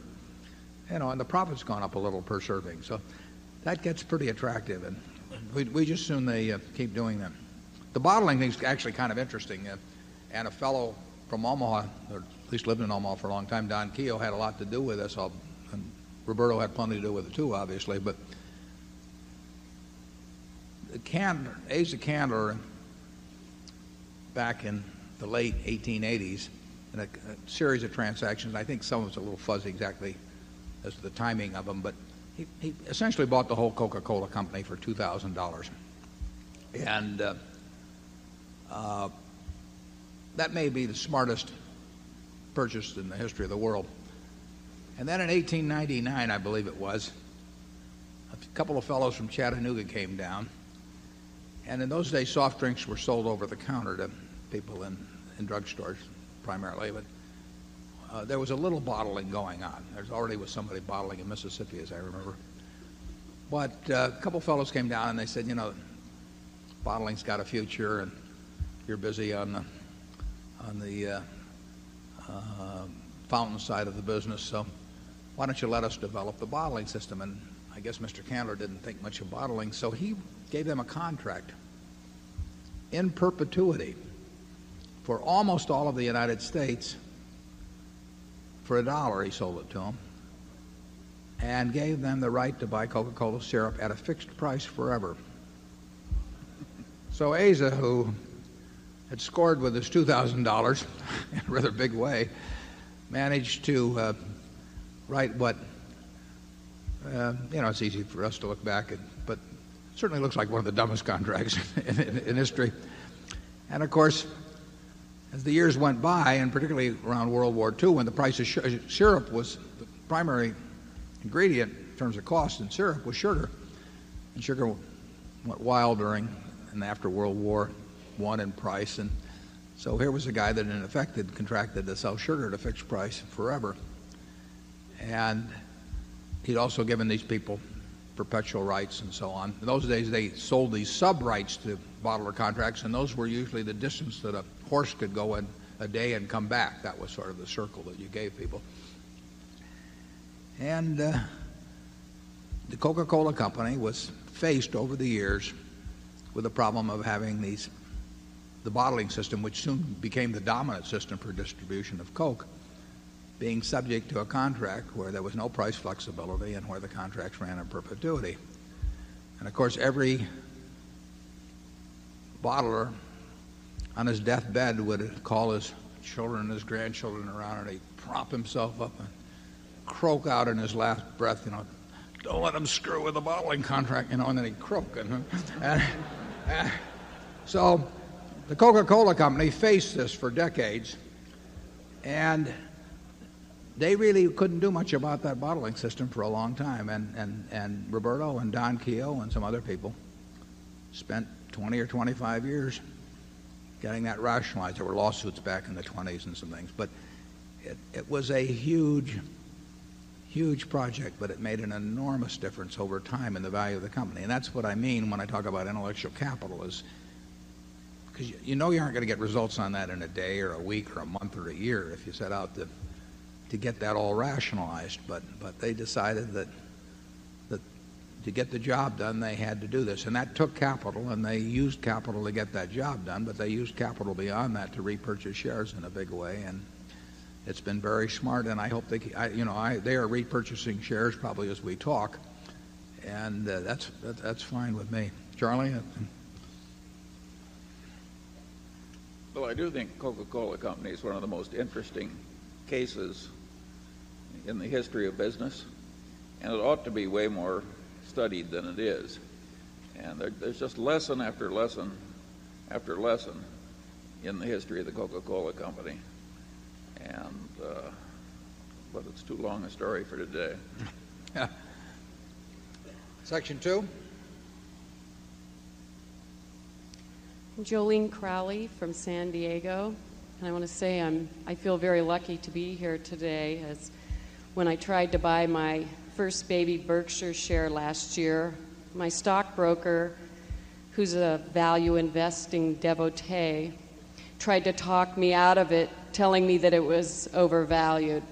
And the profit's gone up a little per serving. So that gets pretty attractive, and we we just assume they, keep doing that. The bottling thing is actually kind of interesting. And a fellow from Omaha or at least lived in Omaha for a long time, Don Keogh, had a lot to do with this. And Roberto had plenty to do with it too, obviously. But Candler Asa Candler back in the late 18 eighties, in a series of transactions, I think some of it's a little fuzzy exactly as to the timing of them, but he essentially bought the whole Coca Cola Company for $2,000 And that may be the smartest purchase in the history of the world. And then in 18/99, I believe it was, a couple of fellows from Chattanooga came down. And in those days, soft drinks were sold over the counter to people in in drugstores primarily, but there was a little bottling going on. There already was somebody bottling in Mississippi, as I remember. But a couple of fellows came down and they said, you know, bottling's got a future and you're busy on the fountain side of the business. So why don't you let us develop the bottling system? And I guess Mr. Candler didn't think much of bottling so he gave them a contract in perpetuity for almost all of the United States. For a dollar, he sold it to them and gave them the right to buy Coca Cola syrup at a fixed price forever. So Eiza, who had scored with his $2,000 in a rather big way, managed to write what, you know, it's easy for us to look back at, but certainly looks like one of the dumbest contracts in history. And, of course, as the years went by and particularly around World War 2 when the price of syrup was the primary ingredient in terms of cost in syrup was sugar. And sugar went wild during and after World War I in price. And so here was a guy that, in effect, had contracted to sell sugar at a fixed price forever. And he'd also given these people perpetual rights and so on. In those days, they sold these subrights to bottler contracts, and those were usually the distance that a horse could go in a day and come back. That was sort of the circle that you gave people. And the Coca Cola Company was faced over the years with the problem of having these the bottling system, which soon became the dominant system for distribution of coke, being subject to a contract where there was no price flexibility and where the contracts ran in perpetuity. And of course, every bottler on his deathbed would call his children and his grandchildren around, and he'd prop himself up and croak out in his last breath. You know, don't let him screw with the contract, you know, and then he croaked. And so the Coca Cola Company faced this for decades, and they really couldn't do much about that bottling system for a long time. And and and Roberto and Don Keogh and some other people spent 20 or 25 years getting that rationalized. There were lawsuits back in the twenties and some things. But it was a huge, huge project, but it made an enormous difference over time in the value of the company. And that's what I mean when I talk about intellectual capital is because you know you aren't going to get results on that in a day or a week or a month or a year if you set out to get that all rationalized. But they decided that to get the job done, they had to do this. And that took capital, and they used capital to get that job done. But they used capital beyond that to repurchase shares in a big way. And it's been very smart. And I hope they I you know, I they are repurchasing shares probably as we talk, And that's fine with me. Charlie? Well, I do think Coca Cola Company is one of the most interesting cases in the history of business and it ought to be way more studied than it is. And there's just lesson after lesson after lesson in the history of the Coca Cola Company. But it's too long a story for today. Section 2. Jolene Crowley from San Diego. And I want to say I feel very lucky to be here today as when I tried to buy my first baby Berkshire share last year, my stockbroker, who's a value investing devotee tried to talk me out of it telling me that it was overvalued.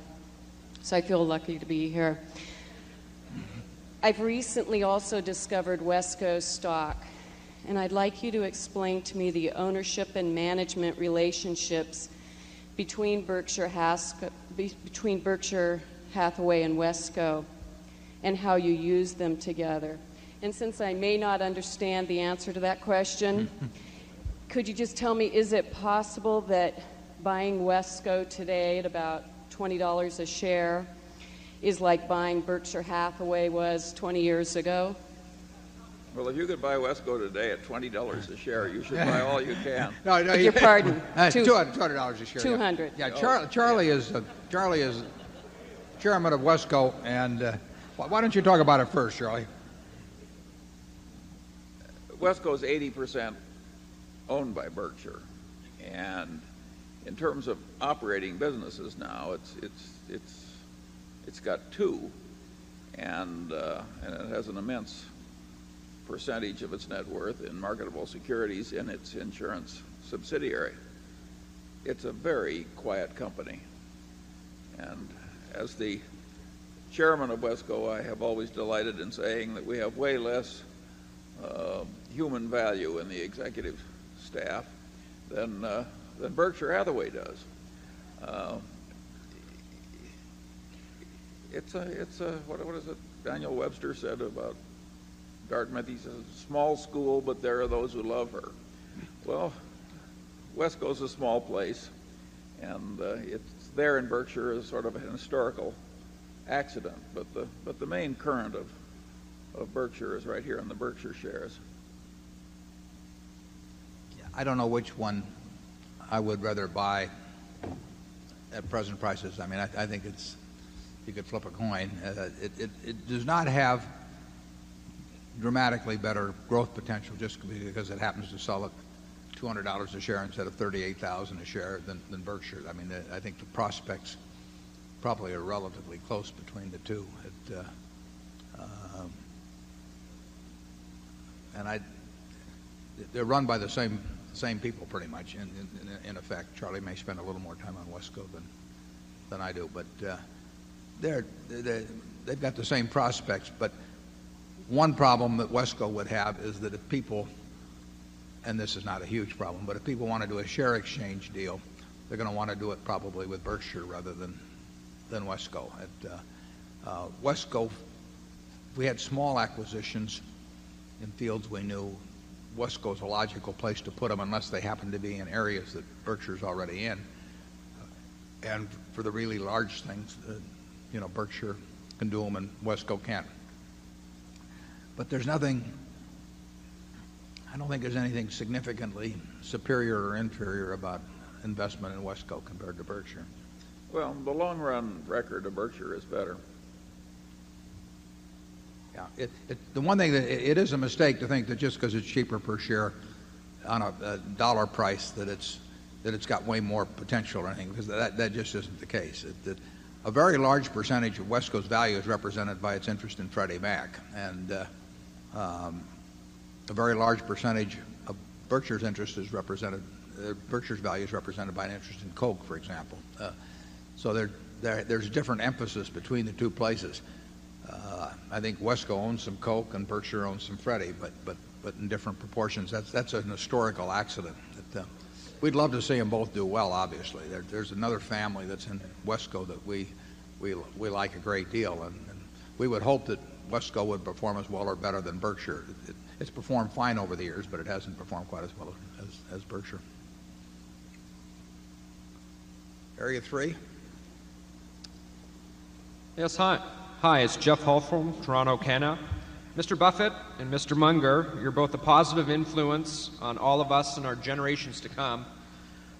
So I feel lucky to be here. I've recently also discovered WESCO stock, and I'd like you to explain to me the ownership and management relationships between Berkshire Hathaway and WESCO and how you use them together? And since I may not understand the answer to that question, could you just tell me, is it possible that buying WESCO today at about $20 a share is like buying Berkshire Hathaway was 20 years ago? Well, if you could buy WESCO today at $20 a share, you should buy all you can. No. No. You pardon? $200 a share. 200. Yeah. Charlie is Charlie is chairman of WESCO. And why don't you talk about it first, Charlie? WESCO is 80% owned by Berkshire. And in terms of operating businesses now, it's got 2 and it has an immense percentage of its net worth in marketable securities in its insurance subsidiary. It's a very quiet company. And as the Chairman of WESCO, I have always delighted in saying that we have way less human value in the executive staff than Berkshire Hathaway does. It's a what is it Daniel Webster said about Dartmouth. He's a small school, but there are those who love her. Well, West Coast is a small place, and it's there in Berkshire as sort of a historical accident. But the main current of Berkshire is right here on the Berkshire shares. Yes. I don't know which one I would rather buy at present prices. I mean, I think it's you could flip a coin. It does not have dramatically better growth potential just because it happens to sell $200 a share instead of $38,000 a share than Berkshire. I mean, I think the prospects probably are relatively close between the 2 And I they're run by the same people pretty much, In effect, Charlie may spend a little more time on WESCO than I do. But they're they've got the same prospects. But one problem that WESCO would have is that if people and this is not a huge problem but if people want to do a share exchange deal, they're going to want to do it probably with Berkshire rather than WESCO. And WESCO we had small acquisitions in fields we knew. WESCO is a logical place to put them unless they happen to be in areas that Berkshire's already in. And for the really large things, Berkshire can do them and WESCO can. But there's nothing I don't think there's anything significantly superior or inferior about investment in WESCO compared to Berkshire. Well, the long run record of Berkshire is better. Yes. The one thing that it is a mistake to think that just because it's cheaper per share on a dollar price that it's got way more potential or anything because that just isn't the case. A very large percentage of West Coast value is represented by its interest in Freddie Mac and a very large percentage of Berkshire's interest is represented Berkshire's value is represented by an interest in Coke, for example. So there's different emphasis between the two places. I think WESCO owns some Coke and Berkshire owns some Freddy, but in different proportions. That's an historical accident. We'd love to see them both do well, obviously. There's another family that's in WESCO that we like a great deal and we would hope that WESCO would perform as well or better than Berkshire. It's performed fine over the years but it hasn't performed quite as well as Berkshire. Area 3. Yes. Hi. It's Jeff Holfel from Toronto, Kenna. Mr. Buffett and Mr. Munger, you're both a positive influence on all of us and our generations to come.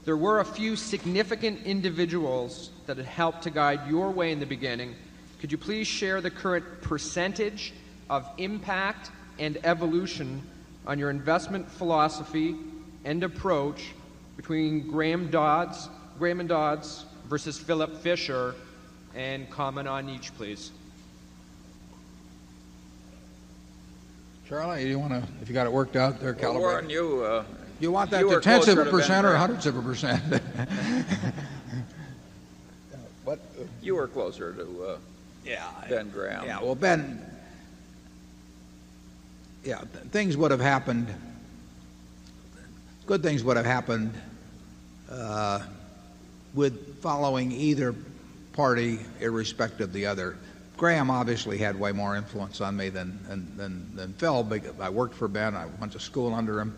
There were a few significant individuals that had helped guide your way in the beginning. Could you please share the current percentage of impact and evolution on your investment philosophy and approach between Graham Dodds Graham and Dodds versus Philip Fisher? And comment on each, please? Charlie, you want to if you got it worked out there, Kalabari. You want that You were closer to percent or 100 of a percent? What You were closer to Yeah. Ben Graham. Well, Ben yes, things would have happened good things would have happened with following either party, irrespective of the other. Graham obviously had way more influence on me than Phil, but I worked for Ben. I went to school under him.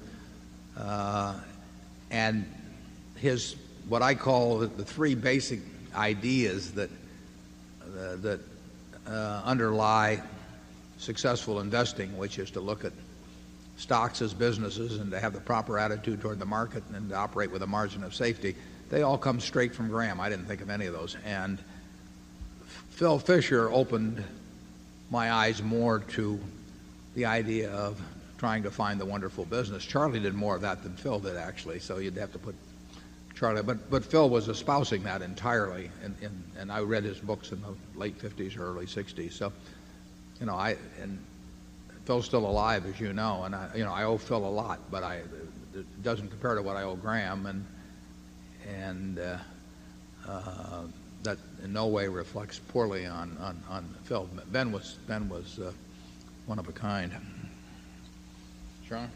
And his what I call the 3 basic ideas that underlie successful investing, which is to look at stocks as businesses and to have the proper attitude toward the market and to operate with a margin of safety, they all come straight from Graham. I didn't think of any of those. And Phil Fisher opened my eyes more to the idea of trying to find '60s. So I and Phil's still alive, and 60s. So I and Phil's still alive, as you know. And I owe Phil a lot, but I it doesn't compare to what I owe Graham. And that in no way reflects poorly on Phil. Ben was one of a kind. John?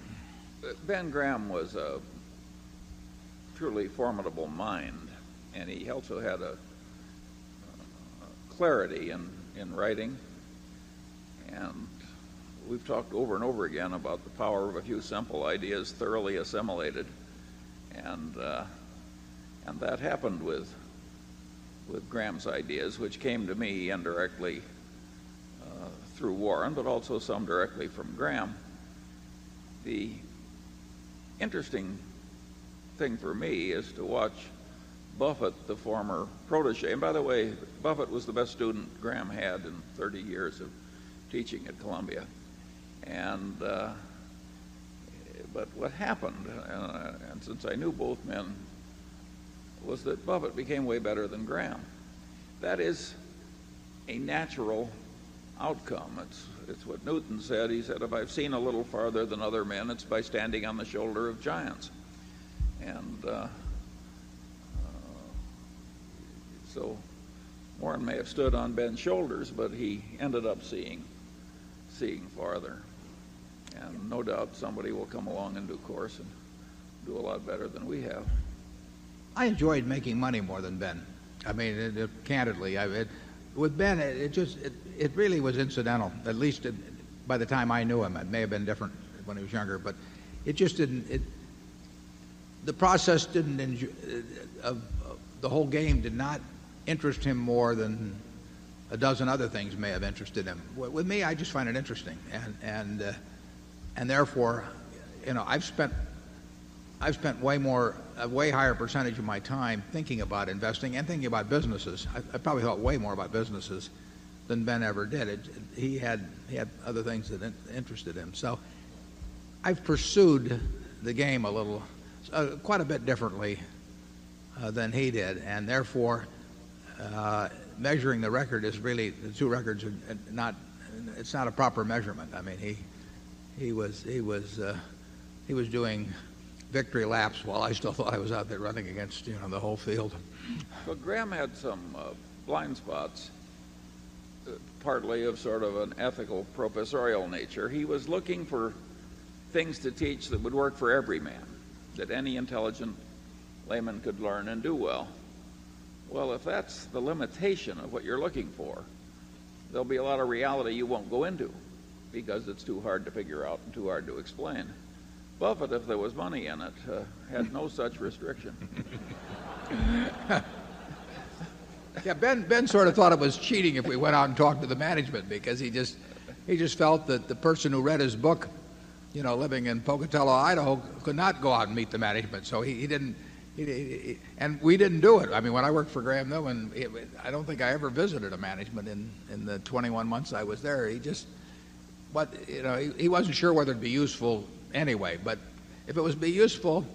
Ben Graham was a truly formidable mind, and he also had a clarity in writing. And we've talked over and over again about the power of a few simple ideas thoroughly assimilated. And that happened with Graham's ideas, which came to me indirectly through Warren but also some directly from Graham. The interesting thing for me is to watch Buffett, the former protege. And by the way, Buffett was the best student Graham had in 30 years of teaching at Columbia. But what happened, and since I knew both men, was that Buffett became way better than Graham. That is a natural outcome. It's what Newton said. He said, If I've seen a little farther than other men, it's by standing on the shoulder of giants. And so Warren may have stood on Ben's shoulders, but he ended up seeing farther. And no doubt somebody will come along in due course and do a lot better than we have. I enjoyed making money more than Ben. I mean, candidly, with Ben, it just it really was incidental, at least by the time I knew him. It may have been different when he was younger, but it just didn't the process didn't of the whole game did not interest him more than a dozen other things may have interested him. With me, I just find it interesting. And therefore, I've spent way more a way higher percentage of my time thinking about investing and thinking about businesses. I probably thought way more about businesses than Ben ever did. He had other things that him. So I've pursued the game a little quite a bit differently than he did. And therefore, measuring the record is really the 2 records are not it's not a proper measurement. I mean, he was doing victory laps while I still thought I was out there running against the whole field. But Graham had some blind spots partly of sort of an ethical propessorial nature. He was looking for things to teach that would work for every man that any intelligent layman could learn and do well. Well, if that's the limitation of what you're looking for, there'll be a lot of reality you won't go into because it's too hard to figure out and too hard to explain. Buffett, if there was money in it, had no such restriction. Yeah. Ben Ben sort of thought it was cheating if we went out and talked to the management because he just he just felt that the person who read his book, you know, living in Pocatello, Idaho, could not go out and meet the management. So he didn't and we didn't do it. I mean, when I worked for Graham Newman, I don't think I ever visited a management in the 21 months I was there. He just but he wasn't sure whether it'd be useful anyway. But if it would be useful,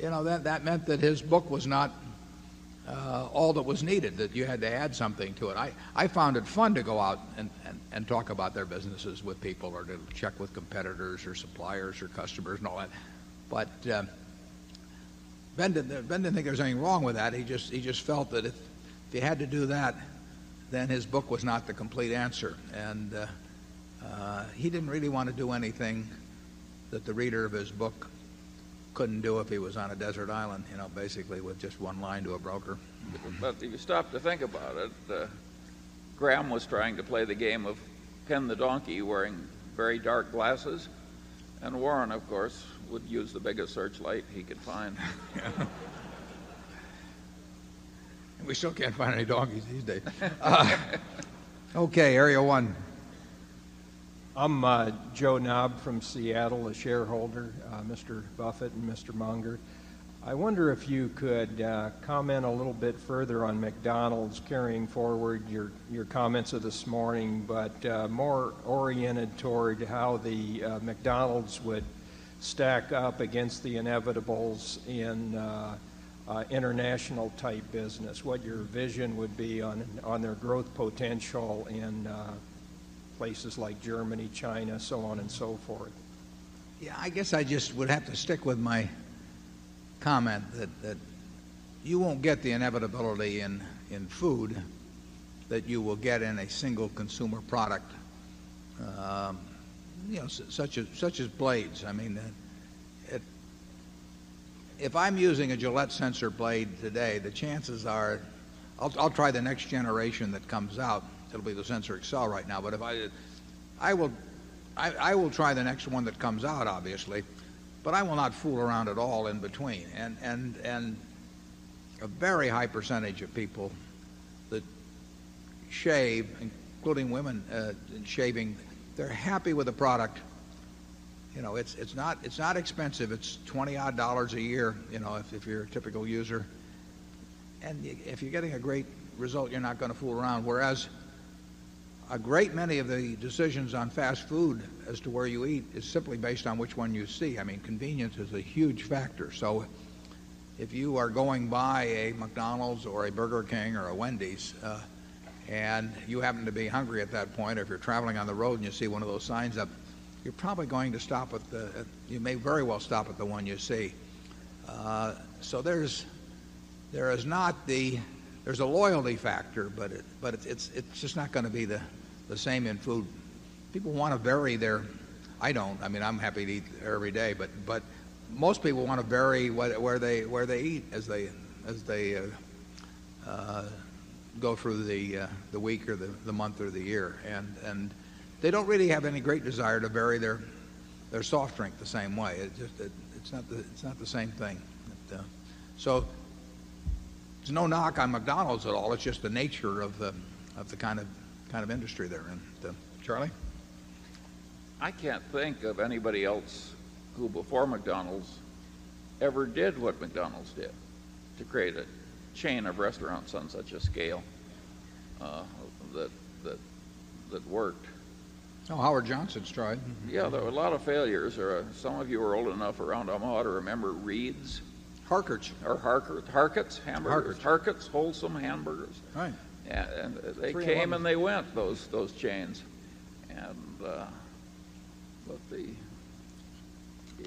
that meant that his book was not all that was needed, that you had to add something to it. I found it fun to go out and talk about their businesses with people or to check with competitors or suppliers or customers all that. But Ben didn't think there was anything wrong with that. He just felt that if he had to do that, then his book was not the complete answer. And he didn't really want to do anything that the reader of his book couldn't do if he was on a desert island basically with just one line to a broker. But if you stop to think about it, Graham was trying to play the game of Ken the donkey wearing very dark glasses. And Warren, of course, would use the biggest search light he could find. And we still can't find any doggies these days. Okay, area 1. I'm Joe Knob from Seattle, a shareholder, Mr. Buffet and Mr. Munger. I wonder if you could comment a little bit further on McDonald's carrying forward your comments this morning, but more oriented toward how the McDonald's would stack up against the inevitables in international type business, what your vision would be on their growth potential in places like Germany, China, so on and so forth. Yes. I guess I just would have to stick with my comment that you won't get the inevitability in food that you will get in a single consumer product such as blades. I mean, if I'm using a Gillette sensor blade today, the chances are I'll try the next generation that comes out. It'll be the Sensor Excel right now, but if I did, I will try the next one that comes out, obviously, but I will not fool around at all in between. And a very high percentage of people that shave, including women, in shaving, they're happy with the product. It's not expensive. It's $20 odd a year if you're a typical user. And if you're getting a great result, you're not going to fool around, whereas a great many of the decisions on fast food as to where you eat is simply based on which one you see. I mean, convenience is a huge factor. So if you are going by a McDonald's or a Burger King or a Wendy's and you happen to be hungry at that point or if you're traveling on the road and you see one of those signs up, you're probably going to stop at the you may very well stop at the one you see. So there's there is not the there's a loyalty factor, but it but it's just not going to be the same in food. People want to vary their I don't. I mean, I'm happy to eat every day, but most people want to vary where they eat as they go through the week or the month or the year. And they don't really have any great desire to bury their soft drink the same way. It's just that it's not the same thing. So there's no knock on McDonald's at all. It's just the nature of the kind of industry they're in. Charlie? I can't think of anybody else who before McDonald's ever did what McDonald's did to create a chain of restaurants on such a scale that worked. Howard Johnson's tried. Yeah. There were a lot of failures. Some of you are old enough around Omaha to remember reeds Harkerts. Or Harkerts, hamburgers. Harkerts, wholesome hamburgers. And they came and they went, those chains. And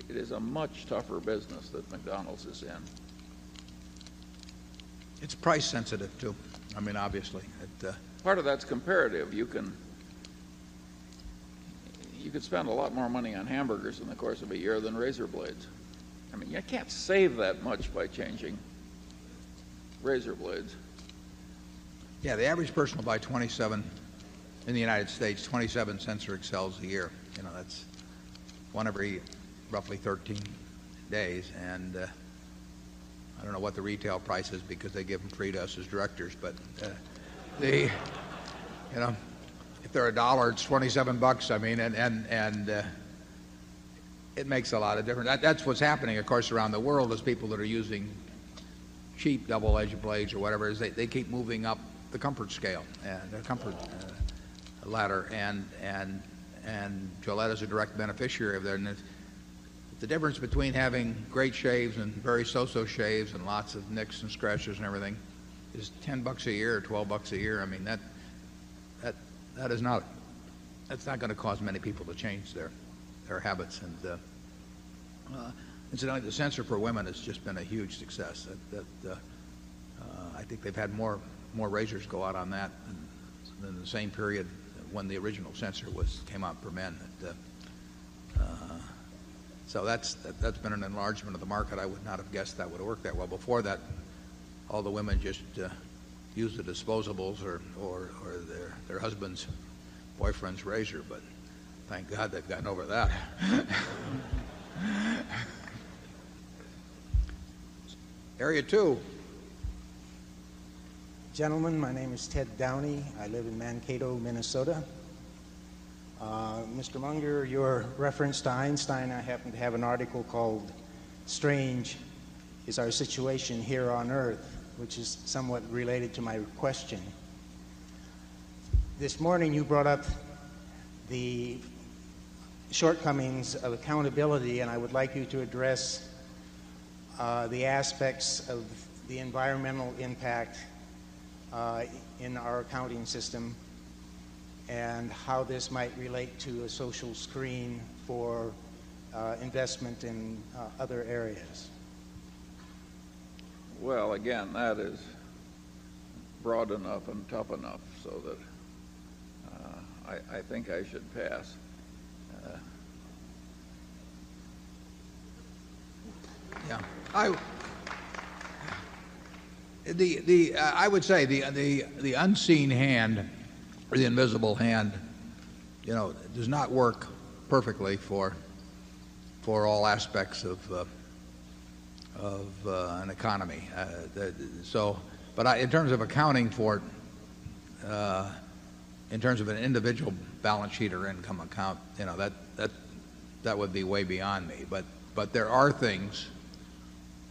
it is a much tougher business that McDonald's is in. It's price sensitive too. I mean, obviously, it Part of that's comparative. You could spend a lot more money on hamburgers in the course of a year than razor blades. I mean, you can't save that much by changing razor blades. Yes. The average person will buy 27 in the United States. 27 sensor excels a year. That's one every roughly 13 days. And I don't know what the retail price is because they give them free to us as directors. But they if they're $1, it's $27 I mean. And it makes a lot of difference. That's what's happening, of course, around the world is people that are using cheap double edged blades or whatever is they keep moving up the comfort scale the comfort ladder, Gillette is a direct beneficiary of their the difference between having great shaves and very so so shaves and lots of nicks and scratches and everything is $10 a year, dollars 12 a year. I mean, that is not that's not going to cause many people to change their habits. And incidentally, the sensor for women has just been a huge success. I think they've had more razors go out on that than the same period when the original sensor was came out for men. So that's been an enlargement of the market. I would not have guessed that would have worked that well. Before that, all the women just used the disposables or their husband's boyfriend's razor, but thank God they've gotten over that. Area 2. Gentlemen, my name is Ted Downey. I live in Mankato, Minnesota. Mister Munger, your reference to Einstein, I happen to have an article called Strange is our situation here on Earth, which is somewhat related to my question. This morning, you brought up the shortcomings of accountability, and I would like you to address the aspects of the environmental impact in our accounting system and how this might relate to a social screen for, investment in, other areas? Well, again, that is broad enough and tough enough so that I think I should pass. Yeah. The the, I would say the the the unseen hand or the invisible hand, you know, does not work perfectly for for all aspects of of an economy. So but in terms of accounting for in terms of an individual balance sheet or income account, that would be way beyond me. But there are things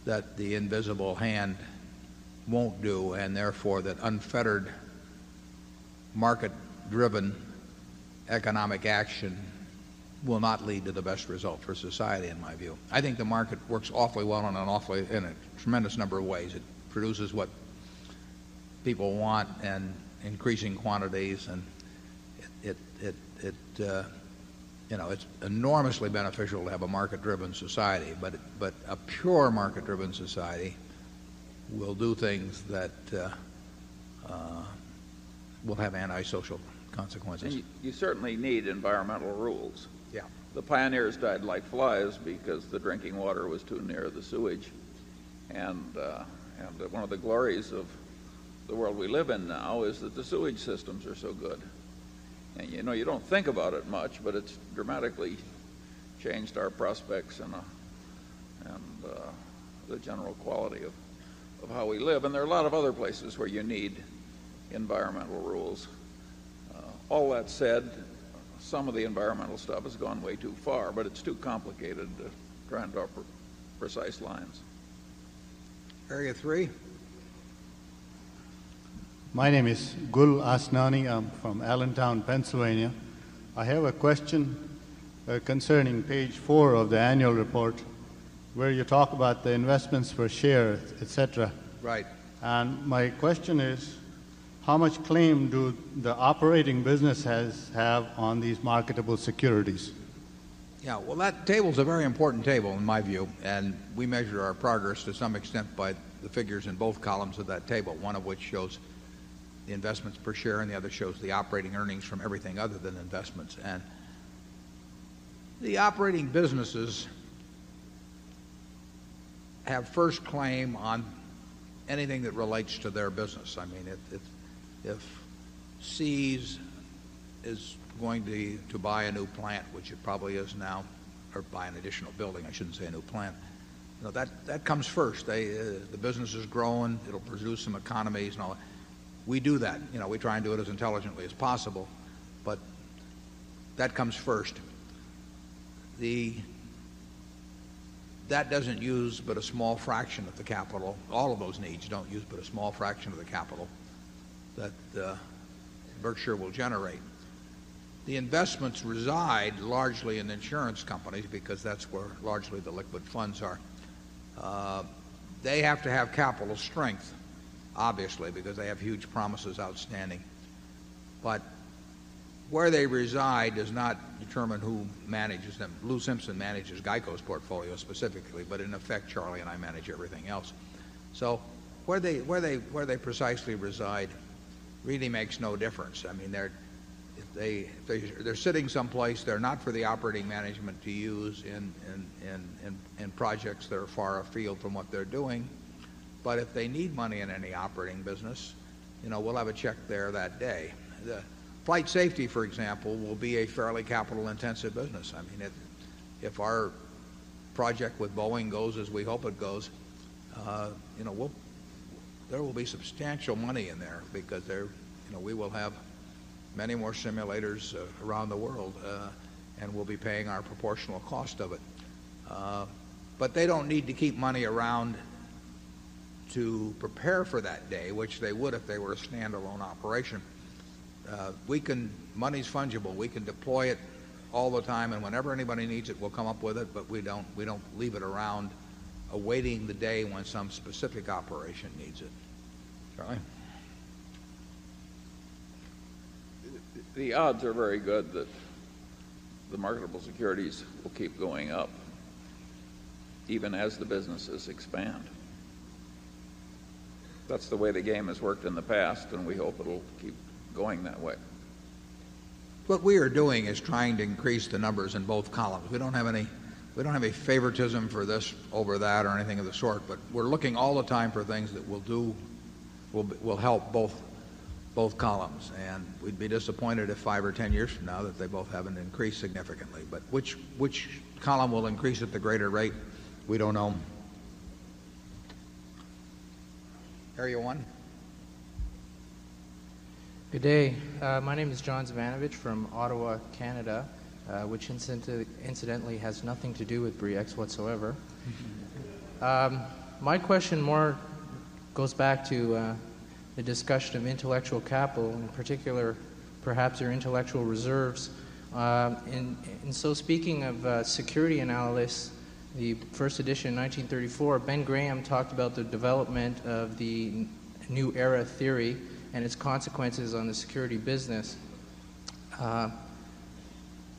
that the invisible hand won't do and, therefore, that unfettered, market driven economic action will not lead to the best result for society, in my view. I think the market works awfully well on an awfully in a tremendous number of ways. It produces what people want in increasing quantities, and it's enormously beneficial to have a market driven society, but a pure market driven society will do things that will have antisocial consequences. And you certainly need environmental rules. The pioneers died like flies because the drinking water was too near the sewage. And one of the glories of the world we live in now is that the sewage systems are so good. And you don't think about it much but it's dramatically changed our prospects and the general quality of how we live. And there are a lot of other places where you need environmental rules. All that said, some of the environmental stuff has gone way too far, but it's too complicated to try and draw precise lines. My name is Gul Asnani. I'm from Allentown, Pennsylvania. I have a question concerning Page 4 of the annual report where you talk about the investments per share etcetera. Right. And my question is how much claim do the operating businesses have on these marketable securities? Yes. Well, that table is a very important table in my view, and we measure our progress to some extent by the figures in both columns of that table, one of which shows the investments per share and the other shows the operating earnings from everything other than investments. And the operating businesses have first claim on anything that relates to their business. I mean, if SEAS is going to buy a new plant, which it probably is now, or buy an additional building, I shouldn't say a new plant. That comes first. The business is growing, it will produce some economies and all that. We do that. We try and do it as intelligently as possible, but that comes first. The that doesn't use but a small fraction of the capital. All of those needs don't use but a small fraction of the capital that Berkshire will generate. The investments reside largely in insurance companies because that's where largely the liquid funds are. They have to have capital strength, obviously, because they have huge promises outstanding. But where they reside does not determine who manages them. Lou Simpson manages GEICO's portfolio specifically, but in effect, Charlie and I manage everything else. So where they precisely reside really makes no difference. I mean, they're sitting someplace. They're not for the operating management to use in projects that are far afield from what they're doing. But if they need money in any operating business, we'll have a check there that day. The flight safety, for example, will be a fairly capital intensive business. I mean, if our project with Boeing goes as we hope it goes, we'll there will be substantial money in there because there we will many more simulators around the world, and we'll be paying our proportional cost of it. But they don't need to keep money around to prepare for that day, which they would if they were a stand alone operation. We can money's fungible. We can deploy it all the time, and whenever anybody needs it, we'll come up with it. But we don't leave it around awaiting the day when some specific operation needs it. Charlie? The odds are very good that the marketable securities will keep going up even as the businesses expand. That's the way the game has worked in the past and we hope it'll keep going that way. What we are doing is trying to increase the numbers in both columns. We don't have any favoritism for this over that or anything of the sort, But we're looking all the time for things that we'll do will help both columns. And we'd be disappointed if 5 or 10 years now that they both haven't increased significantly. But which column will increase at the greater rate, we don't know. Good day. My name is John Zovanovich from Ottawa, Canada, which incidentally has nothing to do with BRI X whatsoever. My question more goes back to the discussion of intellectual capital, in particular, perhaps your intellectual reserves. And so speaking of security analysis, the 1st edition in 1934, Ben Graham talked about the development of the new era theory and its consequences on the security business.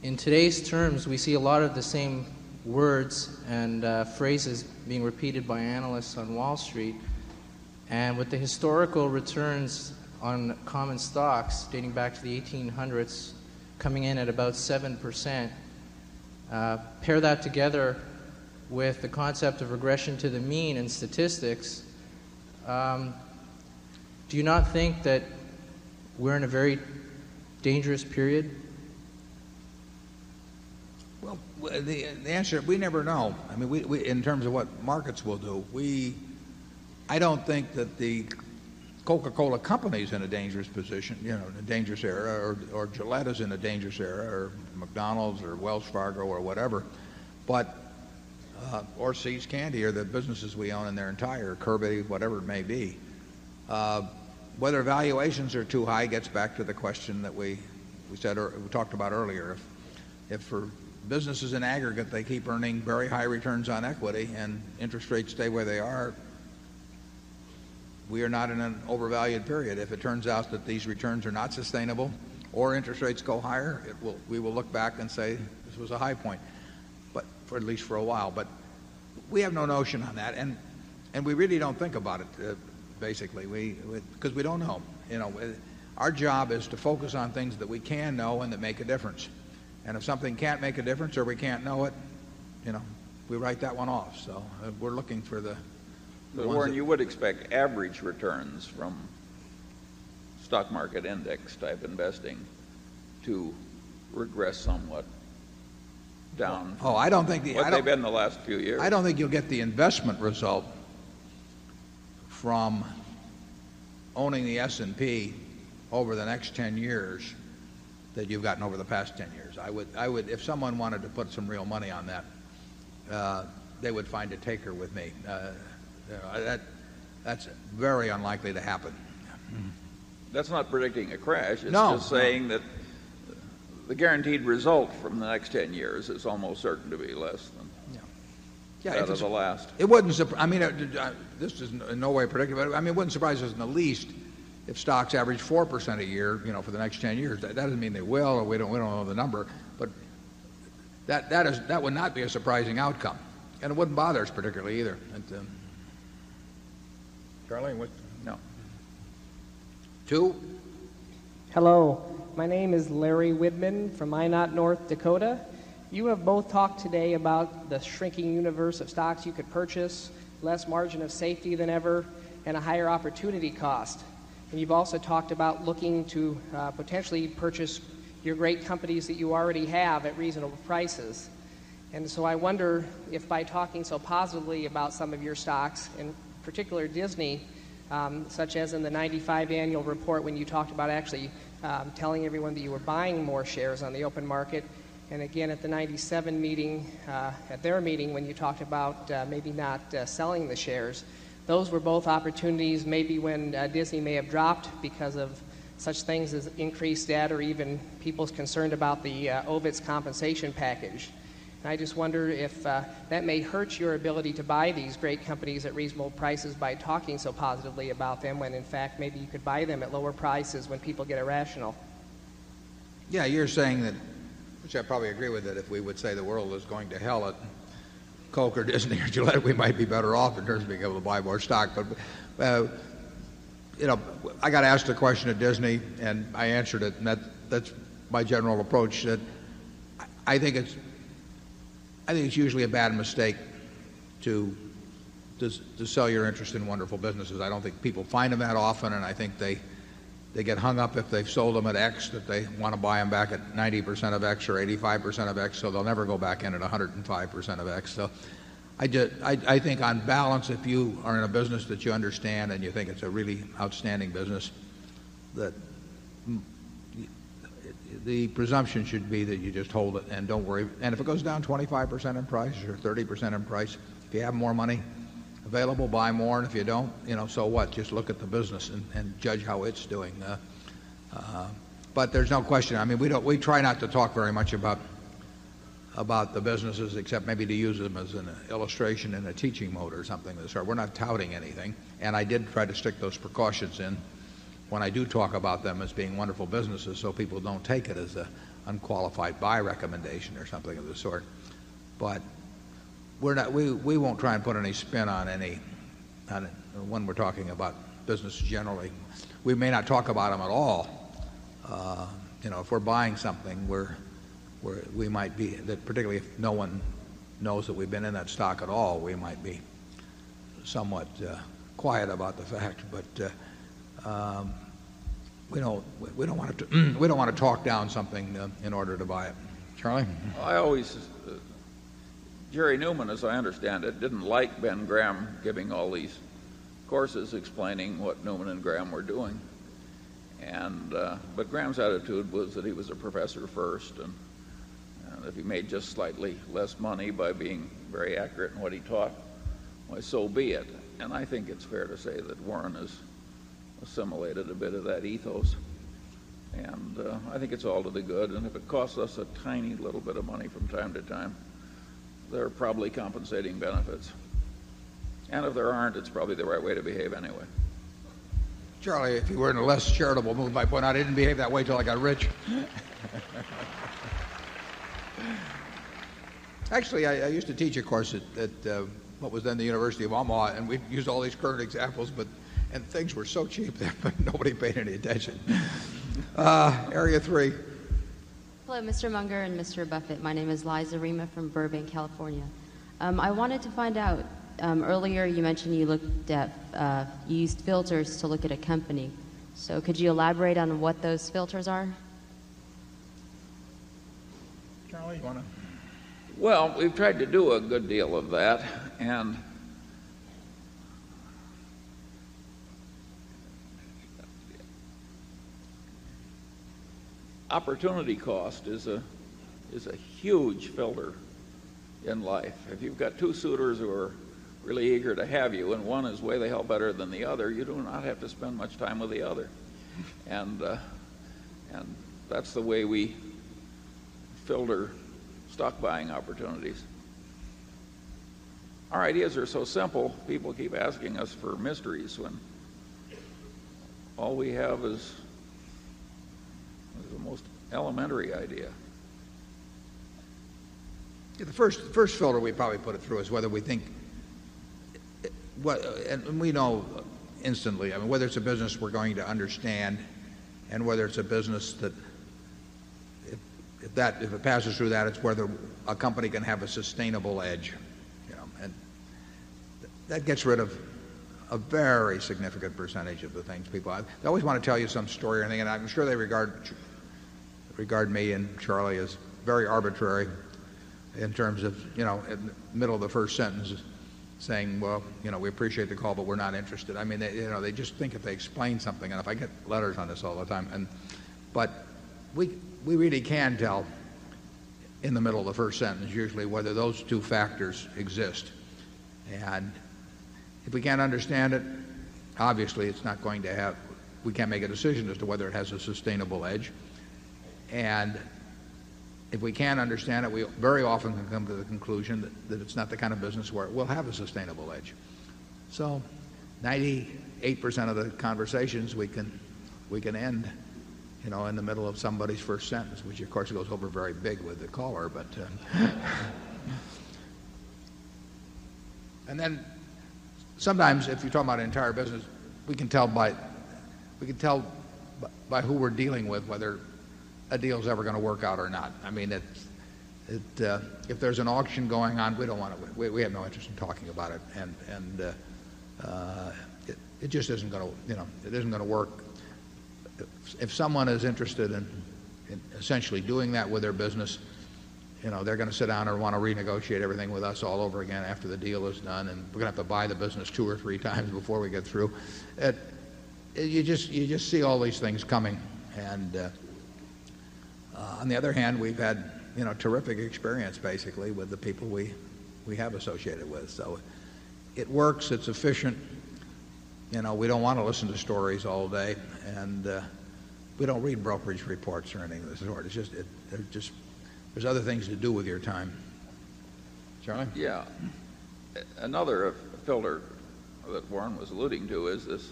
In today's terms, we see a lot of the same words and phrases being repeated by analysts on Wall Street. And with the historical returns on common stocks dating back to the 1800s coming in at about 7%, pair that together with the concept of regression to the mean and statistics, do you not think that we're in a very dangerous period? Well, the answer, we never know. I mean, we we in terms of what markets will do, we I don't think that the Coca Cola Company is in a dangerous position, you know, in a dangerous area or Gillette is in a dangerous era or McDonald's or Wells Fargo or whatever, but or See's Candy or the businesses we own in their entire curve, whatever it may be. Whether valuations are too high gets back to the question that we said or we talked about earlier. If for businesses in aggregate they keep earning very high returns on equity and interest rates stay where they are, we are not in an overvalued period. If it turns out that these returns are not sustainable or interest rates go higher, it will we will look back and say this was a high point, but for at least for a while. But we have no notion on that. And we really don't think about it, basically, because we don't know. Our job is to focus on things that we can know and that make a difference. And if something can't make a difference or we can't know it, we write that one off. So we're looking for the But Warren, you would expect average returns from stock market index type investing to regress somewhat down. Oh, I don't think the What they've been the last few years. I don't think you'll get the investment result from owning the S and P over the next 10 years that you've gotten over the past 10 years. I would I would if someone wanted to put some real money on that, they would find a taker with me. That's very unlikely to happen. That's not predicting a crash. It's just saying that the guaranteed result from the next 10 years is almost certain to be less than that of the last. It wouldn't I mean, this is in no way predicting, but I mean, it wouldn't surprise us in the least if stocks average 4% a year, you know, for the next 10 years. That doesn't mean they will, or we don't we don't know the number. But that that is that would not be a surprising outcome, And it wouldn't bother us particularly either. Hello. My name is Larry Widman from Minot, North Dakota. You have both talked today about the shrinking universe of stocks you could purchase, less margin of safety than ever and a higher opportunity cost. And you've also talked about looking to potentially purchase your great companies that you already have at reasonable prices. And so I wonder if by talking so positively about some of your stocks, and particular Disney, such as in the 'ninety five annual report when you talked about actually telling everyone that you were buying more shares on the open market And again, at the 'ninety seven meeting, at their meeting when you talked about, maybe not selling the shares, those were both opportunities maybe when Disney may have dropped because of such things as increased debt or even people's concern about the OBITS compensation package. And I just wonder if that may hurt your ability to buy these great companies at reasonable prices by talking so positively about them when, in fact, maybe you could buy them at lower prices when people get irrational. Yeah. You're saying that, which I'd probably agree with it, if we would say the world is going to hell at Coke or Disney or July, we might be better off in terms of being able to buy more stock. But I got asked a question at Disney, and I answered it. And that's my general approach that I think it's I think it's usually a bad mistake to sell your interest in wonderful businesses. I don't think people find them that often, and I think they get hung up if they've sold them at X, that they want to buy them back at 90% of X or 85% of X. So they'll never go back in at 105% of X. So I think on balance, if you are in a business that you understand and you think it's a really outstanding business, the presumption should be that you just hold it and don't worry. And if it goes down 25% in price or 30% in price, if you have more money available, buy more. And if you don't, so what? Just look at the business and judge how it's doing. But there's no question. I mean, we don't we try not to talk very much about the businesses except maybe to use them as an illustration in a teaching mode or something. So we're not touting anything. And I did try to stick those precautions in when I do talk about them as being wonderful businesses so people don't take it as an unqualified buy recommendation or something of this sort. But we're not we won't try and put any spin on any on it when we're talking about business generally. We may not talk about them at all. If we're buying something, we're we might be that particularly if no one knows that we've been in that stock at all, we might be somewhat quiet about the fact. But we don't want to talk down something in order to buy it. Charlie? I always Jerry Newman, as I understand it, didn't like Ben Graham giving all these courses explaining what Newman and Graham were doing. But Graham's attitude was that he was a professor first and if he made just slightly less money by being very accurate in what he taught, why so be it. And I think it's fair to say that Warren has assimilated a bit of that ethos. And I think it's all to the good. And if it costs us a tiny little bit of money from time to time, they're probably compensating benefits. And if there aren't, it's probably the right way to behave anyway. Charlie, if you were in a less charitable mood, by point, I didn't behave that way till I got rich. Actually, I used to teach a course at what was then the University of Omaha, and we used all these current examples, but and things were so cheap that nobody paid any attention. Area 3. Hello, Mr. Munger and Mr. Buffet. My name is Liza I wanted to find out, earlier you mentioned you looked at, used filters to look at a company. So could you elaborate on what those filters are? Charlie, do you want to? Well, we've tried to do a good deal of that. And Opportunity cost is a huge filter in life. If you've got 2 suitors who are really eager to have you and one is way the hell better than the other, you do not have to spend much time with the other. And that's the way we filter stock buying opportunities. Our ideas are so simple. People keep asking us for mysteries when all we have is the most elementary idea. The first the first filter we probably put it through is whether we think what and and we know instantly. I mean, whether it's a business we're going to understand and whether it's a business that if that if it passes through that, it's whether a company can have a sustainable edge. And that gets rid of a very significant percentage of the things people have. They always want to tell you some story or anything, and I'm sure they regard regard me and Charlie as very arbitrary in terms of middle of the first sentence saying, well, we appreciate the call, but we're not interested. I mean, they just think if they explain something enough, I get letters on this all the time. And but we really can tell in the middle of the first sentence, usually, whether those two factors exist. And if we can't understand it, obviously, it's not going to have we can't make a decision as to whether it has a sustainable edge. And if we can't understand it, we very often can come to the conclusion that it's not the kind of business where it will have a sustainable edge. So 98% of the conversations, we can we can end, you know, in the middle of somebody's first sentence, which, of course, goes over very big with the caller. But and then sometimes, if you're talking about an entire business, we can tell by we can tell by who we're dealing with whether a deal is ever going to work out or not. I mean, it, if there's an auction going on, we don't want to. We have no interest in talking about it and and, it just isn't gonna, you know, it isn't gonna work. If someone is interested in essentially doing that with their business, you know, they're going to sit down or want to renegotiate everything with us all over again after the deal is done and we're going to have to buy the business 2 or 3 times before we get through. You just see all these things coming. And on the other hand, we've had terrific experience basically with the people we we have associated with. So it works. It's efficient. We don't want to listen to stories all day, and we don't read brokerage reports or anything. It's just there's other things to do with your time. Charlie? Yeah. Another filter that Warren was alluding to is this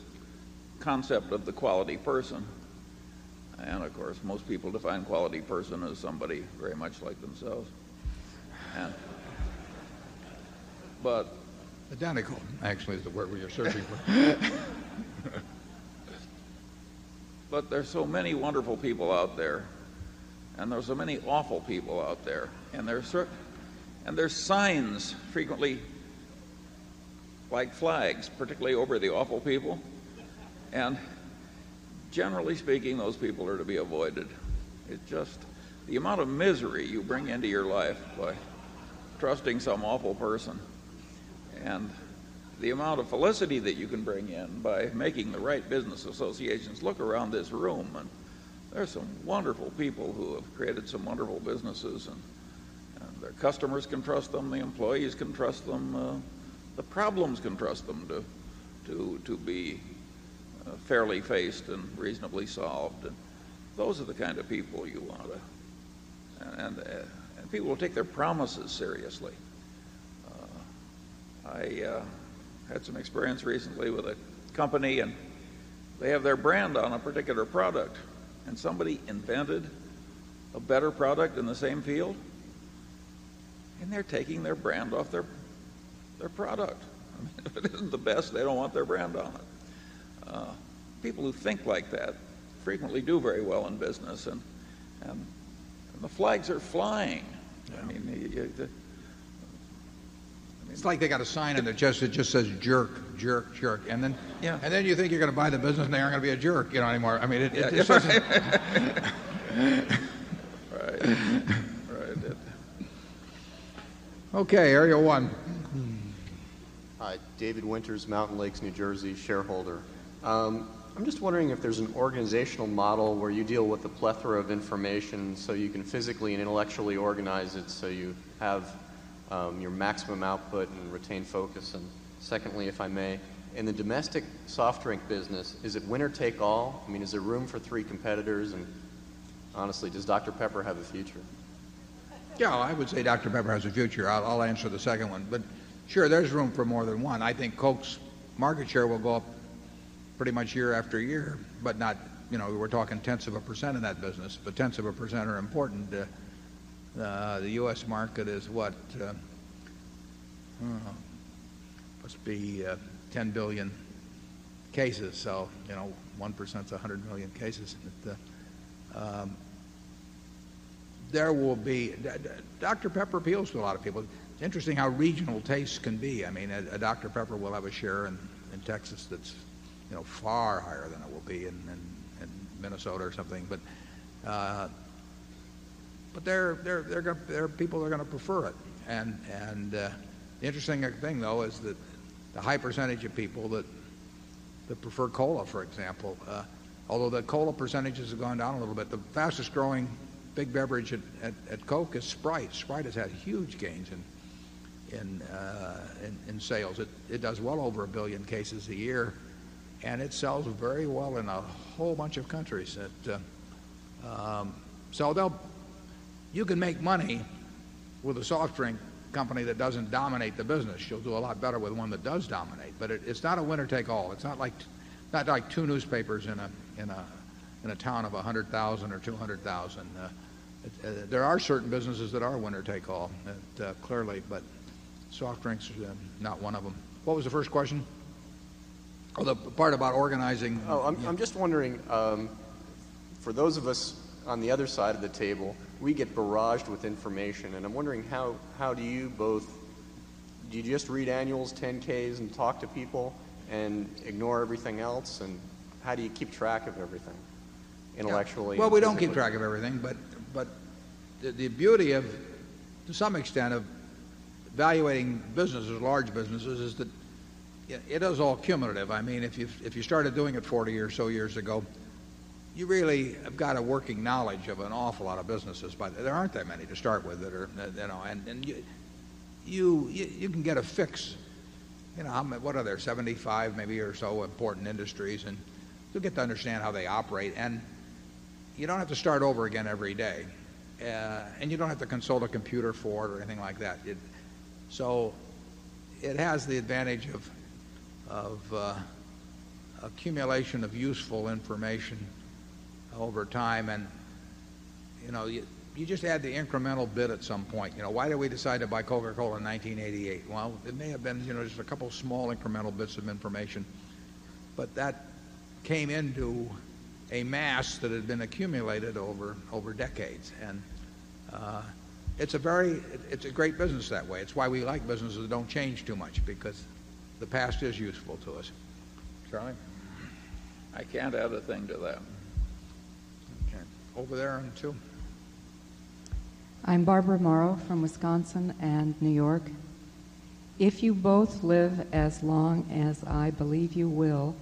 concept of the quality person. And of course, most people define quality person as somebody very much like themselves. But Identical, actually, is the word you're searching for. But there's so many wonderful people out there and there are so many awful people out there. And there are signs frequently like flags, particularly over the awful people. And generally speaking, those people are to be avoided. It's just the amount of misery you bring into your life by trusting some awful person and the amount of felicity that you can bring in by making the right business associations look around this room, there are some wonderful people who have created some wonderful businesses. Their customers can trust them. The employees can trust them. The problems can trust them to be fairly faced and reasonably solved. Those are the kind of people you want. To and people will take their promises seriously. I had some experience recently with a company and they have their brand on a particular product. And somebody invented a better product in the same field and they're taking their brand off their product. I mean, if it isn't the best, they don't want their brand on it. People who think like that frequently do very well in business. And the flags are flying. I mean It's like they got a sign, and it just says jerk, jerk, jerk. And then you think you're going to buy the business, and they aren't going to be a jerk anymore. I mean, it so you have your maximum output and retain focus? And secondly, if I may, in the domestic soft drink business, is it winner take all? I mean is there room for 3 competitors? And honestly, does Doctor Pepper have a future? Yes. I would say Doctor Pepper has future. I'll answer the second one. But sure, there's room for more than one. I think Coke's market share will go up pretty much year after year but not we're talking 10ths of a percent in that business, but 10ths of a percent are important. The U. S. Market is what must be 10,000,000,000 cases. So 1 percent is 100,000,000 cases. There will be Doctor Pepper appeals to a lot of people. It's interesting how regional tastes can be. I mean, a Doctor Pepper will have a share in Texas that's, far higher than it will be in Minnesota or something. But there are people that are going to prefer And the interesting thing, though, is that the high percentage of people that prefer COLA, for example, although the cola percentages have gone down a little bit, the fastest growing big beverage at Coke is Sprite. Sprite has had huge gains in in in sales. It it does well over a 1000000000 cases a year, and it sells very well in a whole bunch of countries. So you can make money with a soft drink company that doesn't dominate the business. You'll do a lot better with one that does dominate, but it's not a winner take all. It's not like 2 newspapers in a town of 100,000 or 200,000. There are certain businesses that are winner take all, clearly, but soft drinks are not one of them. What was the first question? The part about organizing I'm just wondering, for those of us on the other side of the table, we get barraged with information. And I'm wondering how do you both do you just read annuals, 10 ks's and talk to people and ignore everything else? And how do you keep track of everything intellectually? Well, we don't keep track of everything. But the beauty of, to some extent, of evaluating businesses large businesses is that it is all cumulative. I mean, if you started doing it 40 or so years ago, you really have got a working knowledge of an awful lot of businesses, but there aren't that many to start with that are and you can get a fix. I'm what are there, 75 maybe or so important industries, and you'll get to understand how they operate. And you don't have to start over again every day, and you don't have to consult a computer for it or anything like that. So it has the advantage of of accumulation of useful information over time. And you just add the incremental bid at some point why did we decide to buy Coca Cola in 1988? Well, it may have been just a couple small incremental bits of information, but that came into a mass that had been accumulated over decades. And it's a very it's a great business that way. It's why we like businesses that don't change too much because the past is useful to us. Charlie? I can't add a thing to that. I'm Barbara Morrow from Wisconsin and New York. If you both live as long as I believe you will,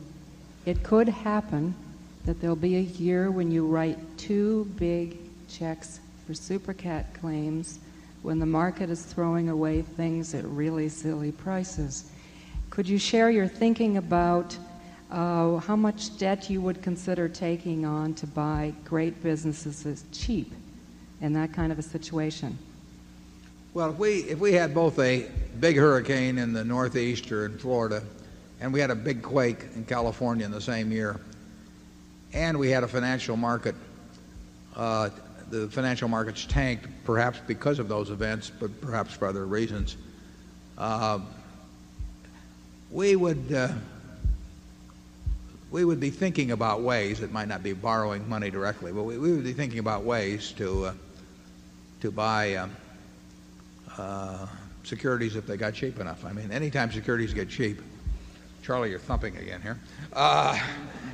it could happen that there'll be a year when you write 2 big checks for super cat claims when the market is throwing away things at really silly prices. Could you share your thinking about how much debt you would consider taking on to buy great businesses as cheap and that kind of a situation? Well, if we had both a big hurricane in the northeast or in Florida and we had a big quake in California in the same year And we had a financial market. The financial markets tanked perhaps because of those events but perhaps for other reasons. We would be thinking about ways that might not be borrowing money directly, but we would be thinking about ways to buy securities if they got cheap enough. I mean, anytime securities get cheap Charlie, you're thumping again here.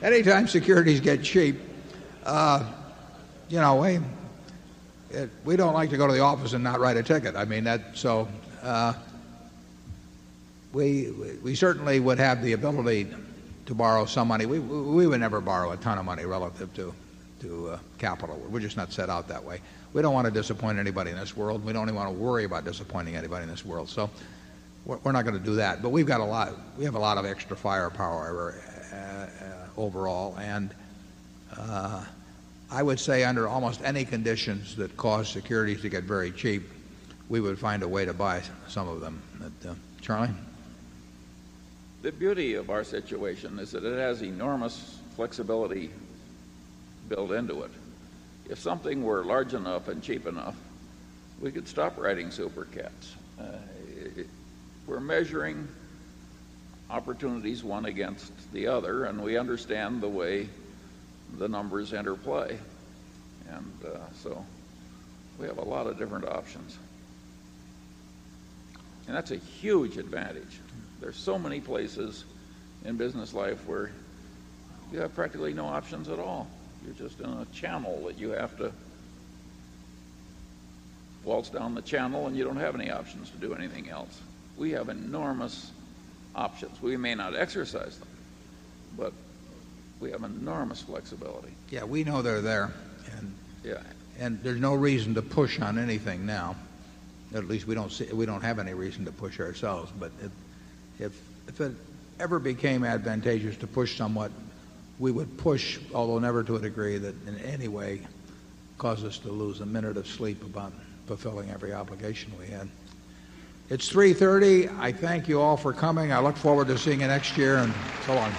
Anytime securities get cheap, you know, we we don't like to go to the office and not write a ticket. I mean, that so we we certainly would have the ability to borrow some money. We we would never borrow a ton of money relative to to capital. We're just not set out that way. We don't want to disappoint anybody in this world. We don't even want to worry about disappointing anybody in this world. So we're not going to do that. But we've got a lot we have a lot of extra firepower overall. And I would say under almost any conditions that cause securities to get very cheap, we would find a way to buy some of them. Charlie? The beauty of our situation is that it has enormous flexibility built into it. If something were large enough and cheap enough, we could stop riding super cats. We're measuring opportunities, one against the other, and we understand the way the numbers interplay. And so we have a lot of different options. And that's a huge advantage. There's so many places in business life where you have practically no options at all. You're just in a channel that you have to waltz down the channel and you don't have any options to do anything else. We have enormous options. We may not exercise them, but we have enormous flexibility. Yes, we know they're there. And there's no reason to push on anything now. At least we don't see we don't have any reason to push ourselves. But if it ever became advantageous to push somewhat, we would push, although never to a degree that in any way caused us to lose a minute of sleep upon fulfilling every obligation we had. It's 3:30. I thank you all for coming. I look forward to seeing you next year and so on.